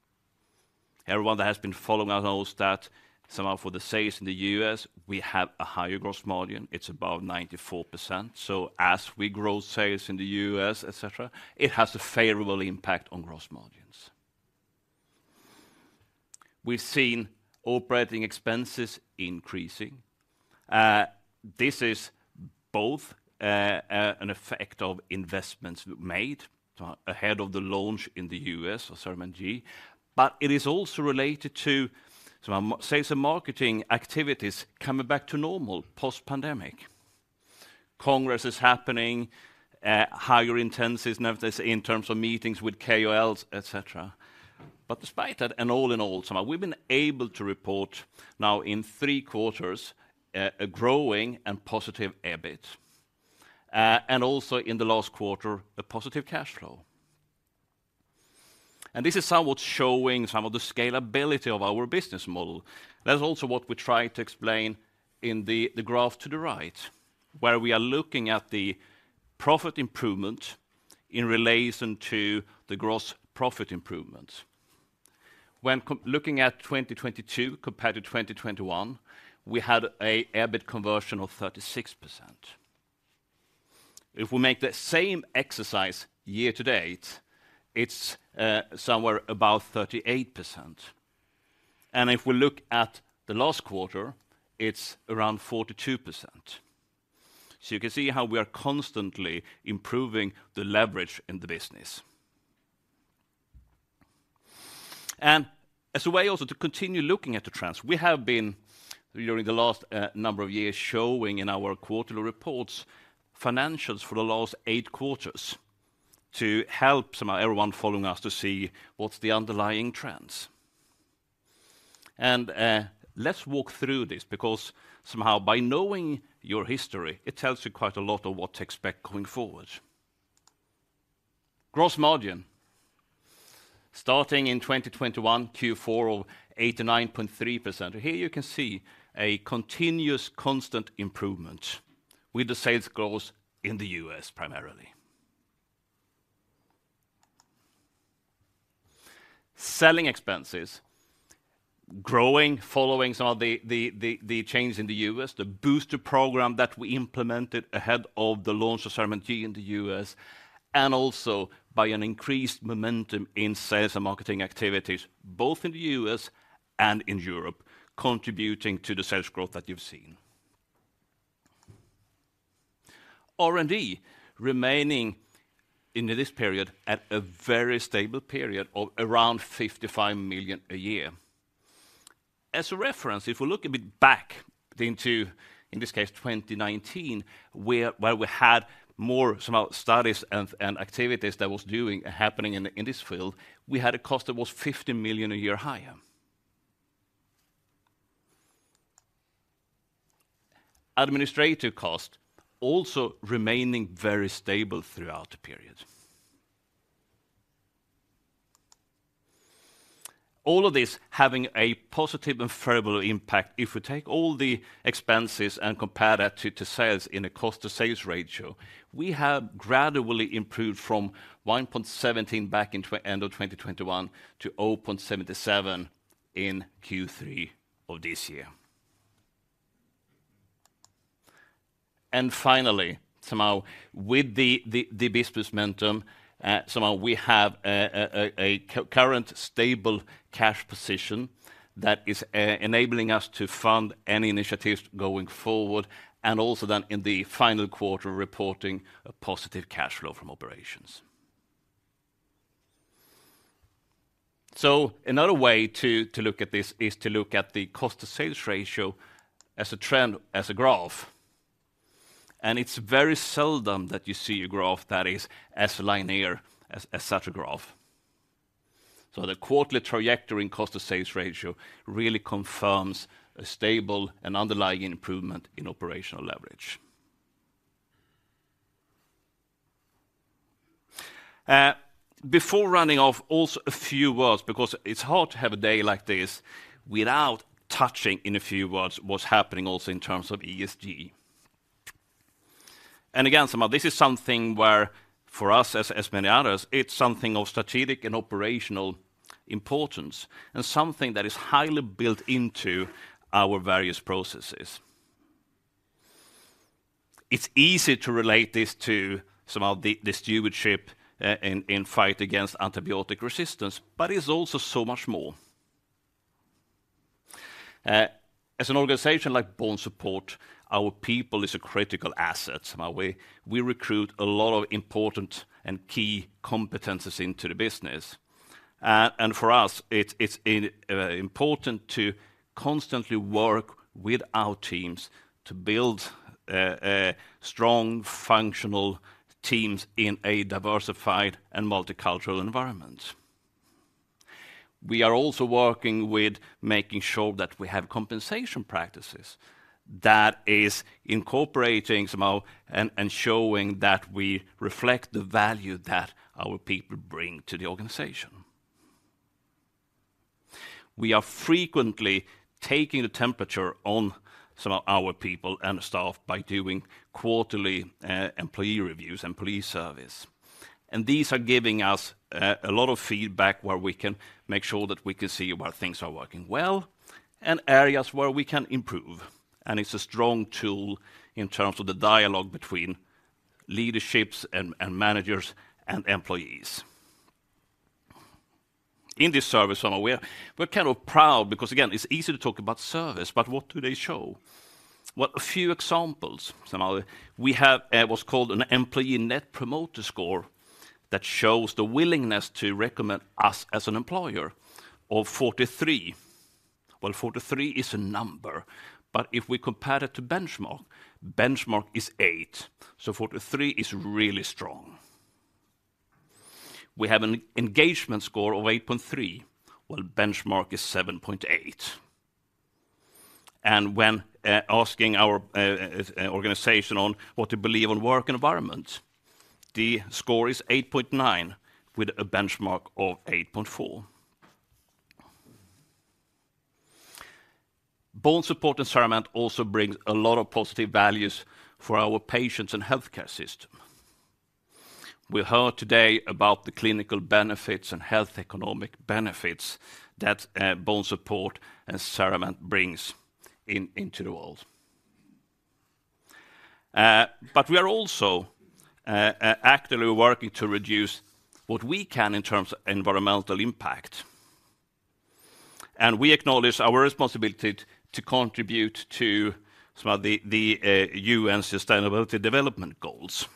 [SPEAKER 10] Everyone that has been following us knows that somehow for the sales in the US, we have a higher gross margin. It's about 94%. So as we grow sales in the US, et cetera, it has a favorable impact on gross margins. We've seen operating expenses increasing. This is both an effect of investments we made ahead of the launch in the US of CERAMENT G, but it is also related to some of our sales and marketing activities coming back to normal post-pandemic. Congress is happening, higher intensity in terms of meetings with KOLs, et cetera. But despite that, and all in all, somehow we've been able to report now in three quarters a growing and positive EBIT. And also in the last quarter, a positive cash flow. This is somewhat showing some of the scalability of our business model. That's also what we try to explain in the graph to the right, where we are looking at the profit improvement in relation to the gross profit improvement. When looking at 2022 compared to 2021, we had an EBIT conversion of 36%. If we make the same exercise year to date, it's somewhere about 38%. And if we look at the last quarter, it's around 42%. So you can see how we are constantly improving the leverage in the business. And as a way also to continue looking at the trends, we have been, during the last number of years, showing in our quarterly reports, financials for the last eight quarters, to help somehow everyone following us to see what's the underlying trends. And let's walk through this, because somehow by knowing your history, it tells you quite a lot of what to expect going forward. Gross margin, starting in 2021 Q4 of 89.3%. Here you can see a continuous constant improvement with the sales growth in the U.S. primarily. Selling expenses, growing, following some of the change in the U.S., the booster program that we implemented ahead of the launch of CERAMENT G in the U.S., and also by an increased momentum in sales and marketing activities, both in the US and in Europe, contributing to the sales growth that you've seen. R&D remaining in this period at a very stable period of around 55 million a year. As a reference, if we look a bit back into, in this case, 2019, where we had more R&D studies and activities that were happening in this field, we had a cost that was 50 million a year higher. Administrative cost also remaining very stable throughout the period. All of this having a positive and favorable impact. If we take all the expenses and compare that to sales in a cost to sales ratio, we have gradually improved from 1.17 back into end of 2021 to 0.77 in Q3 of this year. And finally, somehow with the business momentum, somehow we have a current stable cash position that is enabling us to fund any initiatives going forward, and also then in the final quarter, reporting a positive cash flow from operations. So another way to look at this is to look at the cost to sales ratio as a trend, as a graph. And it's very seldom that you see a graph that is as linear as such a graph. So the quarterly trajectory in cost to sales ratio really confirms a stable and underlying improvement in operational leverage. Before running off, also a few words, because it's hard to have a day like this without touching in a few words, what's happening also in terms of ESG. And again, so this is something where for us as many others, it's something of strategic and operational importance, and something that is highly built into our various processes. It's easy to relate this to some of the stewardship in fight against antibiotic resistance, but it's also so much more. As an organization like BONESUPPORT, our people is a critical asset. So we recruit a lot of important and key competencies into the business. And for us, it's important to constantly work with our teams to build a strong, functional teams in a diversified and multicultural environment. We are also working with making sure that we have compensation practices that is incorporating somehow and, and showing that we reflect the value that our people bring to the organization. We are frequently taking the temperature on some of our people and staff by doing quarterly employee reviews and employee service. And these are giving us a lot of feedback where we can make sure that we can see where things are working well and areas where we can improve. And it's a strong tool in terms of the dialogue between leaderships and, and managers and employees. In this service, so we're, we're kind of proud because, again, it's easy to talk about service, but what do they show? Well, a few examples. So now, we have what's called an employee net promoter score that shows the willingness to recommend us as an employer of 43. Well, 43 is a number, but if we compare it to benchmark, benchmark is 8, so 43 is really strong. We have an engagement score of 8.3, while benchmark is 7.8. And when asking our organization on what they believe on work environment, the score is 8.9, with a benchmark of 8.4. BONESUPPORT and CERAMENT also brings a lot of positive values for our patients and healthcare system. We heard today about the clinical benefits and health economic benefits that BONESUPPORT and CERAMENT brings in, into the world. But we are also actively working to reduce what we can in terms of environmental impact. And we acknowledge our responsibility to contribute to some of the U.N. Sustainable Development Goals.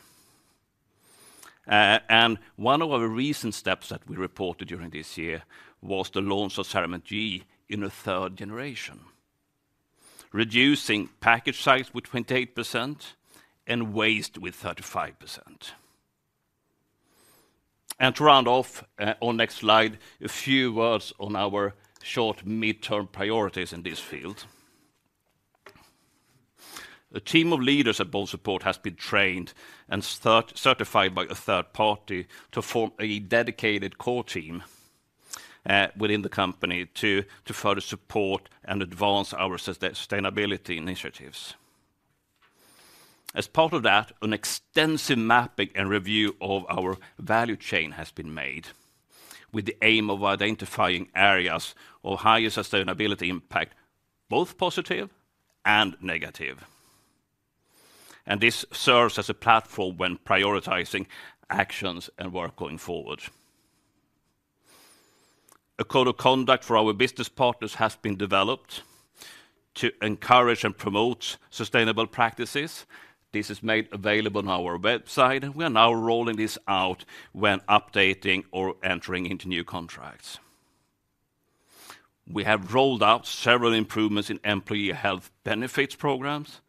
[SPEAKER 10] And one of our recent steps that we reported during this year was the launch of CERAMENT G in a third generation, reducing package size with 28% and waste with 35%. To round off, on next slide, a few words on our short midterm priorities in this field. The team of leaders at BONESUPPORT has been trained and certified by a third party to form a dedicated core team, within the company to further support and advance our sustainability initiatives. As part of that, an extensive mapping and review of our value chain has been made, with the aim of identifying areas of highest sustainability impact, both positive and negative. This serves as a platform when prioritizing actions and work going forward. A code of conduct for our business partners has been developed to encourage and promote sustainable practices. This is made available on our website, and we are now rolling this out when updating or entering into new contracts. We have rolled out several improvements in employee health benefits programs,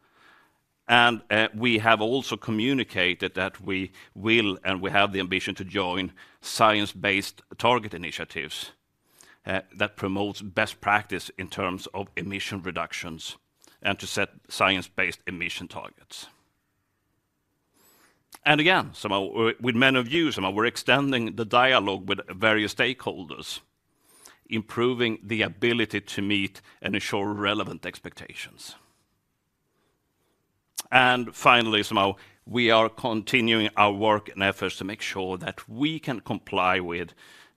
[SPEAKER 10] and we have also communicated that we will, and we have the ambition to join Science Based Targets initiative that promotes best practice in terms of emission reductions and to set science-based emission targets. Again, so with many of you, so we're extending the dialogue with various stakeholders, improving the ability to meet and ensure relevant expectations. Finally, somehow, we are continuing our work and efforts to make sure that we can comply with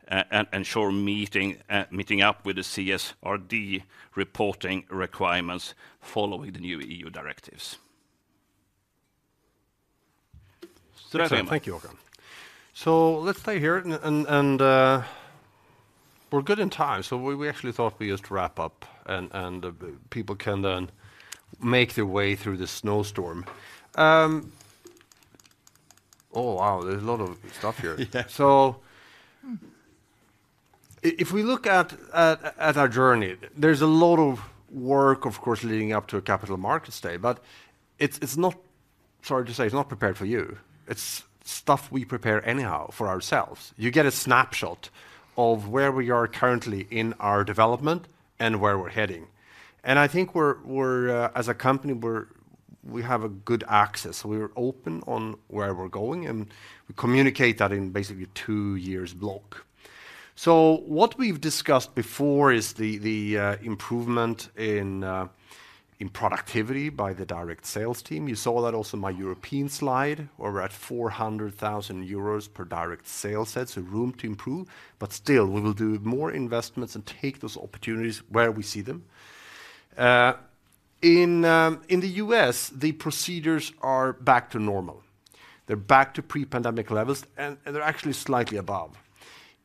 [SPEAKER 10] and ensure meeting up with the CSRD reporting requirements following the new EU directives.
[SPEAKER 1] Thank you, Håkan. So let's stay here and we're good in time, so we actually thought we just wrap up and people can then make their way through the snowstorm. Oh, wow, there's a lot of stuff here.
[SPEAKER 10] Yeah.
[SPEAKER 1] So if we look at our journey, there's a lot of work, of course, leading up to a Capital Markets Day, but it's not... Sorry to say, it's not prepared for you. It's stuff we prepare anyhow for ourselves. You get a snapshot of where we are currently in our development and where we're heading. And I think we're as a company, we have a good access. We're open on where we're going, and we communicate that in basically two years block. So what we've discussed before is the improvement in productivity by the direct sales team. You saw that also in my European slide, where we're at 400,000 euros per direct sales set, so room to improve, but still, we will do more investments and take those opportunities where we see them. In the U..S, the procedures are back to normal. They're back to pre-pandemic levels, and they're actually slightly above.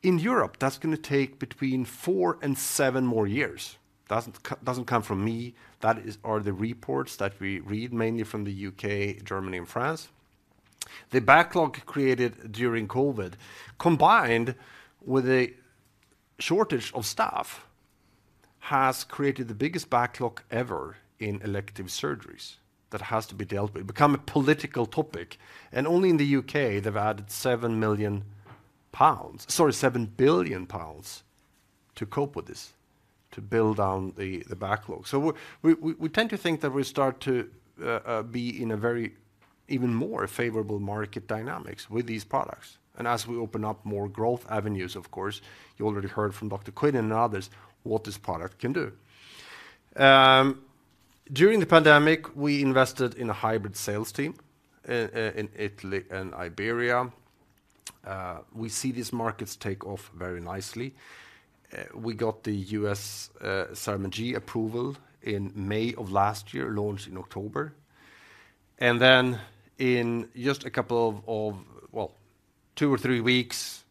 [SPEAKER 1] In Europe, that's gonna take between four and seven more years. Doesn't come from me, that is, are the reports that we read mainly from the U.K., Germany and France. The backlog created during COVID, combined with a shortage of staff, has created the biggest backlog ever in elective surgeries that has to be dealt with. Become a political topic, and only in the UK, they've added 7 billion pounds to cope with this, to build down the backlog. So we tend to think that we start to be in a very even more favorable market dynamics with these products. And as we open up more growth avenues, of course, you already heard from Dr. Quinnan and others, what this product can do. During the pandemic, we invested in a hybrid sales team in Italy and Iberia. We see these markets take off very nicely. We got the U.S. CERAMENT G approval in May of last year, launched in October. And then in just a couple of, well, two or three weeks,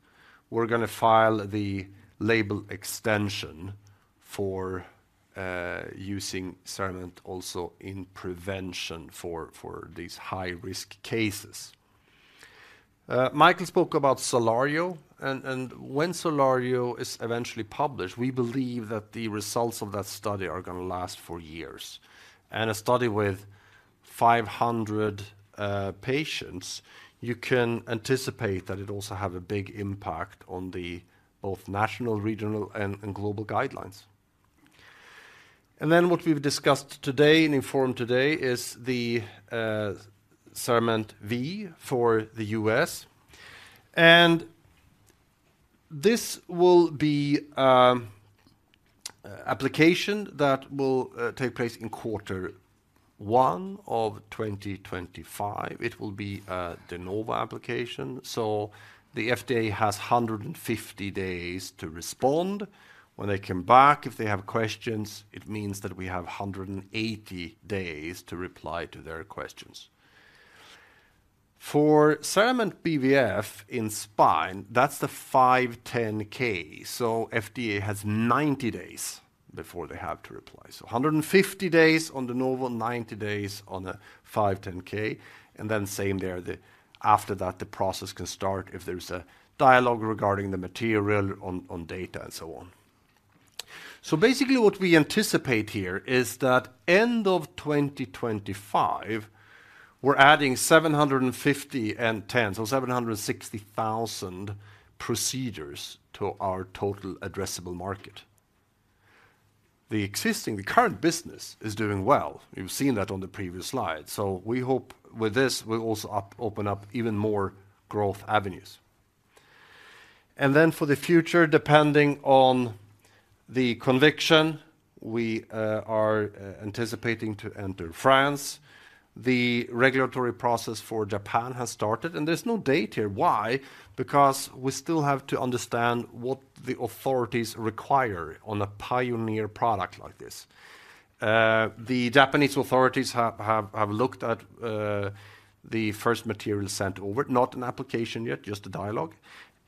[SPEAKER 1] we're gonna file the label extension for using CERAMENT also in prevention for these high-risk cases. Michael spoke about SOLARIO, and when SOLARIO is eventually published, we believe that the results of that study are gonna last for years. And a study with 500 patients, you can anticipate that it also have a big impact on the both national, regional, and global guidelines. And then what we've discussed today and informed today is the CERAMENT V for the U.S. And this will be application that will take place in quarter one of 2025. It will be de novo application, so the FDA has 150 days to respond. When they come back, if they have questions, it means that we have 180 days to reply to their questions. For CERAMENT BVF in spine, that's the 510(k), so FDA has 90 days before they have to reply. So 150 days on the de novo, 90 days on the 510(k), and then same there, after that, the process can start if there's a dialogue regarding the material on data and so on. So basically, what we anticipate here is that end of 2025, we're adding 750,000 and 10,000 so 760,000 procedures to our total addressable market. The existing, the current business is doing well. You've seen that on the previous slide. So we hope with this, we'll also open up even more growth avenues. And then for the future, depending on the conviction, we are anticipating to enter France. The regulatory process for Japan has started, and there's no date here. Why? Because we still have to understand what the authorities require on a pioneer product like this. The Japanese authorities have looked at the first material sent over, not an application yet, just a dialogue.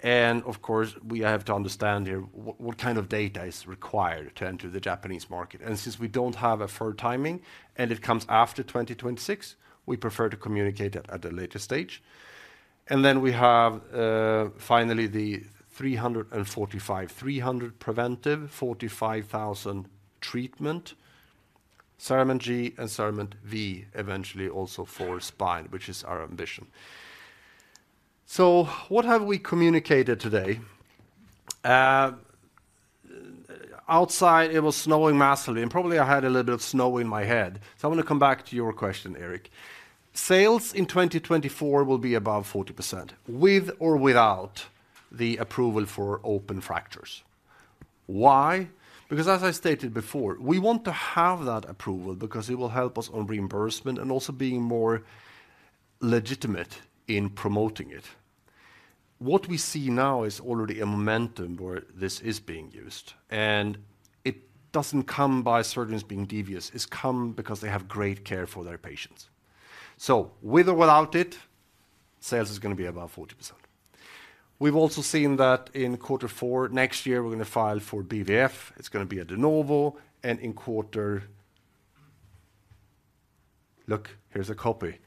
[SPEAKER 1] And of course, we have to understand here, what kind of data is required to enter the Japanese market. Since we don't have a firm timing, and it comes after 2026, we prefer to communicate it at a later stage. Then we have, finally, the 345, 300 preventive, 45,000 treatment, CERAMENT G and CERAMENT V eventually also for spine, which is our ambition. What have we communicated today? Outside, it was snowing massively, and probably I had a little bit of snow in my head. I want to come back to your question, Erik. Sales in 2024 will be above 40%, with or without the approval for open fractures. Why? Because as I stated before, we want to have that approval because it will help us on reimbursement and also being more legitimate in promoting it. What we see now is already a momentum where this is being used, and it doesn't come by surgeons being devious. It's come because they have great care for their patients. So with or without it, sales is gonna be above 40%. We've also seen that in quarter four next year, we're gonna file for BVF. It's gonna be a De Novo and in quarter. Look, here's a copy.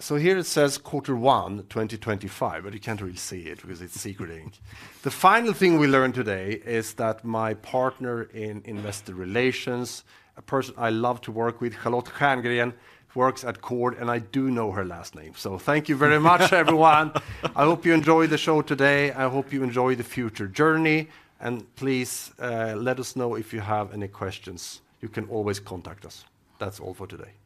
[SPEAKER 1] So here it says Q1, 2025, but you can't really see it because it's secret ink. The final thing we learned today is that my partner in investor relations, a person I love to work with, Charlotte Stjerngren, works at Cord, and I do know her last name. So thank you very much, everyone. I hope you enjoyed the show today. I hope you enjoy the future journey, and please, let us know if you have any questions. You can always contact us. That's all for today.